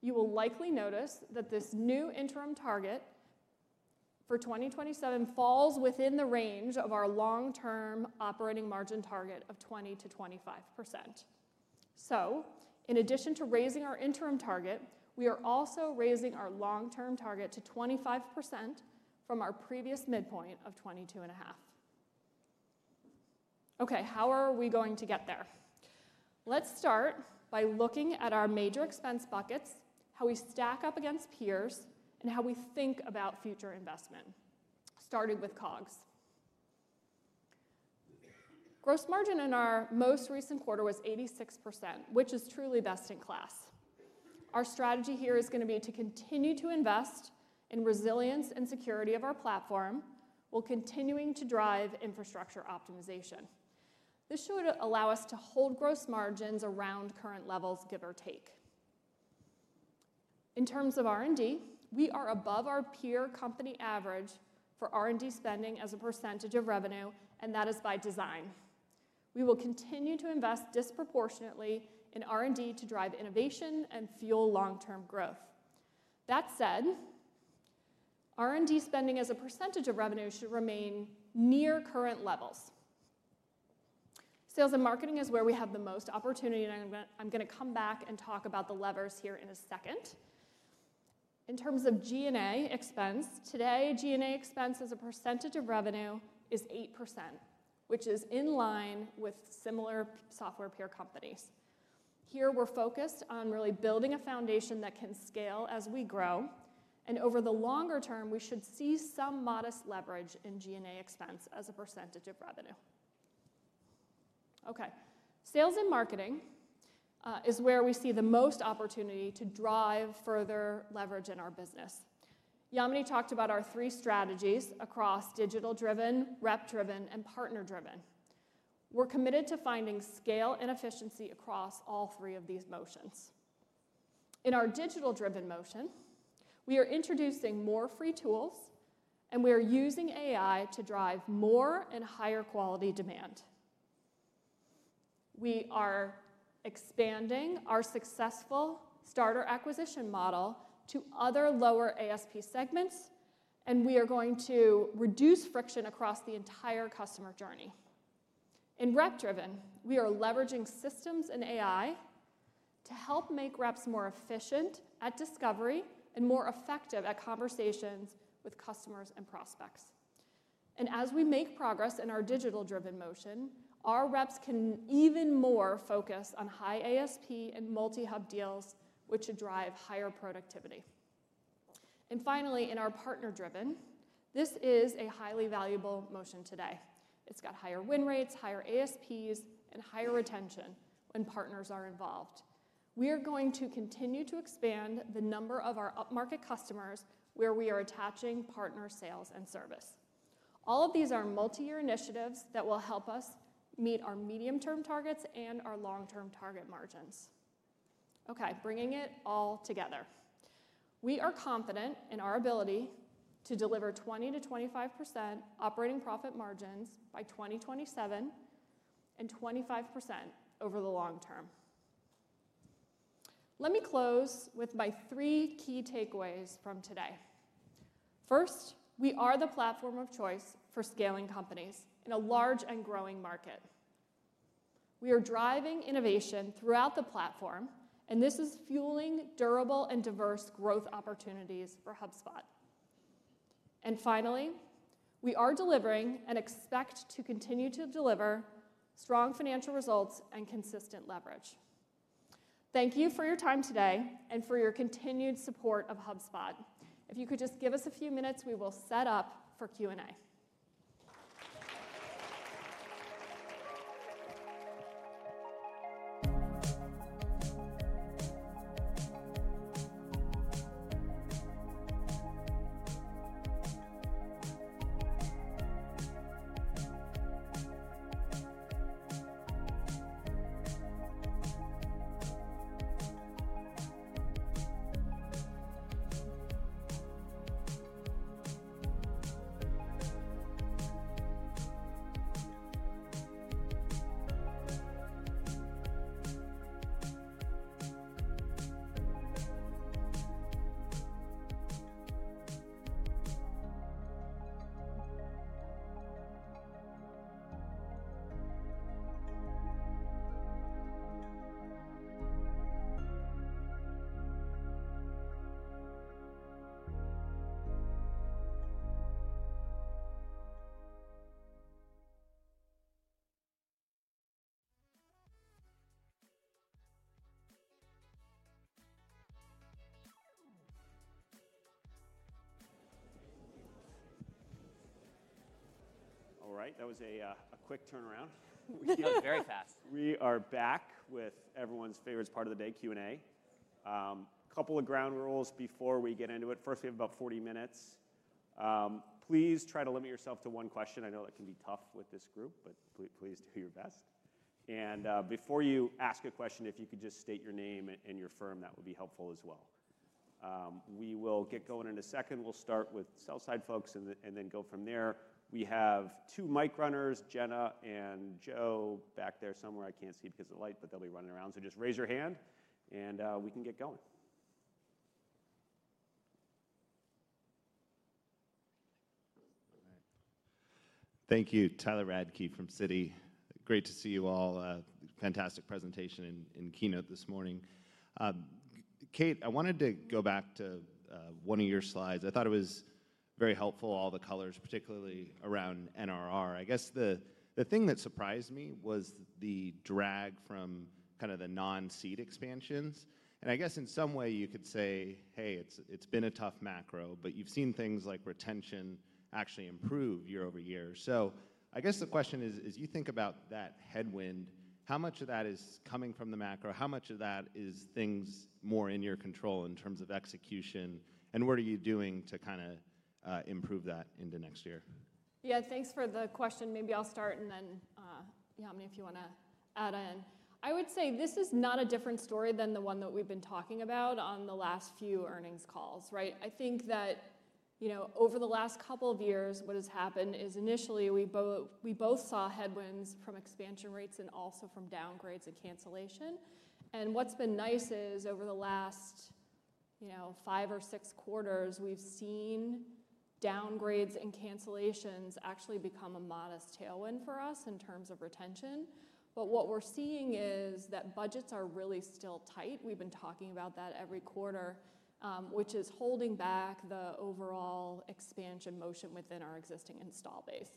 you will likely notice that this new interim target for 2027 falls within the range of our long-term operating margin target of 20%-25%. So in addition to raising our interim target, we are also raising our long-term target to 25% from our previous midpoint of 22.5. Okay, how are we going to get there? Let's start by looking at our major expense buckets, how we stack up against peers, and how we think about future investment, starting with COGS. Gross margin in our most recent quarter was 86%, which is truly best-in-class. Our strategy here is gonna be to continue to invest in resilience and security of our platform, while continuing to drive infrastructure optimization. This should allow us to hold gross margins around current levels, give or take. In terms of R&D, we are above our peer company average for R&D spending as a percentage of revenue, and that is by design. We will continue to invest disproportionately in R&D to drive innovation and fuel long-term growth. That said, R&D spending as a percentage of revenue should remain near current levels. Sales and marketing is where we have the most opportunity, and I'm gonna come back and talk about the levers here in a second. In terms of G&A expense, today, G&A expense as a percentage of revenue is 8%, which is in line with similar software peer companies. Here, we're focused on really building a foundation that can scale as we grow, and over the longer term, we should see some modest leverage in G&A expense as a percentage of revenue. Okay, sales and marketing is where we see the most opportunity to drive further leverage in our business. Yamini talked about our three strategies across digital-driven, rep-driven, and partner-driven. We're committed to finding scale and efficiency across all three of these motions. In our digital-driven motion, we are introducing more free tools, and we are using AI to drive more and higher quality demand. We are expanding our successful starter acquisition model to other lower ASP segments, and we are going to reduce friction across the entire customer journey. In rep-driven, we are leveraging systems and AI to help make reps more efficient at discovery and more effective at conversations with customers and prospects. And as we make progress in our digital-driven motion, our reps can even more focus on high ASP and multi-hub deals, which should drive higher productivity. And finally, in our partner-driven, this is a highly valuable motion today. It's got higher win rates, higher ASPs, and higher retention when partners are involved. We are going to continue to expand the number of our up-market customers where we are attaching partner sales and service. All of these are multi-year initiatives that will help us meet our medium-term targets and our long-term target margins. Okay, bringing it all together. We are confident in our ability to deliver 20%-25% operating profit margins by 2027, and 25% over the long-term. Let me close with my three key takeaways from today. First, we are the platform of choice for scaling companies in a large and growing market. We are driving innovation throughout the platform, and this is fueling durable and diverse growth opportunities for HubSpot. And finally, we are delivering and expect to continue to deliver strong financial results and consistent leverage. Thank you for your time today and for your continued support of HubSpot. If you could just give us a few minutes, we will set up for Q&A. All right, that was a quick turnaround. That was very fast. We are back with everyone's favorite part of the day, Q&A. Couple of ground rules before we get into it. First, we have about 40 minutes. Please try to limit yourself to one question. I know that can be tough with this group, but please do your best, and before you ask a question, if you could just state your name and your firm, that would be helpful as well. We will get going in a second. We'll start with sell-side folks, and then go from there. We have two mic runners, Jenna and Joe, back there somewhere. I can't see because of the light, but they'll be running around, so just raise your hand and we can get going. Thank you. Tyler Radke from Citi. Great to see you all. Fantastic presentation and keynote this morning. Kate, I wanted to go back to one of your slides. I thought it was very helpful, all the colors, particularly around NRR. I guess the thing that surprised me was the drag from kind of the non-seat expansions, and I guess in some way you could say, "Hey, it's been a tough macro," but you've seen things like retention actually improve year over year. So I guess the question is, as you think about that headwind, how much of that is coming from the macro? How much of that is things more in your control in terms of execution? And what are you doing to kind of improve that into next year? Yeah, thanks for the question. Maybe I'll start, and then, Yamini, if you wanna add in. I would say this is not a different story than the one that we've been talking about on the last few earnings calls, right? I think that, you know, over the last couple of years, what has happened is initially we both saw headwinds from expansion rates and also from downgrades and cancellation. And what's been nice is, over the last, you know, five or six quarters, we've seen downgrades and cancellations actually become a modest tailwind for us in terms of retention. But what we're seeing is that budgets are really still tight, we've been talking about that every quarter, which is holding back the overall expansion motion within our existing installed base.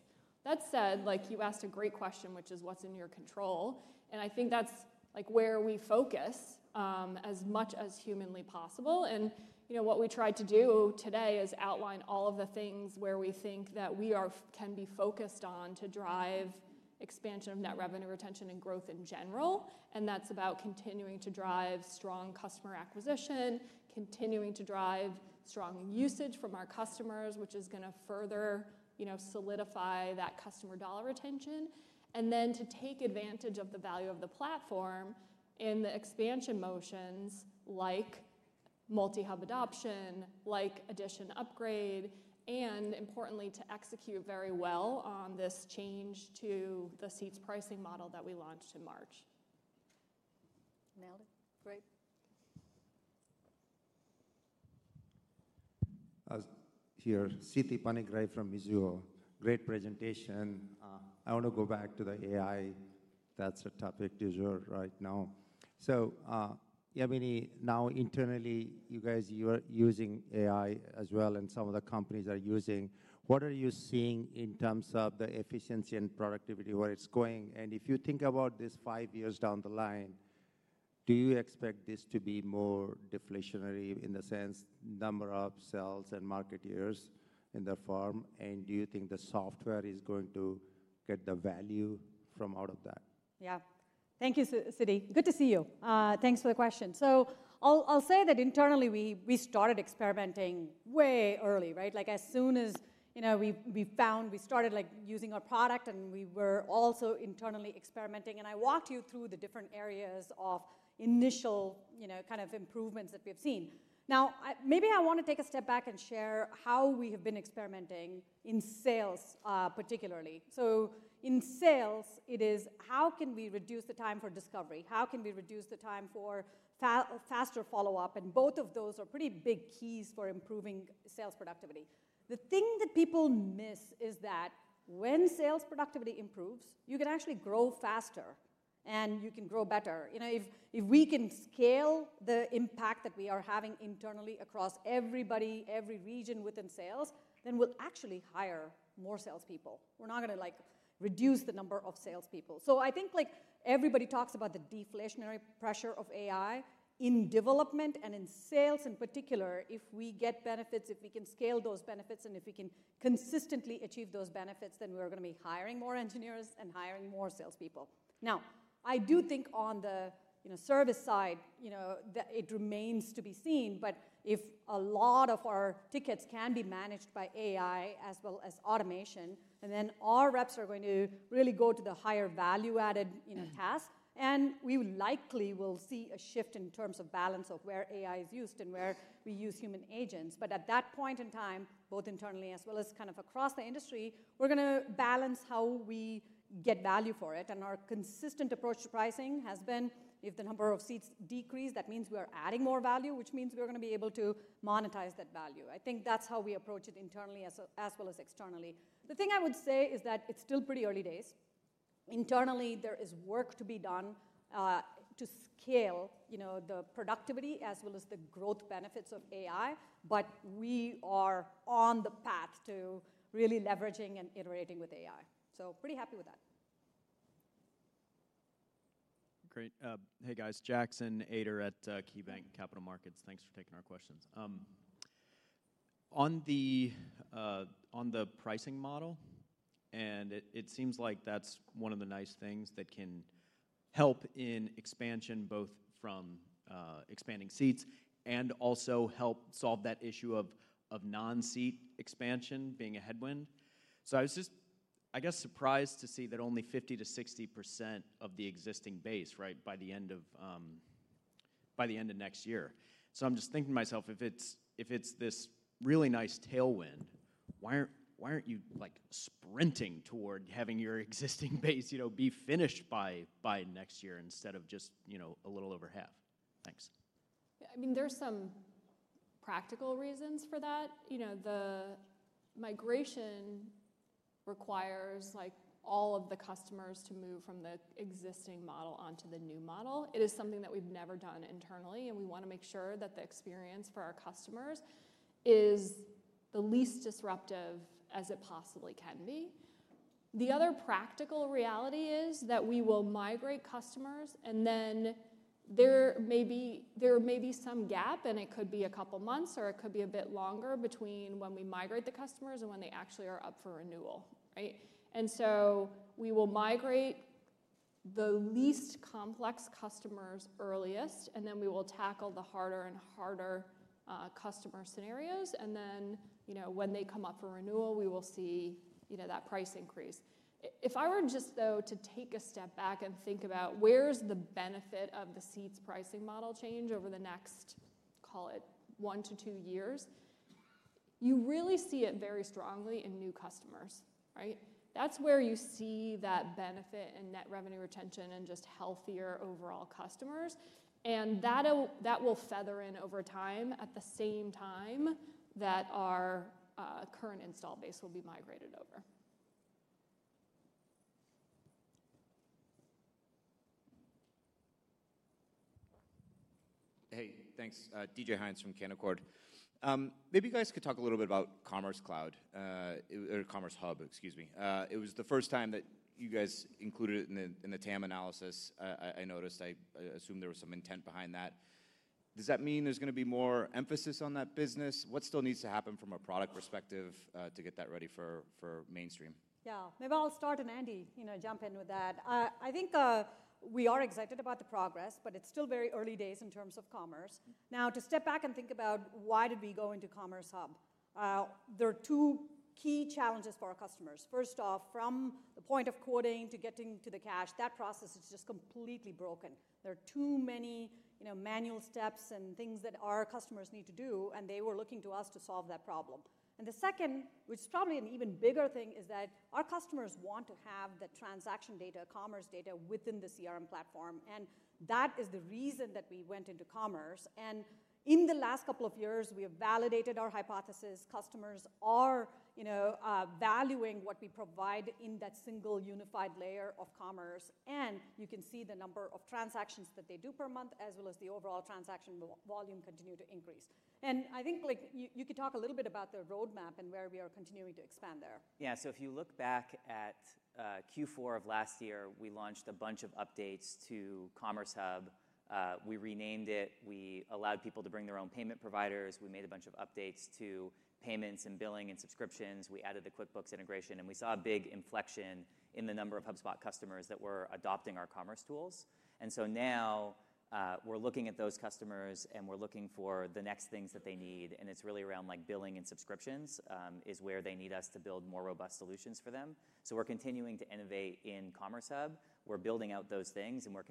That said, like, you asked a great question, which is what's in your control, and I think that's, like, where we focus as much as humanly possible. And, you know, what we tried to do today is outline all of the things where we think that we can be focused on to drive expansion of net revenue retention and growth in general, and that's about continuing to drive strong customer acquisition, continuing to drive strong usage from our customers, which is gonna further, you know, solidify that customer dollar retention. And then to take advantage of the value of the platform in the expansion motions, like multi-hub adoption, like edition upgrade, and importantly, to execute very well on this change to the seats pricing model that we launched in March. Nailed it. Great. Here, Siti Panigrahi from Mizuho. Great presentation. I wanna go back to the AI. That's a topic du jour right now. So, Yamini, now internally, you guys, you are using AI as well, and some of the companies are using. What are you seeing in terms of the efficiency and productivity, where it's going? And if you think about this five years down the line, do you expect this to be more deflationary in the sense number of sales and marketeers in the firm? And do you think the software is going to get the value from out of that? Yeah. Thank you, Siti. Good to see you. Thanks for the question. So I'll say that internally, we started experimenting way early, right? Like, as soon as, you know, we found we started, like, using our product, and we were also internally experimenting, and I walked you through the different areas of initial, you know, kind of improvements that we have seen. Now, maybe I wanna take a step back and share how we have been experimenting in sales, particularly. So in sales, it is: how can we reduce the time for discovery? How can we reduce the time for faster follow-up? And both of those are pretty big keys for improving sales productivity. The thing that people miss is that when sales productivity improves, you can actually grow faster and you can grow better. You know, if we can scale the impact that we are having internally across everybody, every region within sales, then we'll actually hire more salespeople. We're not gonna, like, reduce the number of salespeople. So I think, like, everybody talks about the deflationary pressure of AI. In development and in sales in particular, if we get benefits, if we can scale those benefits, and if we can consistently achieve those benefits, then we're gonna be hiring more engineers and hiring more salespeople. Now, I do think on the service side, you know, it remains to be seen, but if a lot of our tickets can be managed by AI as well as automation, and then our reps are going to really go to the higher value-added, you know, tasks, and we likely will see a shift in terms of balance of where AI is used and where we use human agents. But at that point in time, both internally as well as kind of across the industry, we're gonna balance how we get value for it, and our consistent approach to pricing has been if the number of seats decrease, that means we are adding more value, which means we're gonna be able to monetize that value. I think that's how we approach it internally as well as externally. The thing I would say is that it's still pretty early days. Internally, there is work to be done to scale, you know, the productivity as well as the growth benefits of AI, but we are on the path to really leveraging and iterating with AI. So pretty happy with that. Great. Hey, guys, Jackson Ader at KeyBanc Capital Markets. Thanks for taking our questions. On the pricing model, and it seems like that's one of the nice things that can help in expansion, both from expanding seats and also help solve that issue of non-seat expansion being a headwind. So I was just, I guess, surprised to see that only 50%-60% of the existing base, right, by the end of next year. So I'm just thinking to myself, if it's this really nice tailwind, why aren't you, like, sprinting toward having your existing base, you know, be finished by next year instead of just, you know, a little over half? Thanks. I mean, there are some practical reasons for that. You know, the migration requires, like, all of the customers to move from the existing model onto the new model. It is something that we've never done internally, and we wanna make sure that the experience for our customers is the least disruptive as it possibly can be. The other practical reality is that we will migrate customers, and then there may be some gap, and it could be a couple months, or it could be a bit longer between when we migrate the customers and when they actually are up for renewal, right? And so we will migrate the least complex customers earliest, and then we will tackle the harder and harder customer scenarios, and then, you know, when they come up for renewal, we will see, you know, that price increase. If I were just, though, to take a step back and think about where's the benefit of the seats pricing model change over the next, call it one to two years, you really see it very strongly in new customers, right? That's where you see that benefit in net revenue retention and just healthier overall customers. And that will feather in over time, at the same time that our current install base will be migrated over. Hey, thanks. DJ Hynes from Canaccord. Maybe you guys could talk a little bit about Commerce Cloud, or Commerce Hub, excuse me. It was the first time that you guys included it in the TAM analysis. I noticed. I assume there was some intent behind that. Does that mean there's gonna be more emphasis on that business? What still needs to happen from a product perspective, to get that ready for mainstream? Yeah. Maybe I'll start, and Andy, you know, jump in with that. I think, we are excited about the progress, but it's still very early days in terms of commerce. Now, to step back and think about why did we go into Commerce Hub, there are two key challenges for our customers. First off, from the point of quoting to getting to the cash, that process is just completely broken. There are too many, you know, manual steps and things that our customers need to do, and they were looking to us to solve that problem, and the second, which is probably an even bigger thing, is that our customers want to have the transaction data, commerce data, within the CRM platform, and that is the reason that we went into commerce, and in the last couple of years, we have validated our hypothesis. Customers are, you know, valuing what we provide in that single unified layer of commerce, and you can see the number of transactions that they do per month, as well as the overall transaction volume continue to increase. And I think, like, you could talk a little bit about the roadmap and where we are continuing to expand there. Yeah, so if you look back at Q4 of last year, we launched a bunch of updates to Commerce Hub. We renamed it, we allowed people to bring their own payment providers. We made a bunch of updates to payments and billing and subscriptions. We added the QuickBooks integration, and we saw a big inflection in the number of HubSpot customers that were adopting our commerce tools. And so now, we're looking at those customers, and we're looking for the next things that they need, and it's really around, like, billing and subscriptions is where they need us to build more robust solutions for them. We're continuing to innovate in Commerce Hub. We're building out those things, and we're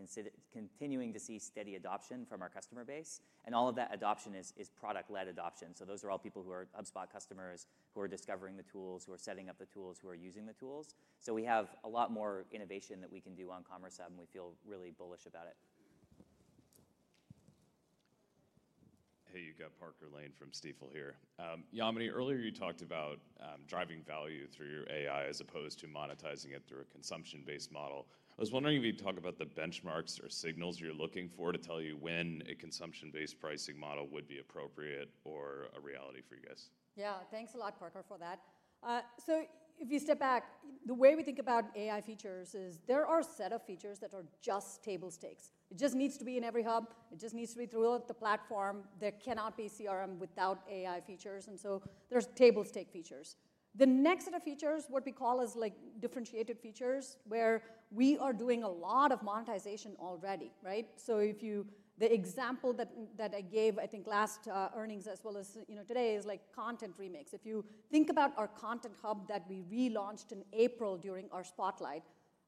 continuing to see steady adoption from our customer base, and all of that adoption is product-led adoption. So those are all people who are HubSpot customers, who are discovering the tools, who are setting up the tools, who are using the tools. So we have a lot more innovation that we can do on Commerce Hub, and we feel really bullish about it. Hey, you got Parker Lane from Stifel here. Yamini, earlier you talked about driving value through your AI as opposed to monetizing it through a consumption-based model. I was wondering if you'd talk about the benchmarks or signals you're looking for to tell you when a consumption-based pricing model would be appropriate or a reality for you guys? Yeah. Thanks a lot, Parker, for that. So if you step back, the way we think about AI features is there are a set of features that are just table stakes. It just needs to be in every hub. It just needs to be throughout the platform. There cannot be CRM without AI features, and so there's table stake features. The next set of features, what we call as like differentiated features, where we are doing a lot of monetization already, right? So if you... The example that I gave, I think, last earnings as well as, you know, today, is like Content Remix. If you think about our Content Hub that we relaunched in April during our Spotlight,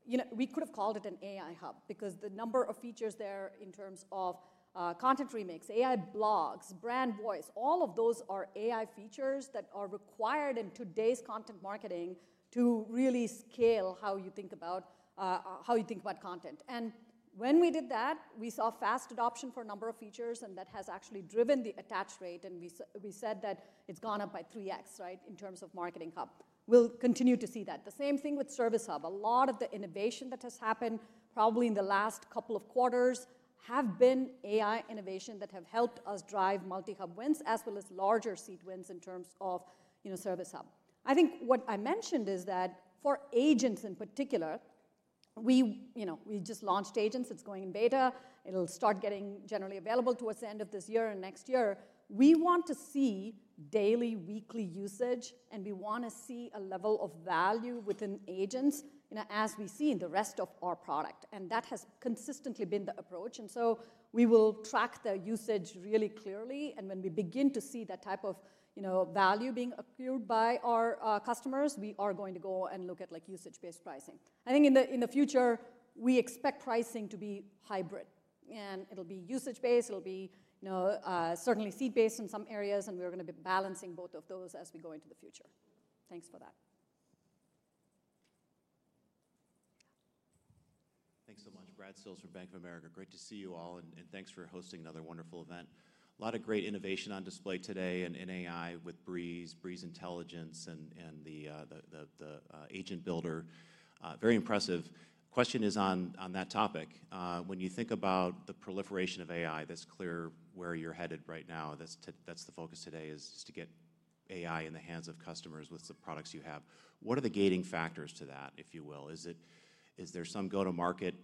you know, we could have called it an AI hub because the number of features there in terms of, Content Remix, AI blogs, Brand Voice, all of those are AI features that are required in today's content marketing to really scale how you think about, how you think about content. And when we did that, we saw fast adoption for a number of features, and that has actually driven the attach rate, and we said that it's gone up by 3x, right, in terms of Marketing Hub. We'll continue to see that. The same thing with Service Hub. A lot of the innovation that has happened, probably in the last couple of quarters, have been AI innovation that have helped us drive multi-hub wins, as well as larger seat wins in terms of, you know, Service Hub. I think what I mentioned is that for agents in particular we, you know, we just launched agents, it's going in beta. It'll start getting generally available towards the end of this year and next year. We want to see daily, weekly usage, and we wanna see a level of value within agents, you know, as we see in the rest of our product. And that has consistently been the approach. And so we will track the usage really clearly, and when we begin to see that type of, you know, value being accrued by our customers, we are going to go and look at, like, usage-based pricing. I think in the future, we expect pricing to be hybrid, and it'll be usage-based, it'll be, you know, certainly seat-based in some areas, and we're gonna be balancing both of those as we go into the future. Thanks for that. Thanks so much. Brad Sills from Bank of America. Great to see you all, and thanks for hosting another wonderful event. A lot of great innovation on display today and in AI with Breeze, Breeze Intelligence, and the Agent Builder. Very impressive. Question is on that topic. When you think about the proliferation of AI, that's clear where you're headed right now, that's the focus today, is just to get AI in the hands of customers with the products you have. What are the gating factors to that, if you will? Is it, is there some go-to-market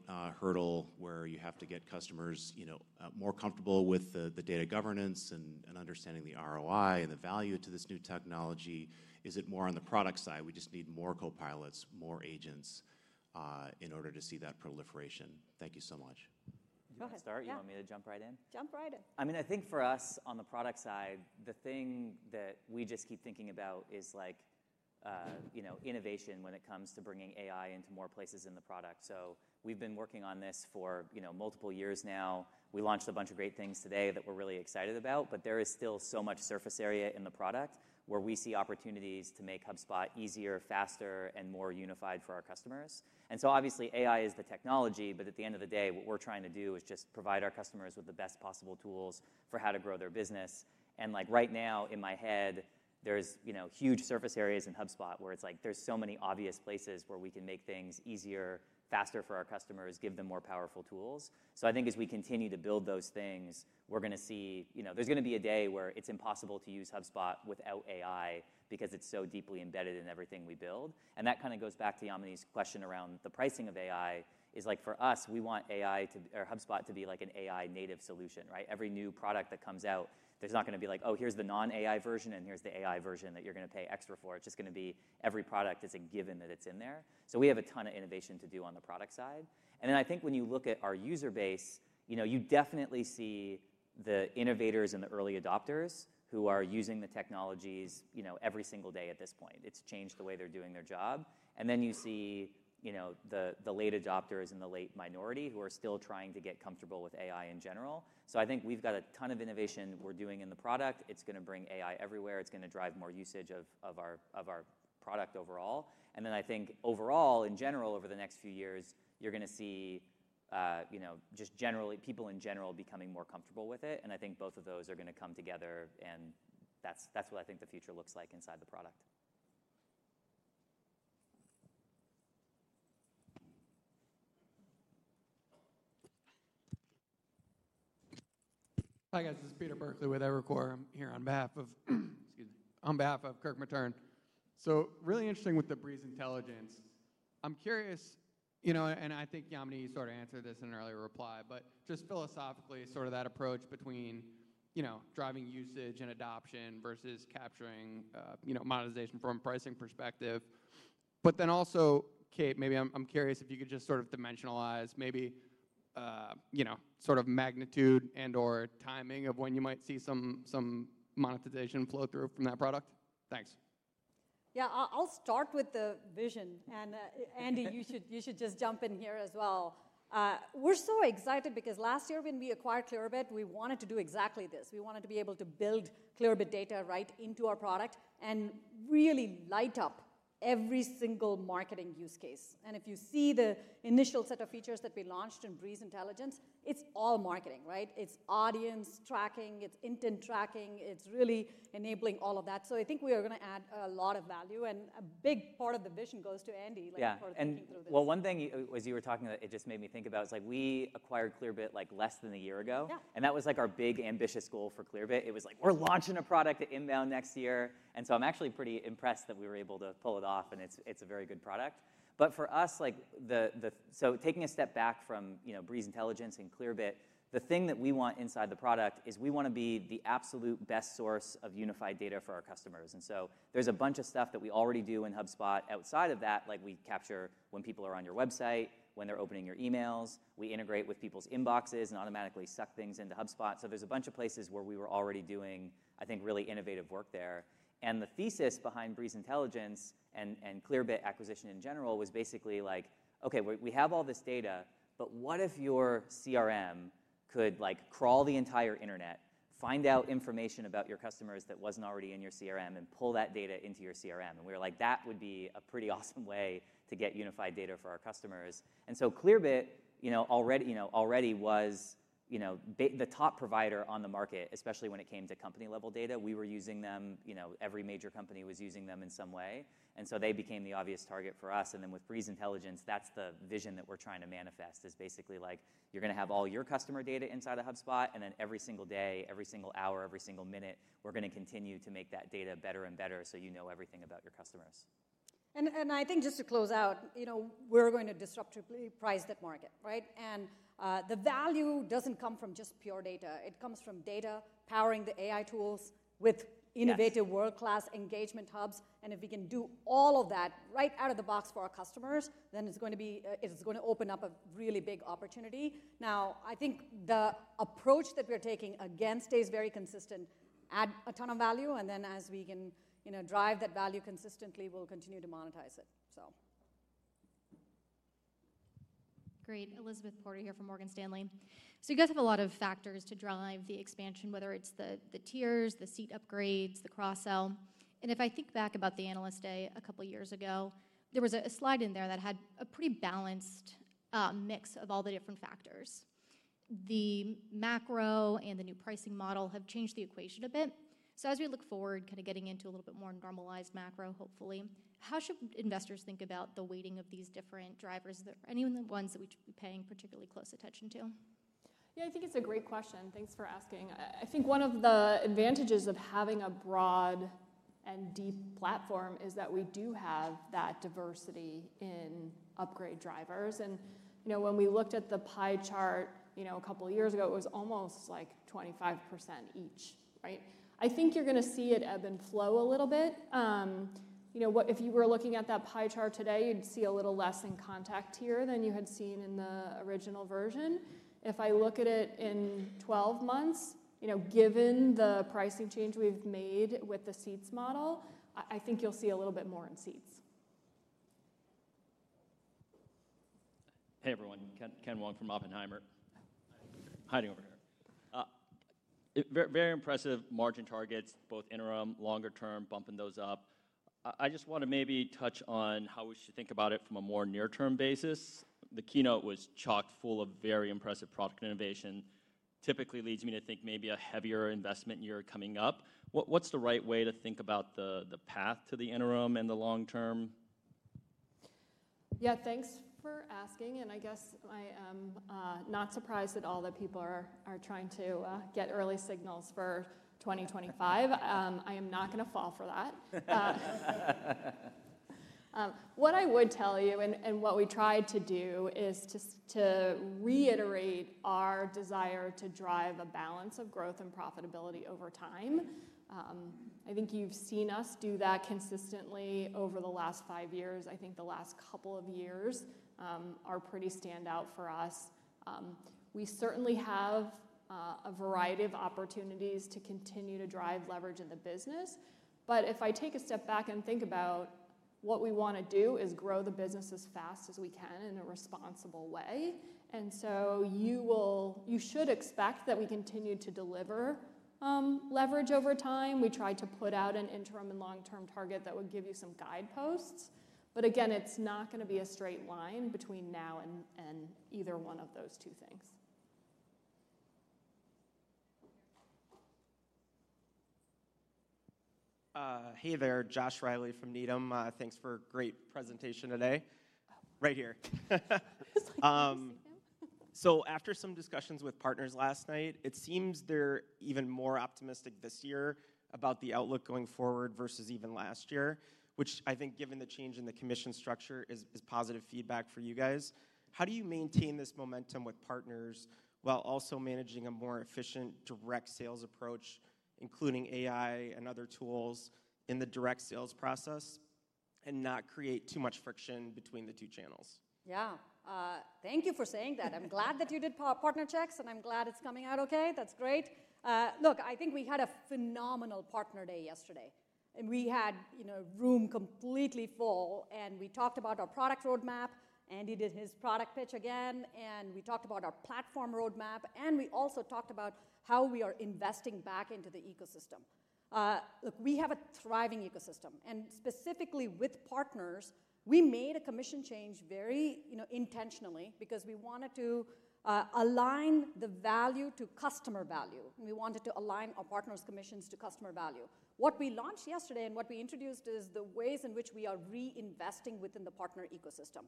hurdle, where you have to get customers, you know, more comfortable with the data governance and understanding the ROI and the value to this new technology? Is it more on the product side, we just need more copilots, more agents, in order to see that proliferation? Thank you so much. Go ahead. You want me to start? Yeah. You want me to jump right in? Jump right in. I mean, I think for us, on the product side, the thing that we just keep thinking about is, like, you know, innovation when it comes to bringing AI into more places in the product. So we've been working on this for, you know, multiple years now. We launched a bunch of great things today that we're really excited about, but there is still so much surface area in the product where we see opportunities to make HubSpot easier, faster, and more unified for our customers, and so obviously, AI is the technology, but at the end of the day, what we're trying to do is just provide our customers with the best possible tools for how to grow their business. Like, right now, in my head, there's, you know, huge surface areas in HubSpot where it's like there's so many obvious places where we can make things easier, faster for our customers, give them more powerful tools. So I think as we continue to build those things, we're gonna see... You know, there's gonna be a day where it's impossible to use HubSpot without AI because it's so deeply embedded in everything we build. And that kind of goes back to Yamini's question around the pricing of AI, is like, for us, we want AI to, or HubSpot to be like an AI-native solution, right? Every new product that comes out, there's not gonna be like: "Oh, here's the non-AI version, and here's the AI version that you're gonna pay extra for." It's just gonna be every product, it's a given that it's in there. So we have a ton of innovation to do on the product side. And then I think when you look at our user base, you know, you definitely see the innovators and the early adopters who are using the technologies, you know, every single day at this point. It's changed the way they're doing their job. And then you see, you know, the late adopters and the late minority who are still trying to get comfortable with AI in general. So I think we've got a ton of innovation we're doing in the product. It's gonna bring AI everywhere, it's gonna drive more usage of our product overall. And then I think overall, in general, over the next few years, you're gonna see, you know, just generally, people in general becoming more comfortable with it. I think both of those are gonna come together, and that's what I think the future looks like inside the product. Hi, guys, this is Peter Burkly with Evercore. I'm here on behalf of, excuse me, on behalf of Kirk Materne. So really interesting with the Breeze Intelligence. I'm curious, you know, and I think, Yamini, you sort of answered this in an earlier reply, but just philosophically, sort of that approach between, you know, driving usage and adoption versus capturing, you know, monetization from a pricing perspective. But then also, Kate, maybe I'm curious if you could just sort of dimensionalize maybe, you know, sort of magnitude and/or timing of when you might see some monetization flow through from that product? Thanks. Yeah, I'll start with the vision, and Andy, you should just jump in here as well. We're so excited because last year, when we acquired Clearbit, we wanted to do exactly this. We wanted to be able to build Clearbit data right into our product and really light up every single marketing use case. And if you see the initial set of features that we launched in Breeze Intelligence, it's all marketing, right? It's audience tracking, it's intent tracking, it's really enabling all of that. So I think we are gonna add a lot of value, and a big part of the vision goes to Andy, like- Yeah... for thinking through this. One thing, as you were talking about, it just made me think about is, like, we acquired Clearbit, like, less than a year ago. Yeah. That was, like, our big, ambitious goal for Clearbit. It was like: "We're launching a product at INBOUND next year!" And so I'm actually pretty impressed that we were able to pull it off, and it's a very good product. But for us, like, the, so taking a step back from, you know, Breeze Intelligence and Clearbit, the thing that we want inside the product is we wanna be the absolute best source of unified data for our customers. And so there's a bunch of stuff that we already do in HubSpot outside of that, like we capture when people are on your website, when they're opening your emails, we integrate with people's inboxes and automatically suck things into HubSpot. So there's a bunch of places where we were already doing, I think, really innovative work there. And the thesis behind Breeze Intelligence and Clearbit acquisition in general was basically like: Okay, we have all this data, but what if your CRM could, like, crawl the entire internet, find out information about your customers that wasn't already in your CRM, and pull that data into your CRM? And we were like, "That would be a pretty awesome way to get unified data for our customers." And so Clearbit, you know, already was, you know, the top provider on the market, especially when it came to company-level data. We were using them, you know, every major company was using them in some way, and so they became the obvious target for us. Then with Breeze Intelligence, that's the vision that we're trying to manifest: basically like, you're gonna have all your customer data inside of HubSpot, and then every single day, every single hour, every single minute, we're gonna continue to make that data better and better so you know everything about your customers. And I think just to close out, you know, we're going to disruptively price that market, right? And the value doesn't come from just pure data. It comes from data powering the AI tools with. Yes. Innovative world-class engagement hubs, and if we can do all of that right out of the box for our customers, then it's going to be, it's gonna open up a really big opportunity. Now, I think the approach that we're taking, again, stays very consistent: add a ton of value, and then as we can, you know, drive that value consistently, we'll continue to monetize it, so. Great. Elizabeth Porter here from Morgan Stanley. So you guys have a lot of factors to drive the expansion, whether it's the tiers, the seat upgrades, the cross-sell, and if I think back about the Analyst Day a couple years ago, there was a slide in there that had a pretty balanced mix of all the different factors. The macro and the new pricing model have changed the equation a bit. So as we look forward, kinda getting into a little bit more normalized macro, hopefully, how should investors think about the weighting of these different drivers? Are there any of the ones that we should be paying particularly close attention to? Yeah, I think it's a great question. Thanks for asking. I think one of the advantages of having a broad and deep platform is that we do have that diversity in upgrade drivers. And, you know, when we looked at the pie chart, you know, a couple years ago, it was almost, like, 25% each, right? I think you're gonna see it ebb and flow a little bit. You know, if you were looking at that pie chart today, you'd see a little less in contact tier than you had seen in the original version. If I look at it in 12 months, you know, given the pricing change we've made with the seats model, I think you'll see a little bit more in seats. Hey, everyone. Ken Wong from Oppenheimer. Hiding over here. It's very, very impressive margin targets, both interim, longer term, bumping those up. I just wanna maybe touch on how we should think about it from a more near-term basis. The keynote was chock-full of very impressive product innovation, typically leads me to think maybe a heavier investment year coming up. What's the right way to think about the path to the interim and the long term? Yeah, thanks for asking, and I guess I am not surprised at all that people are trying to get early signals for 2025. I am not gonna fall for that. What I would tell you and what we tried to do is to reiterate our desire to drive a balance of growth and profitability over time. I think you've seen us do that consistently over the last five years. I think the last couple of years are pretty standout for us. We certainly have a variety of opportunities to continue to drive leverage in the business, but if I take a step back and think about what we wanna do, is grow the business as fast as we can in a responsible way. So you should expect that we continue to deliver leverage over time. We tried to put out an interim and long-term target that would give you some guideposts, but again, it's not gonna be a straight line between now and either one of those two things. Hey there, Josh Reilly from Needham. Thanks for a great presentation today. Right here. Sorry, I didn't see you. So after some discussions with partners last night, it seems they're even more optimistic this year about the outlook going forward versus even last year, which I think, given the change in the commission structure, is positive feedback for you guys. How do you maintain this momentum with partners while also managing a more efficient direct sales approach, including AI and other tools, in the direct sales process and not create too much friction between the two channels? Yeah, thank you for saying that. I'm glad that you did partner checks, and I'm glad it's coming out okay. That's great. Look, I think we had a phenomenal partner day yesterday, and we had, you know, room completely full, and we talked about our product roadmap. Andy did his product pitch again, and we talked about our platform roadmap, and we also talked about how we are investing back into the ecosystem. Look, we have a thriving ecosystem, and specifically with partners, we made a commission change very, you know, intentionally because we wanted to align the value to customer value, and we wanted to align our partners' commissions to customer value. What we launched yesterday and what we introduced is the ways in which we are reinvesting within the partner ecosystem. You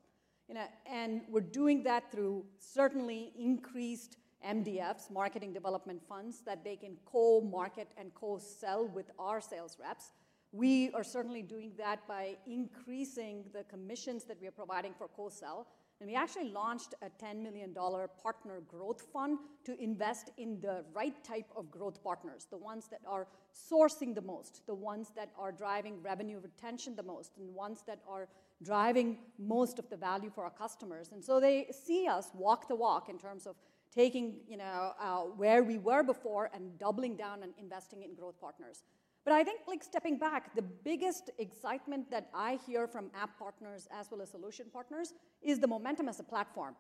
know, and we're doing that through certainly increased MDFs, marketing development funds, that they can co-market and co-sell with our sales reps. We are certainly doing that by increasing the commissions that we are providing for co-sell, and we actually launched a $10 million Partner Growth Fund to invest in the right type of growth partners, the ones that are sourcing the most, the ones that are driving revenue retention the most, and the ones that are driving most of the value for our customers. So they see us walk the walk in terms of taking, you know, where we were before and doubling down and investing in growth partners. But I think, like, stepping back, the biggest excitement that I hear from app partners as well as solution partners is the momentum as a platform.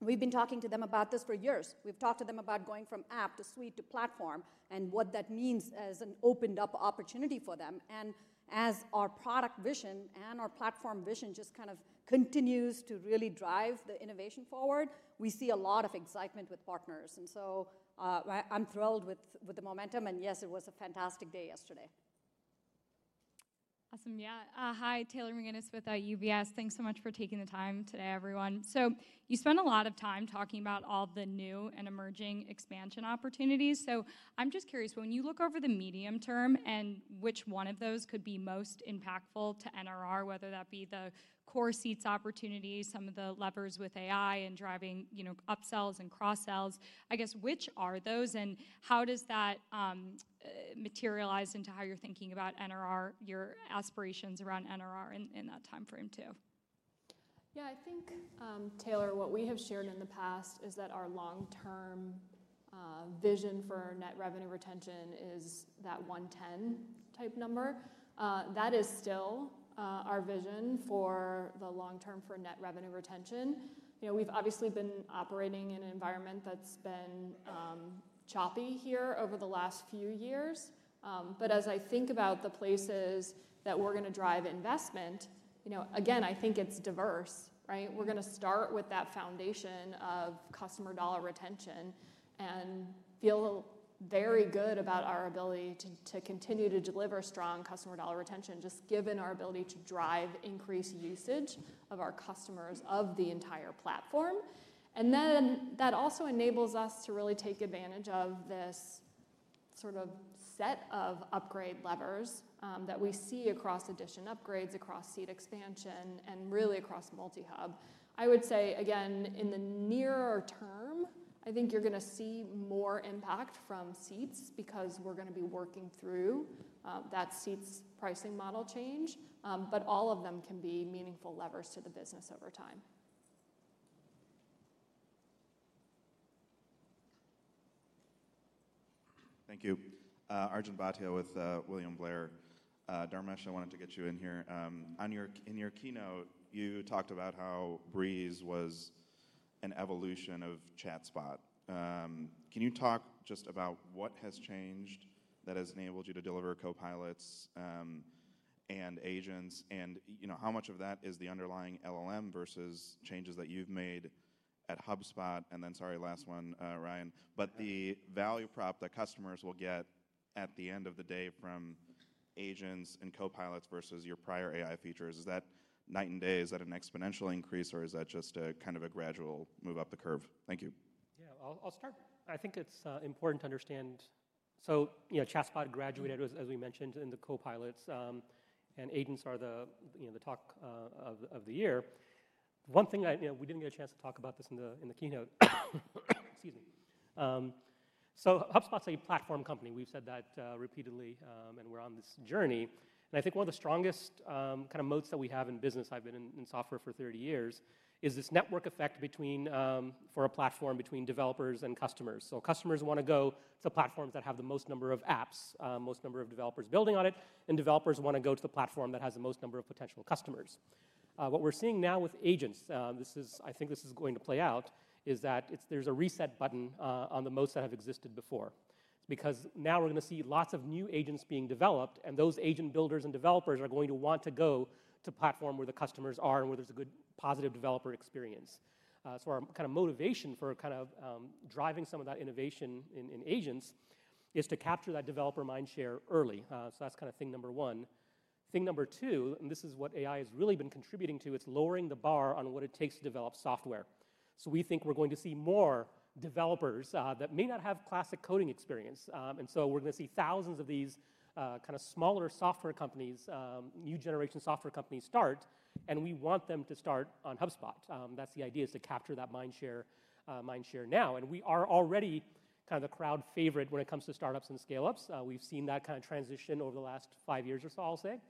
We've been talking to them about this for years. We've talked to them about going from app to suite to platform and what that means as an opened-up opportunity for them. And as our product vision and our platform vision just kind of continues to really drive the innovation forward, we see a lot of excitement with partners, and so, I'm thrilled with the momentum, and yes, it was a fantastic day yesterday. Awesome. Yeah. Hi, Taylor McGinnis with UBS. Thanks so much for taking the time today, everyone. So you spent a lot of time talking about all the new and emerging expansion opportunities. So I'm just curious, when you look over the medium term and which one of those could be most impactful to NRR, whether that be the Core Seats opportunity, some of the levers with AI and driving, you know, upsells and cross-sells, I guess, which are those, and how does that materialize into how you're thinking about NRR, your aspirations around NRR in that timeframe, too? Yeah, I think, Taylor, what we have shared in the past is that our long-term vision for Net Revenue Retention is that 110-type number. That is still our vision for the long term for Net Revenue Retention. You know, we've obviously been operating in an environment that's been choppy here over the last few years. But as I think about the places that we're gonna drive investment, you know, again, I think it's diverse, right? We're gonna start with that foundation of customer dollar retention and feel very good about our ability to continue to deliver strong customer dollar retention, just given our ability to drive increased usage of our customers of the entire platform. And then, that also enables us to really take advantage of this sort of set of upgrade levers, that we see across addition upgrades, across seat expansion, and really across multi-hub. I would say, again, in the nearer term, I think you're gonna see more impact from seats because we're gonna be working through, that seats' pricing model change, but all of them can be meaningful levers to the business over time. Thank you. Arjun Bhatia with William Blair. Dharmesh, I wanted to get you in here. In your keynote, you talked about how Breeze was an evolution of ChatSpot. Can you talk just about what has changed that has enabled you to deliver copilots and agents, and you know, how much of that is the underlying LLM versus changes that you've made at HubSpot? And then, sorry, last one, Ryan, but the value prop that customers will get at the end of the day from agents and copilots versus your prior AI features, is that night and day? Is that an exponential increase, or is that just a kind of a gradual move up the curve? Thank you. Yeah, I'll start. I think it's important to understand, so you know, ChatSpot graduated, as we mentioned, into copilots, and agents are the you know, the talk of the year. One thing, you know, we didn't get a chance to talk about this in the keynote, excuse me. So HubSpot's a platform company. We've said that repeatedly, and we're on this journey, and I think one of the strongest kind of moats that we have in business. I've been in software for thirty years, is this network effect between, for a platform, between developers and customers. So customers wanna go to platforms that have the most number of apps, most number of developers building on it, and developers wanna go to the platform that has the most number of potential customers. What we're seeing now with agents, this is—I think this is going to play out, is that it's, there's a reset button on the moats that have existed before. Because now we're gonna see lots of new agents being developed, and those Agent Builders and developers are going to want to go to platform where the customers are and where there's a good, positive developer experience. So our kind of motivation for kind of driving some of that innovation in agents is to capture that developer mindshare early. So that's kind of thing number one. Thing number two, and this is what AI has really been contributing to, it's lowering the bar on what it takes to develop software. So we think we're going to see more developers that may not have classic coding experience. And so we're gonna see thousands of these, kinda smaller software companies, new generation software companies start, and we want them to start on HubSpot. That's the idea is to capture that mindshare now, and we are already kind of the crowd favorite when it comes to startups and scale-ups. We've seen that kind of transition over the last five years or so, I'll say.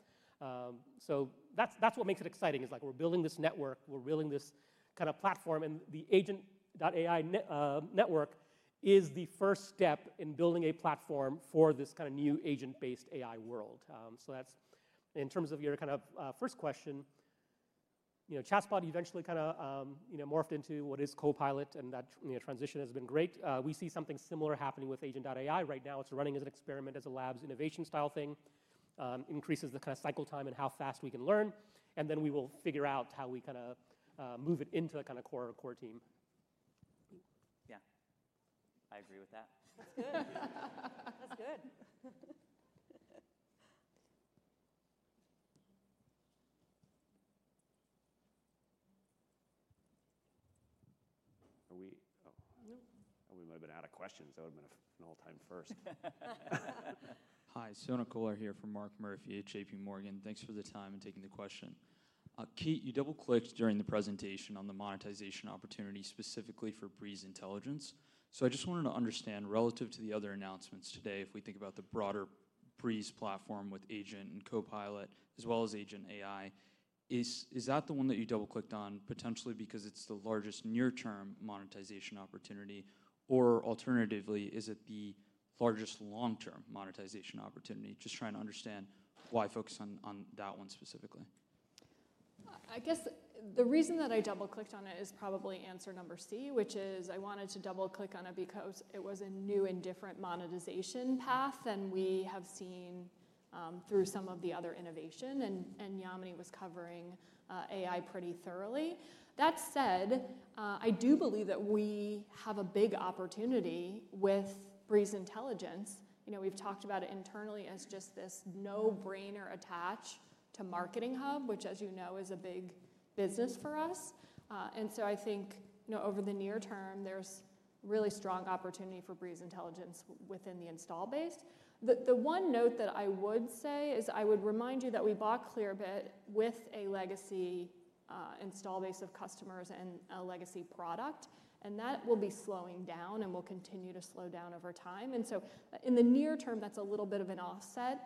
So that's what makes it exciting, is like we're building this network, we're building this kind of platform, and the Agent.ai network is the first step in building a platform for this kind of new agent-based AI world. So that's, in terms of your kind of, first question, you know, ChatSpot eventually kinda, you know, morphed into what is Copilot, and that, you know, transition has been great. We see something similar happening with Agent.ai right now. It's running as an experiment, as a labs innovation-style thing. Increases the kind of cycle time and how fast we can learn, and then we will figure out how we kinda move it into a kind of core team. Yeah, I agree with that. That's good. That's good. Are we... No. We might have been out of questions. That would've been an all-time first. Hi, Sonak Kolar here for Mark Murphy at JPMorgan. Thanks for the time and taking the question. Kate, you double-clicked during the presentation on the monetization opportunity, specifically for Breeze Intelligence. So I just wanted to understand, relative to the other announcements today, if we think about the broader Breeze platform with Agent and Copilot, as well as Agent.ai is that the one that you double-clicked on potentially because it's the largest near-term monetization opportunity? Or alternatively, is it the largest long-term monetization opportunity? Just trying to understand why focus on that one specifically. I guess the reason that I double-clicked on it is probably answer number C, which is I wanted to double-click on it because it was a new and different monetization path than we have seen through some of the other innovation, and Yamini was covering AI pretty thoroughly. That said, I do believe that we have a big opportunity with Breeze Intelligence. You know, we've talked about it internally as just this no-brainer attach to Marketing Hub, which, as you know, is a big business for us, and so I think, you know, over the near term, there's really strong opportunity for Breeze Intelligence within the installed base. The one note that I would say is I would remind you that we bought Clearbit with a legacy install base of customers and a legacy product, and that will be slowing down and will continue to slow down over time, and so in the near term, that's a little bit of an offset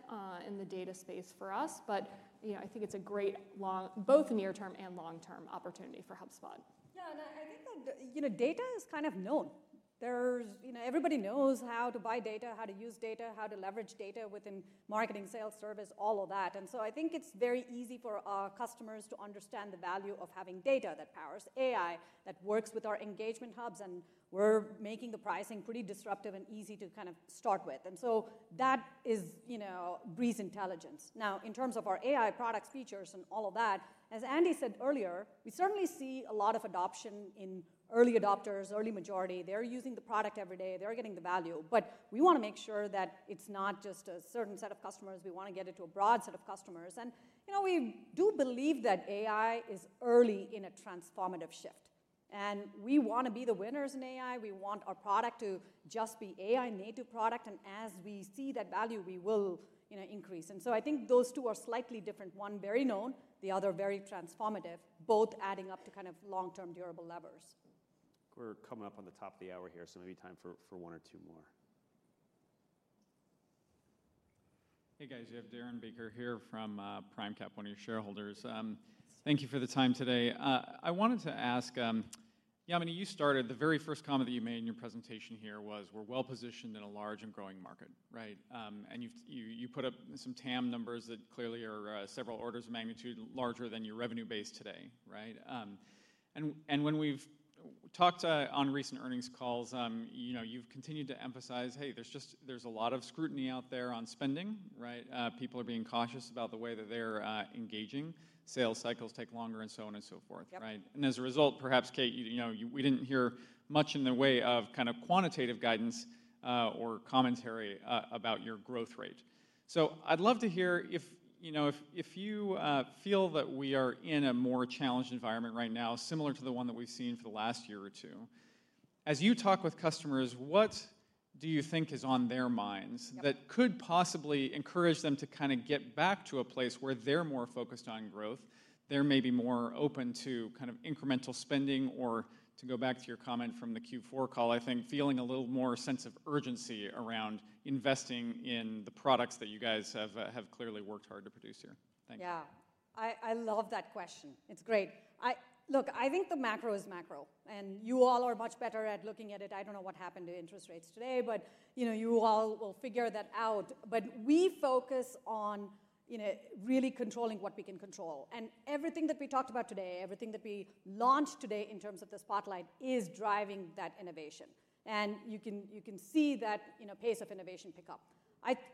in the data space for us, but you know, I think it's a great long both near-term and long-term opportunity for HubSpot. Yeah, no, I think that, you know, data is kind of known. There's, you know, everybody knows how to buy data, how to use data, how to leverage data within marketing, sales, service, all of that, and so I think it's very easy for our customers to understand the value of having data that powers AI, that works with our engagement hubs, and we're making the pricing pretty disruptive and easy to kind of start with. And so that is, you know, Breeze Intelligence. Now, in terms of our AI products, features, and all of that, as Andy said earlier, we certainly see a lot of adoption in early adopters, early majority. They're using the product every day. They're getting the value. But we wanna make sure that it's not just a certain set of customers. We wanna get it to a broad set of customers, and, you know, we do believe that AI is early in a transformative shift, and we wanna be the winners in AI. We want our product to just be AI-native product, and as we see that value, we will, you know, increase, and so I think those two are slightly different, one very known, the other very transformative, both adding up to kind of long-term, durable levers. We're coming up on the top of the hour here, so maybe time for one or two more. Hey, guys, you have Darren Baker here from PRIMECAP, one of your shareholders. Thank you for the time today. I wanted to ask, Yamini, you started, the very first comment that you made in your presentation here was, "We're well-positioned in a large and growing market," right? You've put up some TAM numbers that clearly are several orders of magnitude larger than your revenue base today, right? When we've talked on recent earnings calls, you know, you've continued to emphasize, hey, there's a lot of scrutiny out there on spending, right? People are being cautious about the way that they're engaging. Sales cycles take longer and so on and so forth. Yep. Right? And as a result, perhaps, Kate, you know, we didn't hear much in the way of kind of quantitative guidance, or commentary, about your growth rate. So I'd love to hear if, you know, if you feel that we are in a more challenged environment right now, similar to the one that we've seen for the last year or two. As you talk with customers, what do you think is on their minds? Yep.... that could possibly encourage them to kind of get back to a place where they're more focused on growth, they're maybe more open to kind of incremental spending, or to go back to your comment from the Q4 call, I think, feeling a little more sense of urgency around investing in the products that you guys have clearly worked hard to produce here? Thank you. Yeah. I love that question. It's great. Look, I think the macro is macro, and you all are much better at looking at it. I don't know what happened to interest rates today, but, you know, you all will figure that out. But we focus on, you know, really controlling what we can control, and everything that we talked about today, everything that we launched today in terms of the Spotlight, is driving that innovation, and you can see that, you know, pace of innovation pick up.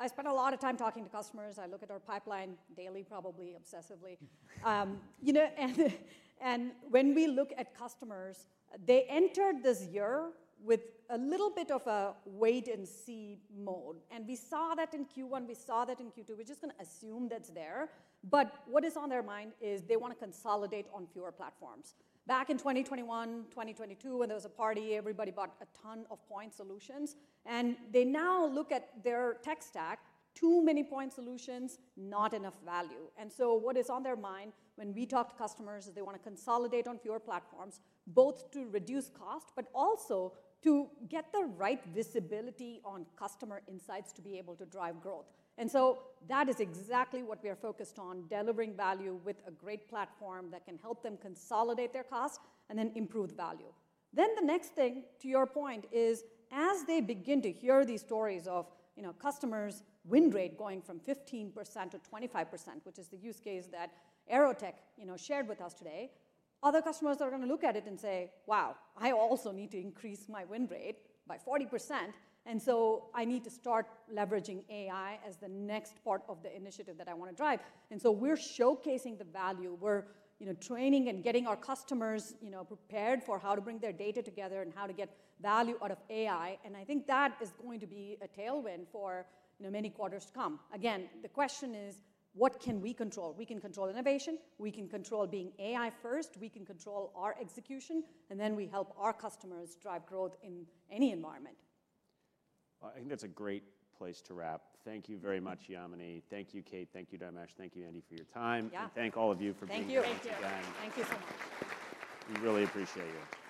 I spend a lot of time talking to customers. I look at our pipeline daily, probably obsessively. You know, when we look at customers, they entered this year with a little bit of a wait-and-see mode, and we saw that in Q1. We saw that in Q2. We're just gonna assume that's there, but what is on their mind is they wanna consolidate on fewer platforms. Back in 2021, 2022, when there was a party, everybody bought a ton of point solutions, and they now look at their tech stack, too many point solutions, not enough value, and so what is on their mind when we talk to customers is they wanna consolidate on fewer platforms, both to reduce cost, but also to get the right visibility on customer insights to be able to drive growth, and so that is exactly what we are focused on, delivering value with a great platform that can help them consolidate their costs and then improve value. Then the next thing, to your point, is, as they begin to hear these stories of, you know, customers' win rate going from 15% to 25%, which is the use case that Aerotek, you know, shared with us today, other customers are gonna look at it and say, "Wow, I also need to increase my win rate by 40%, and so I need to start leveraging AI as the next part of the initiative that I wanna drive." And so we're showcasing the value. We're, you know, training and getting our customers, you know, prepared for how to bring their data together and how to get value out of AI, and I think that is going to be a tailwind for, you know, many quarters to come. Again, the question is, what can we control? We can control innovation, we can control being AI first, we can control our execution, and then we help our customers drive growth in any environment. I think that's a great place to wrap. Thank you very much, Yamini. Thank you, Kate. Thank you, Dharmesh. Thank you, Andy, for your time. Yeah. Thank all of you for being here. Thank you. Thank you. Thank you so much. We really appreciate you.